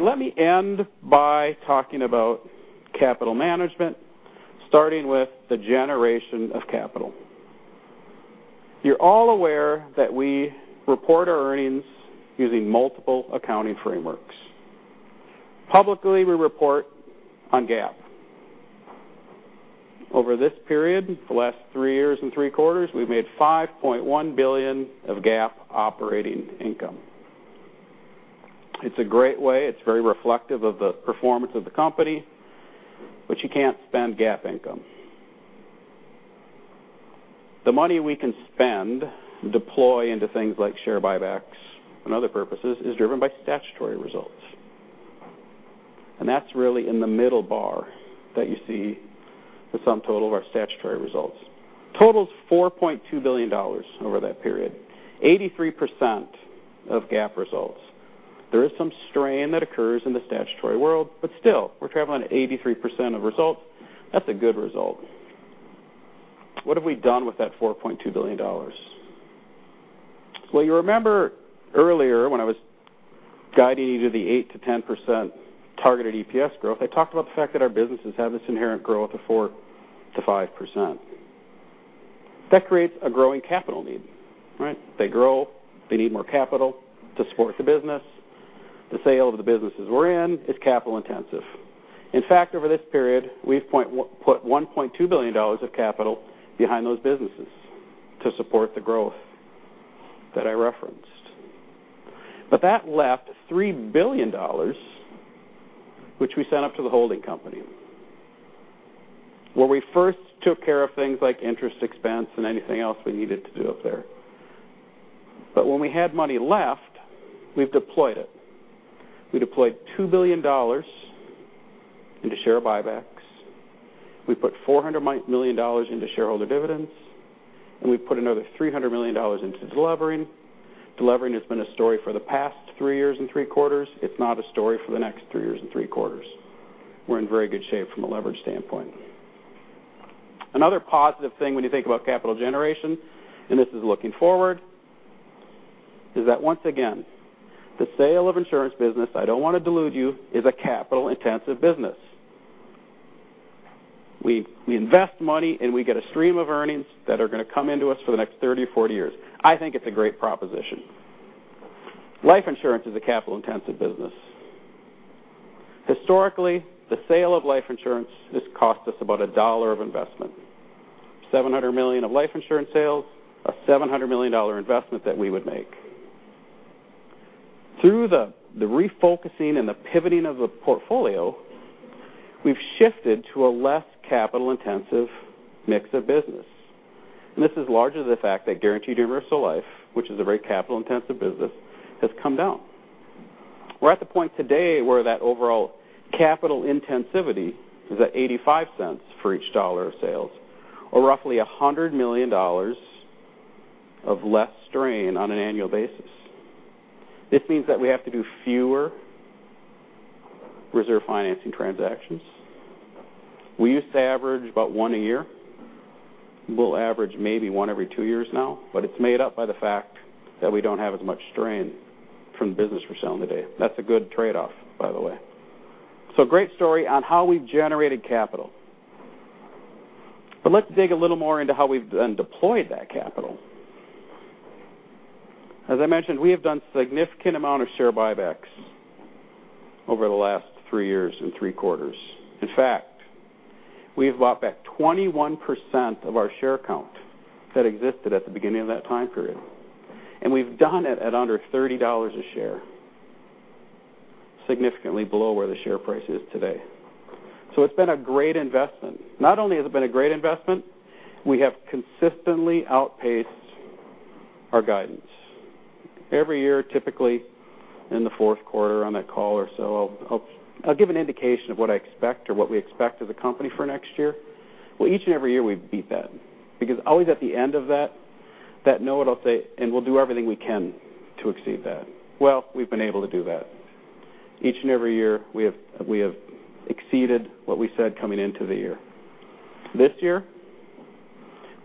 Let me end by talking about capital management, starting with the generation of capital. You're all aware that we report our earnings using multiple accounting frameworks. Publicly, we report on GAAP. Over this period, the last three years and three quarters, we've made $5.1 billion of GAAP operating income. It's a great way. It's very reflective of the performance of the company, but you can't spend GAAP income. The money we can spend, deploy into things like share buybacks and other purposes, is driven by statutory results. That's really in the middle bar that you see the sum total of our statutory results. Totals $4.2 billion over that period. 83% of GAAP results. There is some strain that occurs in the statutory world, but still, we're traveling at 83% of results. That's a good result. What have we done with that $4.2 billion? You remember earlier when I was guiding you to the 8%-10% targeted EPS growth, I talked about the fact that our businesses have this inherent growth of 4%-5%. That creates a growing capital need, right? They grow, they need more capital to support the business. The sale of the businesses we're in is capital intensive. In fact, over this period, we've put $1.2 billion of capital behind those businesses to support the growth that I referenced. That left $3 billion, which we sent up to the holding company, where we first took care of things like interest expense and anything else we needed to do up there. When we had money left, we've deployed it. We deployed $2 billion into share buybacks. We put $400 million into shareholder dividends, and we put another $300 million into de-levering. De-levering has been a story for the past three years and three quarters. It's not a story for the next three years and three quarters. We're in very good shape from a leverage standpoint. Another positive thing when you think about capital generation, and this is looking forward, is that once again, the sale of insurance business, I don't want to delude you, is a capital intensive business. We invest money, and we get a stream of earnings that are going to come into us for the next 30 or 40 years. I think it's a great proposition. Life insurance is a capital intensive business. Historically, the sale of life insurance has cost us about $1 of investment. $700 million of life insurance sales, a $700 million investment that we would make. Through the refocusing and the pivoting of the portfolio, we've shifted to a less capital intensive mix of business. This is largely the fact that guaranteed universal life, which is a very capital intensive business, has come down. We're at the point today where that overall capital intensivity is at $0.85 for each dollar of sales, or roughly $100 million of less strain on an annual basis. This means that we have to do fewer reserve financing transactions. We used to average about one a year. We'll average maybe one every two years now, but it's made up by the fact that we don't have as much strain from the business we're selling today. That's a good trade-off, by the way. Great story on how we've generated capital. Let's dig a little more into how we've then deployed that capital. As I mentioned, we have done significant amount of share buybacks over the last three years and three quarters. In fact, we have bought back 21% of our share count that existed at the beginning of that time period. We've done it at under $30 a share, significantly below where the share price is today. It's been a great investment. Not only has it been a great investment, we have consistently outpaced our guidance. Every year, typically in the fourth quarter on that call or so, I'll give an indication of what I expect or what we expect as a company for next year. Well, each and every year, we beat that because always at the end of that note, I'll say, we'll do everything we can to exceed that. Well, we've been able to do that. Each and every year, we have exceeded what we said coming into the year. This year,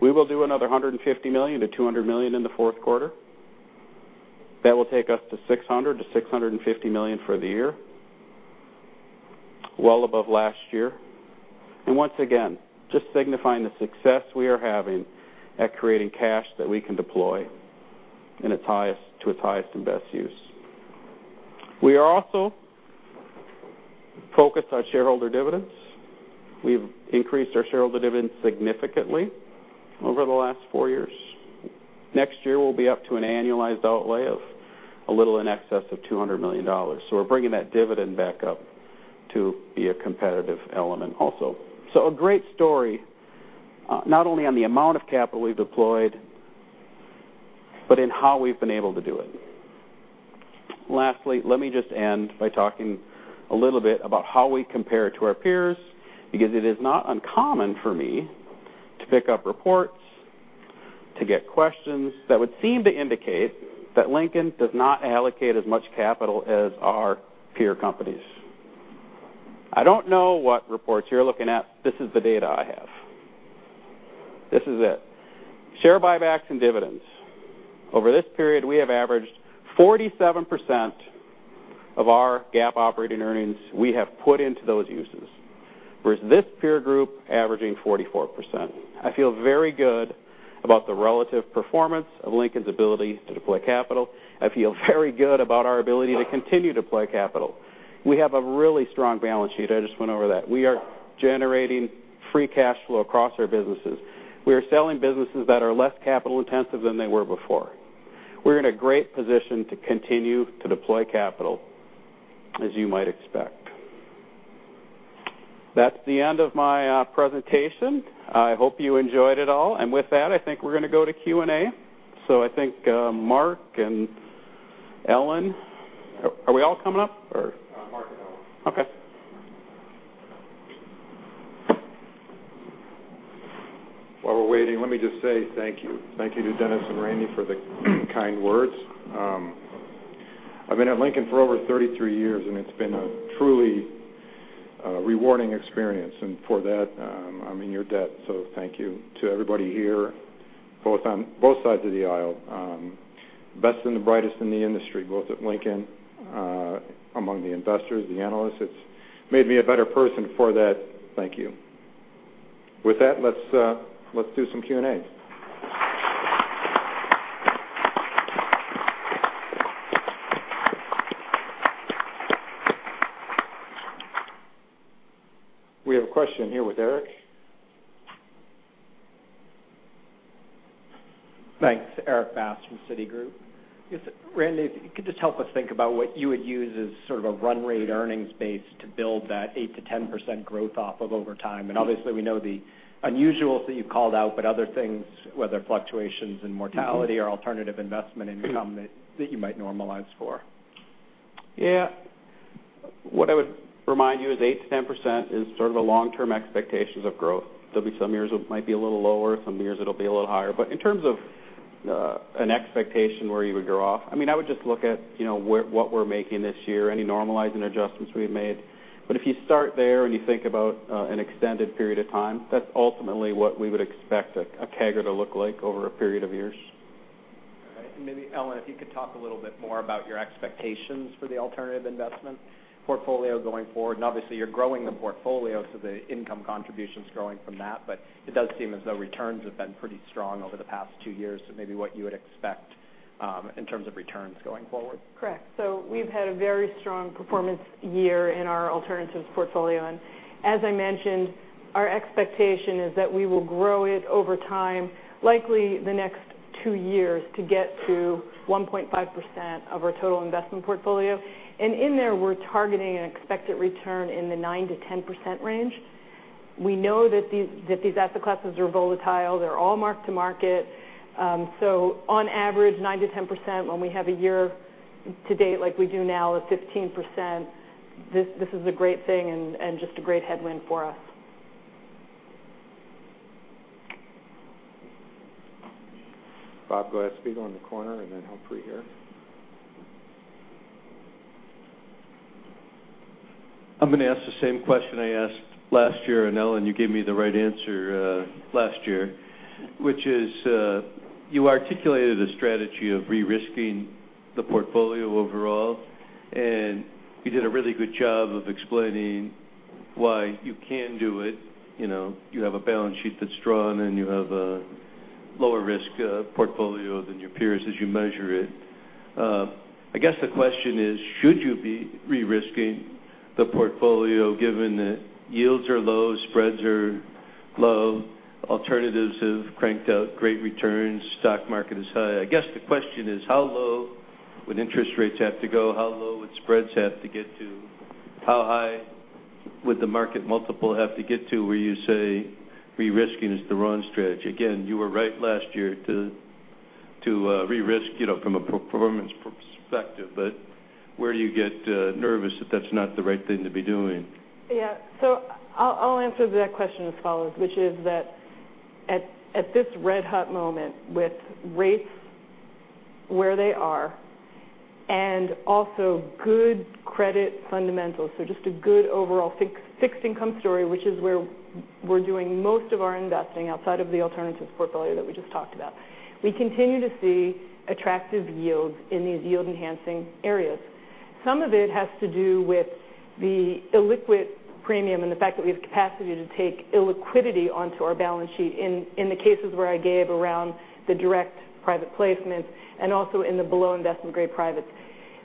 we will do another $150 million-$200 million in the fourth quarter. That will take us to $600 million-$650 million for the year, well above last year. Once again, just signifying the success we are having at creating cash that we can deploy to its highest and best use. We are also focused on shareholder dividends. We've increased our shareholder dividends significantly over the last four years. Next year, we'll be up to an annualized outlay of a little in excess of $200 million. We're bringing that dividend back up to be a competitive element also. A great story, not only on the amount of capital we've deployed, but in how we've been able to do it. Lastly, let me just end by talking a little bit about how we compare to our peers, because it is not uncommon for me to pick up reports, to get questions that would seem to indicate that Lincoln does not allocate as much capital as our peer companies. I don't know what reports you're looking at. This is the data I have. This is it. Share buybacks and dividends. Over this period, we have averaged 47% of our GAAP operating earnings, we have put into those uses, versus this peer group averaging 44%. I feel very good about the relative performance of Lincoln's ability to deploy capital. I feel very good about our ability to continue to deploy capital. We have a really strong balance sheet. I just went over that. We are generating free cash flow across our businesses. We are selling businesses that are less capital intensive than they were before. We're in a great position to continue to deploy capital, as you might expect. That's the end of my presentation. I hope you enjoyed it all. With that, I think we're going to go to Q&A. I think Mark and Ellen. Are we all coming up? Mark and Ellen. While we're waiting, let me just say thank you. Thank you to Dennis and Randy for the kind words. I've been at Lincoln for over 33 years, and it's been a truly rewarding experience. For that, I'm in your debt. Thank you to everybody here, both on both sides of the aisle. Best and the brightest in the industry, both at Lincoln, among the investors, the analysts. It's made me a better person. For that, thank you. With that, let's do some Q&A. We have a question here with Erik. Thanks. Erik Bass from Citigroup. Randy, if you could just help us think about what you would use as sort of a run rate earnings base to build that 8%-10% growth off of over time. Obviously, we know the unusuals that you've called out, but other things, whether fluctuations in mortality or alternative investment income that you might normalize for. Yeah. What I would remind you is 8%-10% is sort of the long-term expectations of growth. There'll be some years it might be a little lower, some years it'll be a little higher. In terms of an expectation where you would grow off, I would just look at what we're making this year, any normalizing adjustments we've made. If you start there and you think about an extended period of time, that's ultimately what we would expect a CAGR to look like over a period of years. All right. Maybe Ellen, if you could talk a little bit more about your expectations for the alternative investment portfolio going forward. Obviously, you're growing the portfolio, so the income contribution's growing from that. It does seem as though returns have been pretty strong over the past two years. Maybe what you would expect in terms of returns going forward. Correct. We've had a very strong performance year in our alternatives portfolio. As I mentioned, our expectation is that we will grow it over time, likely the next two years, to get to 1.5% of our total investment portfolio. In there, we're targeting an expected return in the 9%-10% range. We know that these asset classes are volatile. They're all mark-to-market. On average, 9%-10%, when we have a year to date like we do now at 15%, this is a great thing and just a great headwind for us. Bob Glasspiegel, go in the corner, and then hopefully here. I'm going to ask the same question I asked last year, Ellen, you gave me the right answer last year. You articulated a strategy of re-risking the portfolio overall, you did a really good job of explaining why you can do it. You have a balance sheet that's strong, you have a lower risk portfolio than your peers as you measure it. I guess the question is, should you be re-risking the portfolio given that yields are low, spreads are low, alternatives have cranked out great returns, stock market is high? I guess the question is, how low would interest rates have to go? How low would spreads have to get to? How high would the market multiple have to get to where you say re-risking is the wrong strategy? You were right last year to re-risk from a performance perspective. Where do you get nervous that that's not the right thing to be doing? I'll answer that question as follows. At this red hot moment with rates where they are and also good credit fundamentals. Just a good overall fixed income story, which is where we're doing most of our investing outside of the alternatives portfolio that we just talked about. We continue to see attractive yields in these yield-enhancing areas. Some of it has to do with the illiquid premium and the fact that we have capacity to take illiquidity onto our balance sheet in the cases where I gave around the direct private placements and also in the below-investment-grade privates.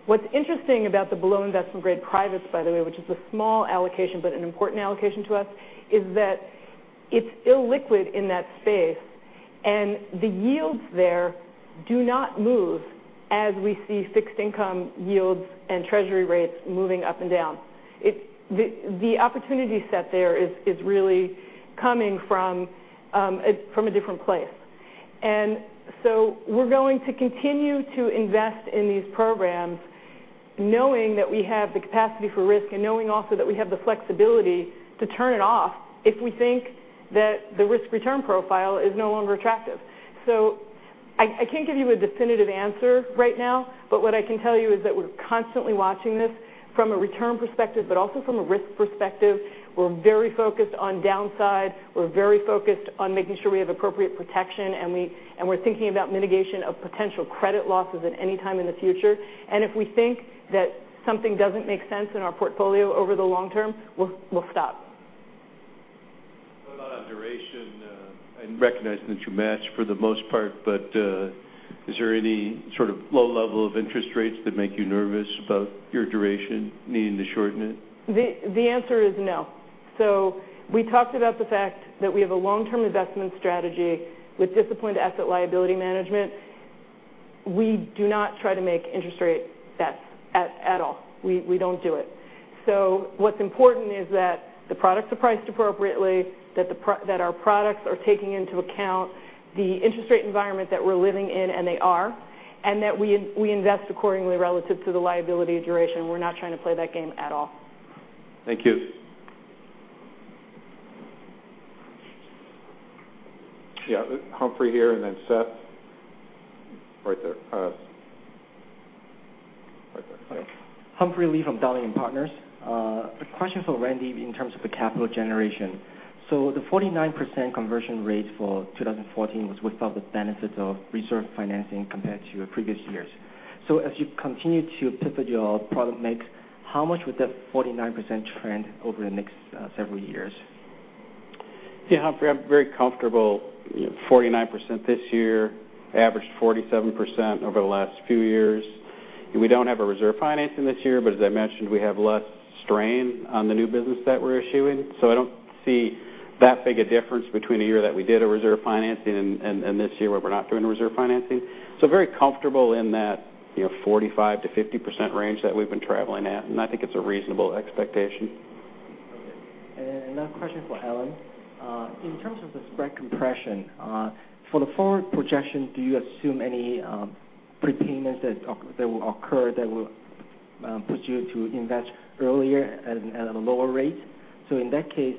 What's interesting about the below-investment-grade privates, by the way, which is a small allocation but an important allocation to us, is that it's illiquid in that space, the yields there do not move as we see fixed income yields and Treasury rates moving up and down. The opportunity set there is really coming from a different place. We're going to continue to invest in these programs knowing that we have the capacity for risk and knowing also that we have the flexibility to turn it off if we think that the risk-return profile is no longer attractive. I can't give you a definitive answer right now, what I can tell you is that we're constantly watching this from a return perspective, also from a risk perspective. We're very focused on downside. We're very focused on making sure we have appropriate protection, we're thinking about mitigation of potential credit losses at any time in the future. If we think that something doesn't make sense in our portfolio over the long term, we'll stop. What about on duration? I recognize that you match for the most part, is there any sort of low level of interest rates that make you nervous about your duration needing to shorten it? The answer is no. We talked about the fact that we have a long-term investment strategy with disciplined asset liability management. We do not try to make interest rate bets at all. We don't do it. What's important is that the products are priced appropriately, that our products are taking into account the interest rate environment that we're living in, and they are, that we invest accordingly relative to the liability duration. We're not trying to play that game at all. Thank you. Yeah. Humphrey here, then Seth. Right there. Humphrey Lee from Dowling & Partners. A question for Randy in terms of the capital generation. The 49% conversion rate for 2014 was without the benefits of reserve financing compared to previous years. As you continue to pivot your product mix, how much would that 49% trend over the next several years? Humphrey, I'm very comfortable. 49% this year, averaged 47% over the last few years. We don't have a reserve financing this year, but as I mentioned, we have less strain on the new business that we're issuing. I don't see that big a difference between a year that we did a reserve financing and this year where we're not doing reserve financing. Very comfortable in that 45%-50% range that we've been traveling at, and I think it's a reasonable expectation. Okay. Another question for Ellen. In terms of the spread compression, for the forward projection, do you assume any prepayments that will occur that will push you to invest earlier at a lower rate? In that case,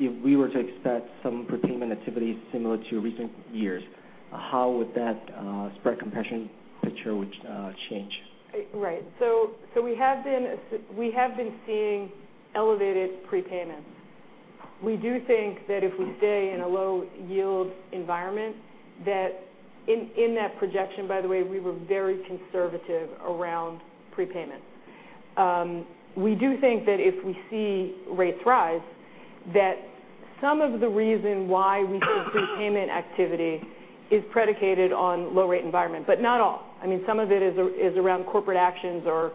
if we were to expect some prepayment activities similar to recent years, how would that spread compression picture change? Right. We have been seeing elevated prepayments. We do think that if we stay in a low-yield environment, that in that projection, by the way, we were very conservative around prepayments. We do think that if we see rates rise, that some of the reason why we see prepayment activity is predicated on low-rate environment, but not all. Some of it is around corporate actions or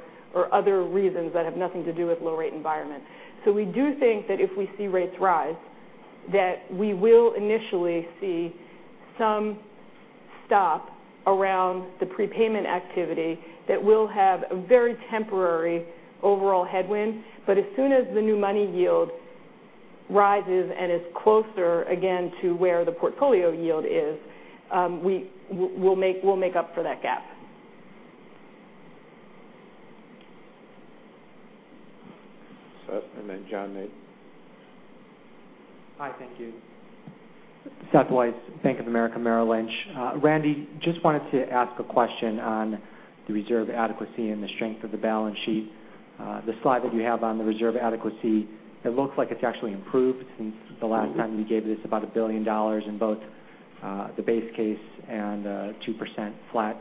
other reasons that have nothing to do with low-rate environment. We do think that if we see rates rise, that we will initially see some stop around the prepayment activity that will have a very temporary overall headwind. As soon as the new money yield rises and is closer again to where the portfolio yield is, we'll make up for that gap. Seth and then John. Hi, thank you. Seth Weiss, Bank of America Merrill Lynch. Randy, just wanted to ask a question on the reserve adequacy and the strength of the balance sheet. The slide that you have on the reserve adequacy, it looks like it's actually improved since the last time you gave this, about $1 billion in both the base case and 2% flat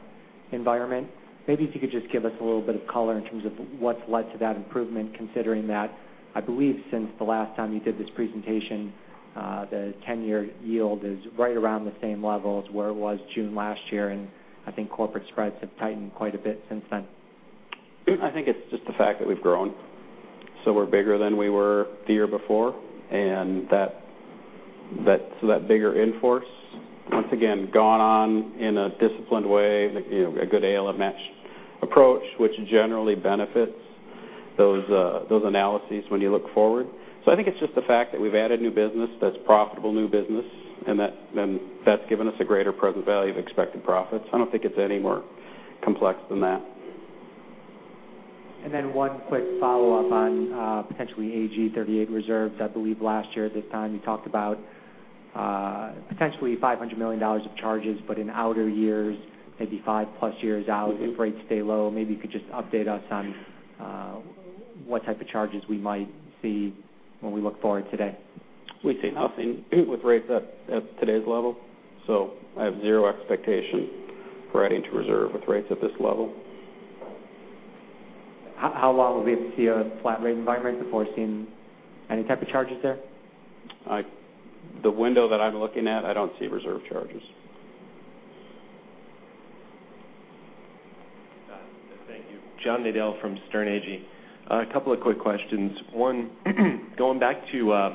environment. Maybe if you could just give us a little bit of color in terms of what's led to that improvement, considering that I believe since the last time you did this presentation, the 10-year yield is right around the same level as where it was June last year, and I think corporate spreads have tightened quite a bit since then. I think it's just the fact that we've grown. We're bigger than we were the year before. That bigger in-force, once again, gone on in a disciplined way, a good ALM match approach, which generally benefits those analyses when you look forward. I think it's just the fact that we've added new business that's profitable new business, and that's given us a greater present value of expected profits. I don't think it's any more complex than that. One quick follow-up on potentially AG 38 reserves. I believe last year at this time, you talked about potentially $500 million of charges, but in outer years, maybe 5-plus years out, if rates stay low, maybe you could just update us on what type of charges we might see when we look forward today. We see nothing with rates at today's level. I have zero expectation for adding to reserve with rates at this level. How long will we have to see a flat rate environment before seeing any type of charges there? The window that I'm looking at, I don't see reserve charges. Thank you. John Nadel from Sterne Agee. A couple of quick questions. One, going back to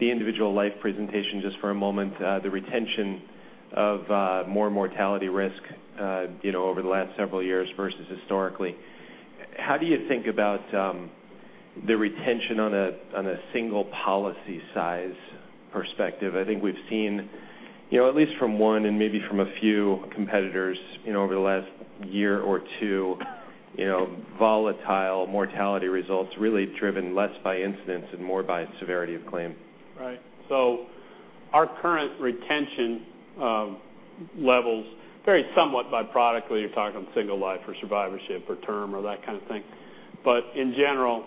the individual life presentation just for a moment, the retention of more mortality risk over the last several years versus historically, how do you think about the retention on a single policy size perspective? I think we've seen, at least from one and maybe from a few competitors over the last year or two, volatile mortality results really driven less by incidents and more by severity of claim. Right. Our current retention levels vary somewhat by product, whether you're talking single life or survivorship or term or that kind of thing. In general,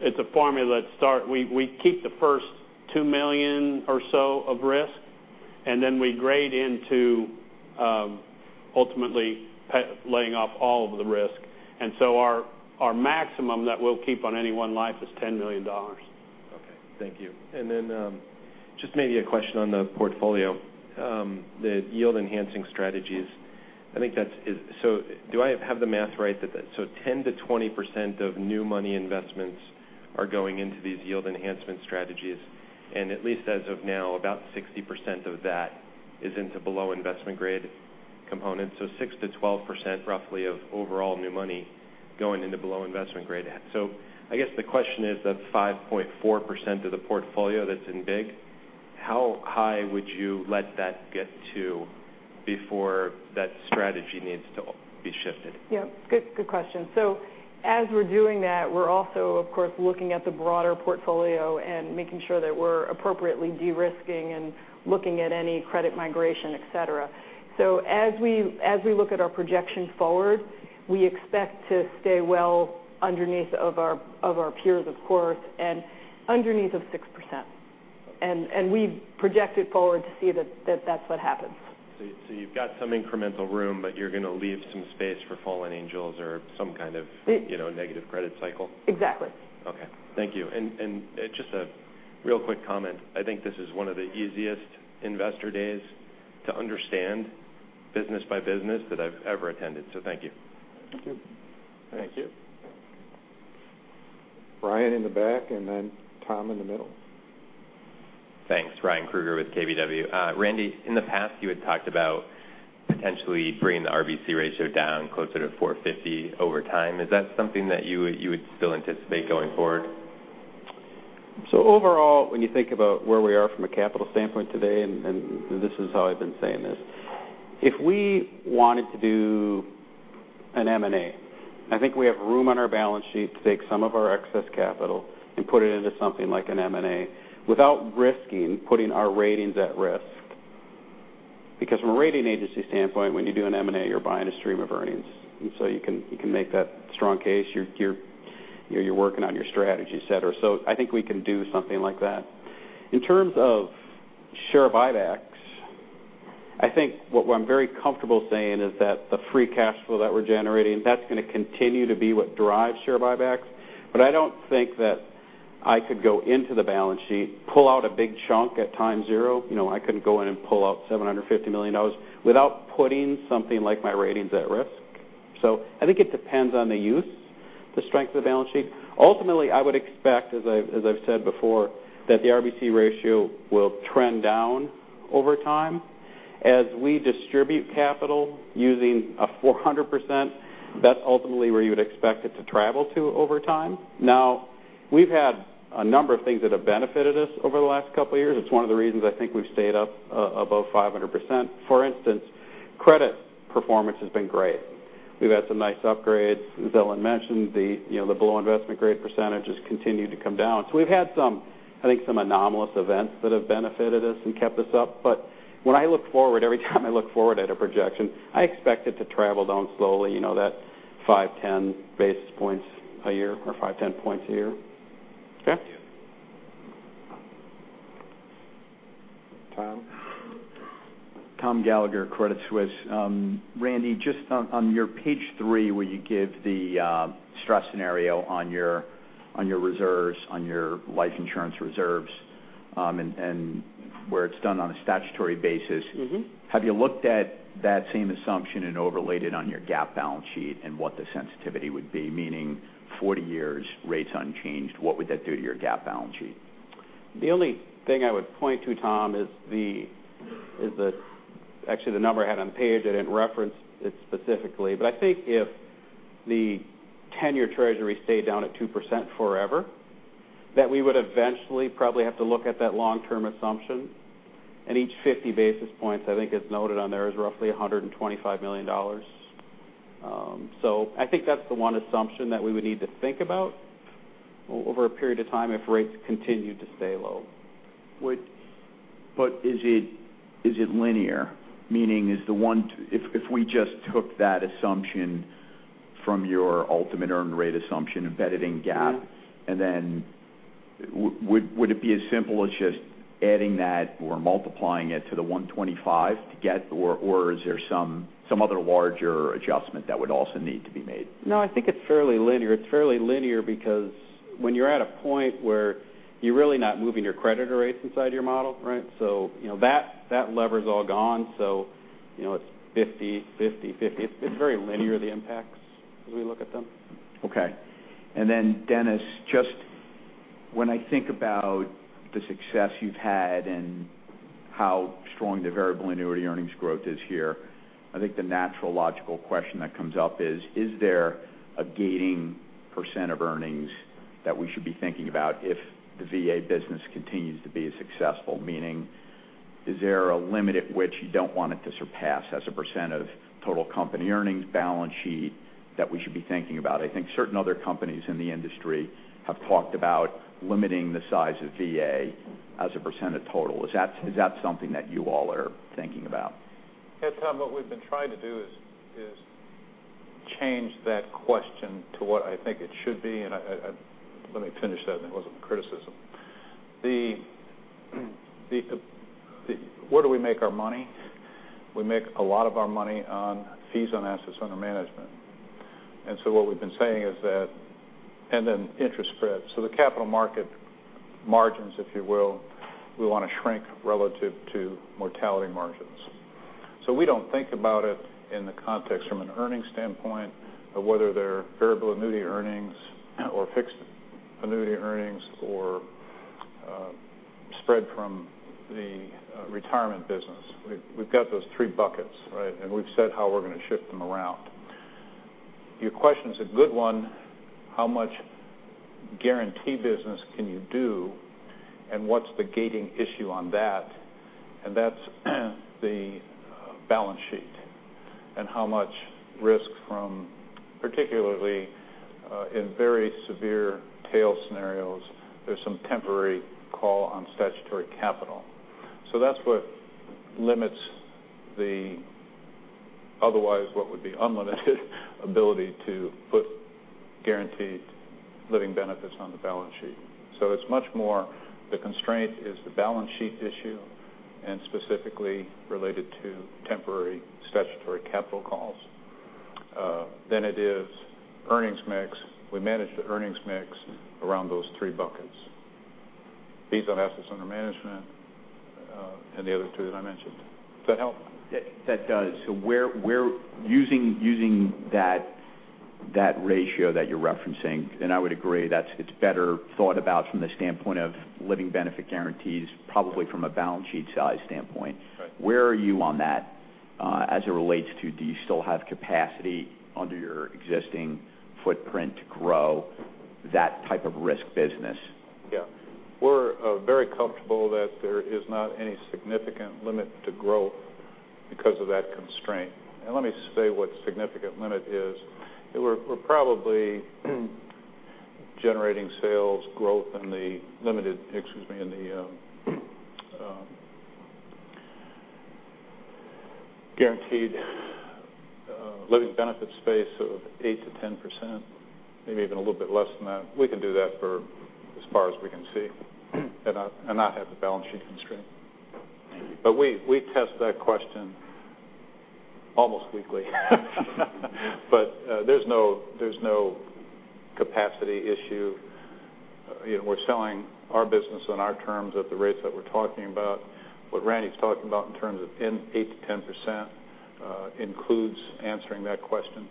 it's a formula that start, we keep the first $2 million or so of risk, and then we grade into ultimately laying off all of the risk. Our maximum that we'll keep on any one life is $10 million. Okay. Thank you. Just maybe a question on the portfolio, the yield-enhancing strategies. Do I have the math right that 10%-20% of new money investments are going into these yield enhancement strategies, and at least as of now, about 60% of that is into below investment grade components. 6%-12% roughly of overall new money going into below investment grade. I guess the question is that 5.4% of the portfolio that's in BIG, how high would you let that get to before that strategy needs to be shifted? Yep. Good question. As we're doing that, we're also, of course, looking at the broader portfolio and making sure that we're appropriately de-risking and looking at any credit migration, et cetera. As we look at our projection forward, we expect to stay well underneath of our peers, of course, and underneath of 6%. Okay. We've projected forward to see that that's what happens. You've got some incremental room, but you're going to leave some space for fallen angels or some kind of negative credit cycle. Exactly. Okay. Thank you. Just a real quick comment. I think this is one of the easiest investor days to understand business by business that I've ever attended. Thank you. Thank you. Ryan in the back, then Tom in the middle. Thanks. Ryan Krueger with KBW. Randy, in the past, you had talked about potentially bringing the RBC ratio down closer to 450 over time. Is that something that you would still anticipate going forward? Overall, when you think about where we are from a capital standpoint today, this is how I've been saying this, if we wanted to do an M&A, I think we have room on our balance sheet to take some of our excess capital and put it into something like an M&A without risking putting our ratings at risk. Because from a rating agency standpoint, when you do an M&A, you're buying a stream of earnings. You can make that strong case. You're working on your strategy, et cetera. I think we can do something like that. In terms of share buybacks, I think what I'm very comfortable saying is that the free cash flow that we're generating, that's going to continue to be what drives share buybacks. I don't think that I could go into the balance sheet, pull out a big chunk at time zero. I couldn't go in and pull out $750 million without putting something like my ratings at risk. I think it depends on the use, the strength of the balance sheet. Ultimately, I would expect, as I've said before, that the RBC ratio will trend down over time as we distribute capital using a 400%. That's ultimately where you would expect it to travel to over time. We've had a number of things that have benefited us over the last couple of years. It's one of the reasons I think we've stayed up above 500%. For instance, credit performance has been great. We've had some nice upgrades. Ellen mentioned the below investment grade percentages continue to come down. We've had some anomalous events that have benefited us and kept us up. When I look forward, every time I look forward at a projection, I expect it to travel down slowly, that five, 10 basis points a year or five, 10 points a year. Okay? Yeah. Tom. Tom Gallagher, Credit Suisse. Randy, just on your page three, where you give the stress scenario on your reserves, on your life insurance reserves, and where it's done on a statutory basis- Have you looked at that same assumption and overlaid it on your GAAP balance sheet and what the sensitivity would be, meaning 40 years rates unchanged? What would that do to your GAAP balance sheet? The only thing I would point to, Tom, is actually the number I had on page. I didn't reference it specifically, but I think if the 10-year Treasury stayed down at 2% forever We would eventually probably have to look at that long-term assumption. Each 50 basis points, I think as noted on there, is roughly $125 million. I think that's the one assumption that we would need to think about over a period of time if rates continue to stay low. Is it linear? Meaning if we just took that assumption from your ultimate earned rate assumption embedded in GAAP. Would it be as simple as just adding that or multiplying it to the 125 to get, or is there some other larger adjustment that would also need to be made? No, I think it's fairly linear. It's fairly linear because when you're at a point where you're really not moving your creditor rates inside your model, right? That lever's all gone, it's 50, 50. It's very linear, the impacts, as we look at them. Okay. Then Dennis, just when I think about the success you've had and how strong the variable annuity earnings growth is here, I think the natural logical question that comes up is there a gating percent of earnings that we should be thinking about if the VA business continues to be as successful? Meaning, is there a limit at which you don't want it to surpass as a percent of total company earnings balance sheet that we should be thinking about? I think certain other companies in the industry have talked about limiting the size of VA as a percent of total. Is that something that you all are thinking about? Yeah, Tom, what we've been trying to do is change that question to what I think it should be, and let me finish that. That wasn't a criticism. Where do we make our money? We make a lot of our money on fees on assets under management. What we've been saying is that and then interest spreads. The capital market margins, if you will, we want to shrink relative to mortality margins. We don't think about it in the context from an earnings standpoint of whether they're variable annuity earnings or fixed annuity earnings or spread from the retirement business. We've got those three buckets, right? We've said how we're going to shift them around. Your question's a good one, how much guarantee business can you do, and what's the gating issue on that? That's the balance sheet and how much risk from, particularly, in very severe tail scenarios, there's some temporary call on statutory capital. That's what limits the otherwise what would be unlimited ability to put guaranteed living benefits on the balance sheet. It's much more the constraint is the balance sheet issue, and specifically related to temporary statutory capital calls than it is earnings mix. We manage the earnings mix around those three buckets, fees on assets under management, and the other two that I mentioned. Does that help? That does. Using that ratio that you're referencing, and I would agree it's better thought about from the standpoint of living benefit guarantees, probably from a balance sheet size standpoint. Right. Where are you on that, as it relates to, do you still have capacity under your existing footprint to grow that type of risk business? Yeah. We're very comfortable that there is not any significant limit to growth because of that constraint. Let me say what significant limit is. We're probably generating sales growth in the limited, excuse me, in the guaranteed living benefits space of 8%-10%, maybe even a little bit less than that. We can do that for as far as we can see and not have the balance sheet constraint. Thank you. We test that question almost weekly. There's no capacity issue. We're selling our business on our terms at the rates that we're talking about. What Randy's talking about in terms of 8%-10% includes answering that question.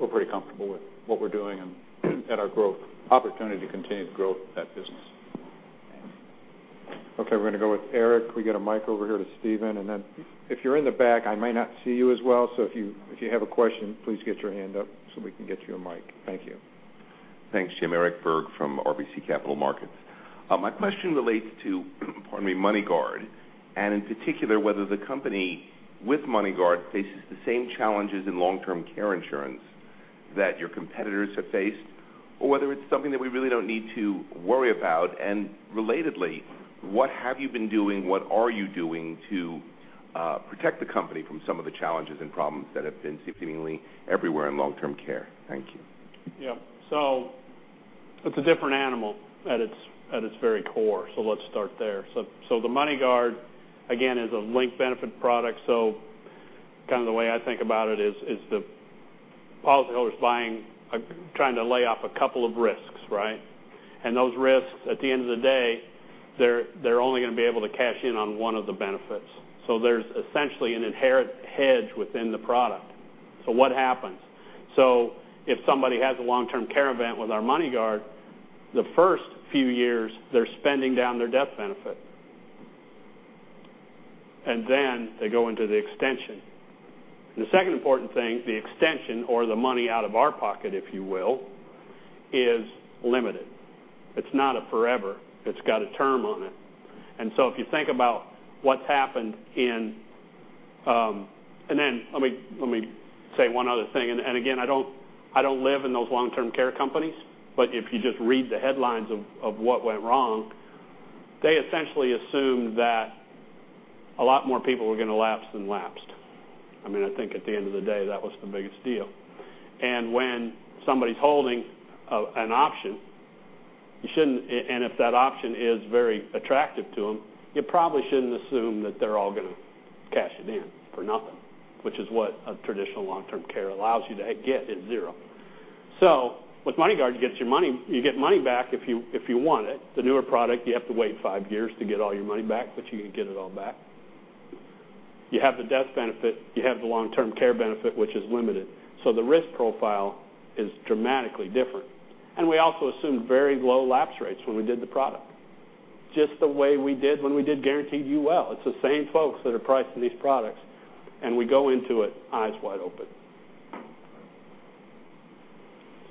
We're pretty comfortable with what we're doing and our growth opportunity to continue to grow that business. Thanks. Okay, we're going to go with Erik. Can we get a mic over here to Stephen? If you're in the back, I may not see you as well. If you have a question, please get your hand up so we can get you a mic. Thank you. Thanks, Jim. Eric Berg from RBC Capital Markets. My question relates to, pardon me, MoneyGuard, and in particular, whether the company with MoneyGuard faces the same challenges in long-term care insurance that your competitors have faced, or whether it's something that we really don't need to worry about. Relatedly, what have you been doing, what are you doing to protect the company from some of the challenges and problems that have been seemingly everywhere in long-term care? Thank you. Yeah. It's a different animal at its very core, let's start there. The MoneyGuard, again, is a linked benefit product. The way I think about it is the policyholder's trying to lay off a couple of risks, right? Those risks, at the end of the day, they're only going to be able to cash in on one of the benefits. There's essentially an inherent hedge within the product. What happens? If somebody has a long-term care event with our MoneyGuard, the first few years, they're spending down their death benefit. Then they go into the extension. The second important thing, the extension or the money out of our pocket, if you will, is limited. It's not a forever. It's got a term on it. Let me say one other thing, again, I don't live in those long-term care companies, but if you just read the headlines of what went wrong, they essentially assumed that a lot more people were going to lapse than lapsed. I think at the end of the day, that was the biggest deal. When somebody's holding an option, if that option is very attractive to them, you probably shouldn't assume that they're all going to cash it in for nothing, which is what a traditional long-term care allows you to get is zero. With MoneyGuard, you get your money back if you want it. The newer product, you have to wait five years to get all your money back, but you can get it all back. You have the death benefit. You have the long-term care benefit, which is limited. The risk profile is dramatically different. We also assumed very low lapse rates when we did the product, just the way we did when we did guaranteed UL. It's the same folks that are pricing these products, we go into it eyes wide open.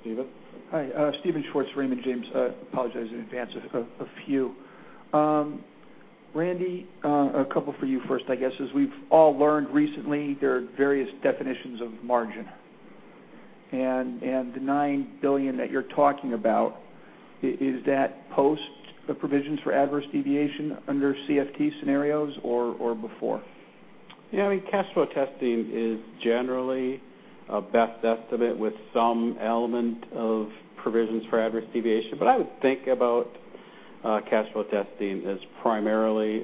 Stephen? Hi, Stephen Schwarzman, Raymond James. I apologize in advance. A few. Randy, a couple for you first. I guess as we've all learned recently, there are various definitions of margin. The $9 billion that you're talking about, is that post the provisions for adverse deviation under CFT scenarios or before? I mean, cash flow testing is generally a best estimate with some element of provisions for adverse deviation. I would think about cash flow testing as primarily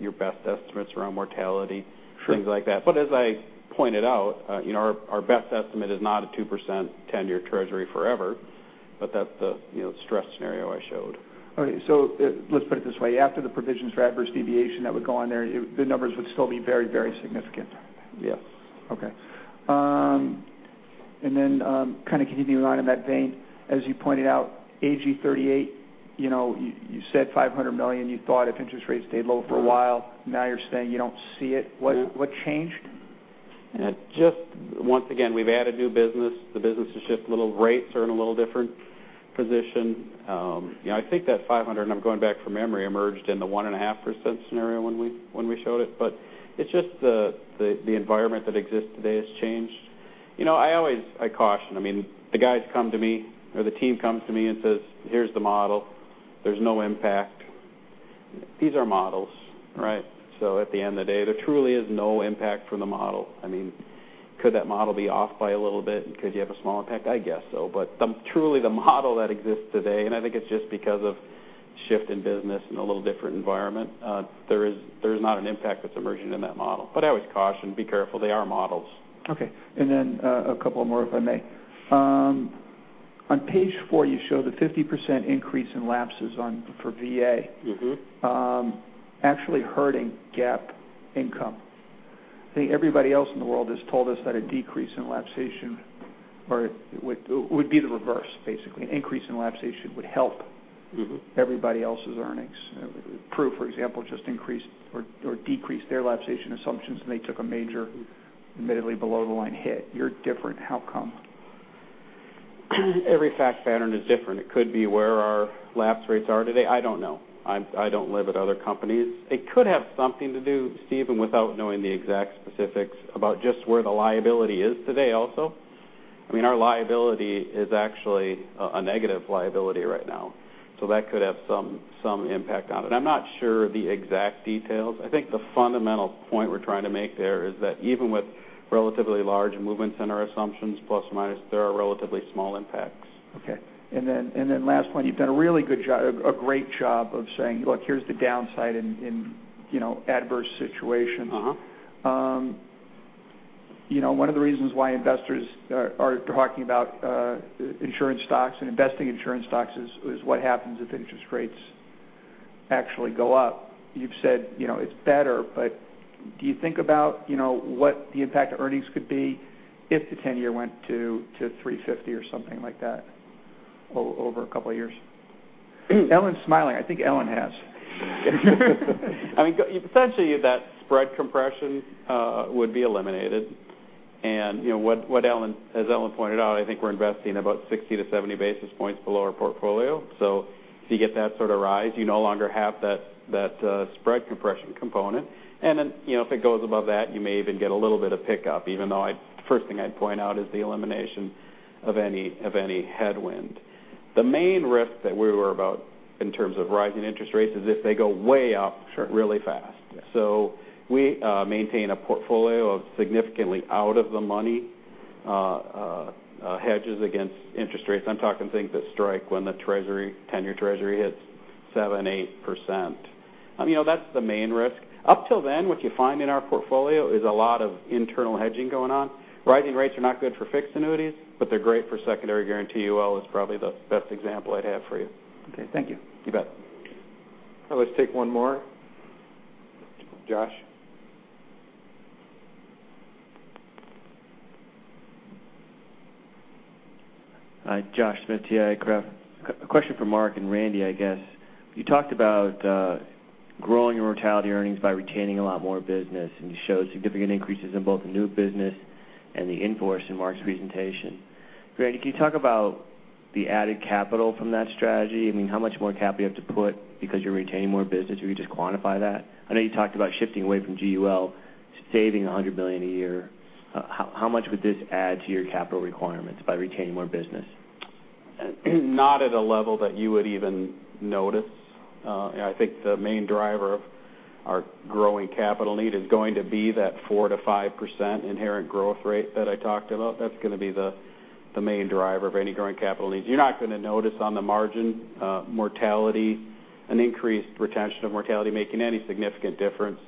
your best estimates around mortality. Sure things like that. As I pointed out, our best estimate is not a 2% 10-year Treasury forever, but that's the stress scenario I showed. Okay. Let's put it this way. After the provisions for adverse deviation that would go on there, the numbers would still be very significant? Yes. Okay. Then kind of continuing on in that vein, as you pointed out, AG 38, you said $500 million. You thought if interest rates stayed low for a while, now you're saying you don't see it. What changed? Just once again, we've added new business. The business is just little rates are in a little different position. I think that 500, and I'm going back from memory, emerged in the 1.5% scenario when we showed it. It's just the environment that exists today has changed. I caution. The guys come to me or the team comes to me and says, "Here's the model. There's no impact." These are models, right? At the end of the day, there truly is no impact from the model. Could that model be off by a little bit because you have a small impact? I guess so. Truly the model that exists today, and I think it's just because of shift in business and a little different environment, there is not an impact that's emerging in that model. I always caution, be careful. They are models. Okay. A couple more, if I may. On page four, you show the 50% increase in lapses for VA. Actually hurting GAAP income. I think everybody else in the world has told us that a decrease in lapsation or it would be the reverse, basically. An increase in lapsation would help everybody else's earnings. Pru, for example, just decreased their lapsation assumptions. They took a major admittedly below the line hit. You're different. How come? Every fact pattern is different. It could be where our lapse rates are today. I don't know. I don't live at other companies. It could have something to do, Stephen, without knowing the exact specifics about just where the liability is today also. Our liability is actually a negative liability right now. That could have some impact on it. I'm not sure of the exact details. I think the fundamental point we're trying to make there is that even with relatively large movements in our assumptions, plus or minus, there are relatively small impacts. Okay. Last point, you've done a great job of saying, "Look, here's the downside in adverse situations. One of the reasons why investors are talking about insurance stocks and investing insurance stocks is what happens if interest rates actually go up. You've said it's better, but do you think about what the impact of earnings could be if the 10-year went to 350 or something like that over a couple of years? Ellen's smiling. I think Ellen has. Essentially, that spread compression would be eliminated. As Ellen pointed out, I think we're investing about 60 to 70 basis points below our portfolio. If you get that sort of rise, you no longer have that spread compression component. If it goes above that, you may even get a little bit of pickup, even though the first thing I'd point out is the elimination of any headwind. The main risk that we were about in terms of rising interest rates is if they go way up really fast. Sure. Yeah. We maintain a portfolio of significantly out of the money hedges against interest rates. I'm talking things that strike when the 10-year Treasury hits 7%, 8%. That's the main risk. Up till then, what you find in our portfolio is a lot of internal hedging going on. Rising rates are not good for fixed annuities, but they're great for secondary guarantee UL is probably the best example I'd have for you. Okay. Thank you. You bet. Let's take one more. Josh? Hi, Josh Smith, TI Craft. A question for Mark and Randy, I guess. You talked about growing your mortality earnings by retaining a lot more business, you showed significant increases in both the new business and the in-force in Mark's presentation. Randy, can you talk about the added capital from that strategy? How much more capital you have to put because you're retaining more business? If you could just quantify that. I know you talked about shifting away from GUL, saving $100 million a year. How much would this add to your capital requirements by retaining more business? Not at a level that you would even notice. I think the main driver of our growing capital need is going to be that 4%-5% inherent growth rate that I talked about. That's going to be the main driver of any growing capital needs. You're not going to notice on the margin an increased retention of mortality making any significant difference.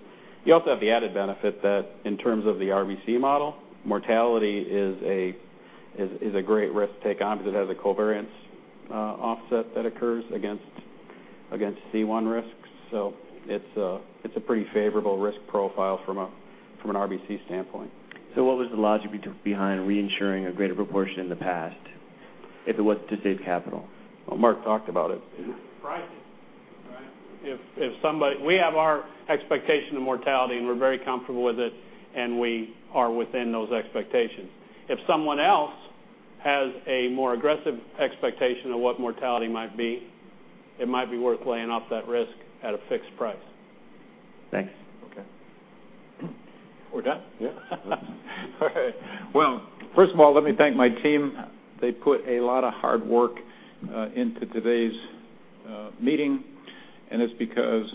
You also have the added benefit that in terms of the RBC model, mortality is a great risk to take on because it has a covariance offset that occurs against C1 risks. It's a pretty favorable risk profile from an RBC standpoint. What was the logic behind reinsuring a greater proportion in the past if it was to save capital? Well, Mark talked about it. Pricing. If we have our expectation of mortality and we're very comfortable with it and we are within those expectations. If someone else has a more aggressive expectation of what mortality might be, it might be worth laying off that risk at a fixed price. Thanks. Okay. We're done? Yeah. All right. Well, first of all, let me thank my team. They put a lot of hard work into today's meeting. It's because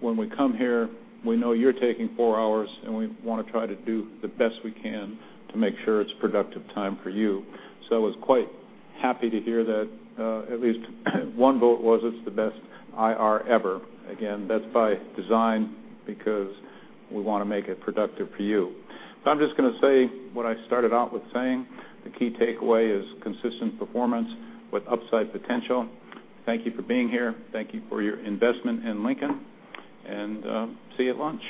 when we come here, we know you're taking 4 hours. We want to try to do the best we can to make sure it's productive time for you. I was quite happy to hear that at least one vote was it's the best IR ever. Again, that's by design because we want to make it productive for you. I'm just going to say what I started out with saying, the key takeaway is consistent performance with upside potential. Thank you for being here. Thank you for your investment in Lincoln. See you at lunch.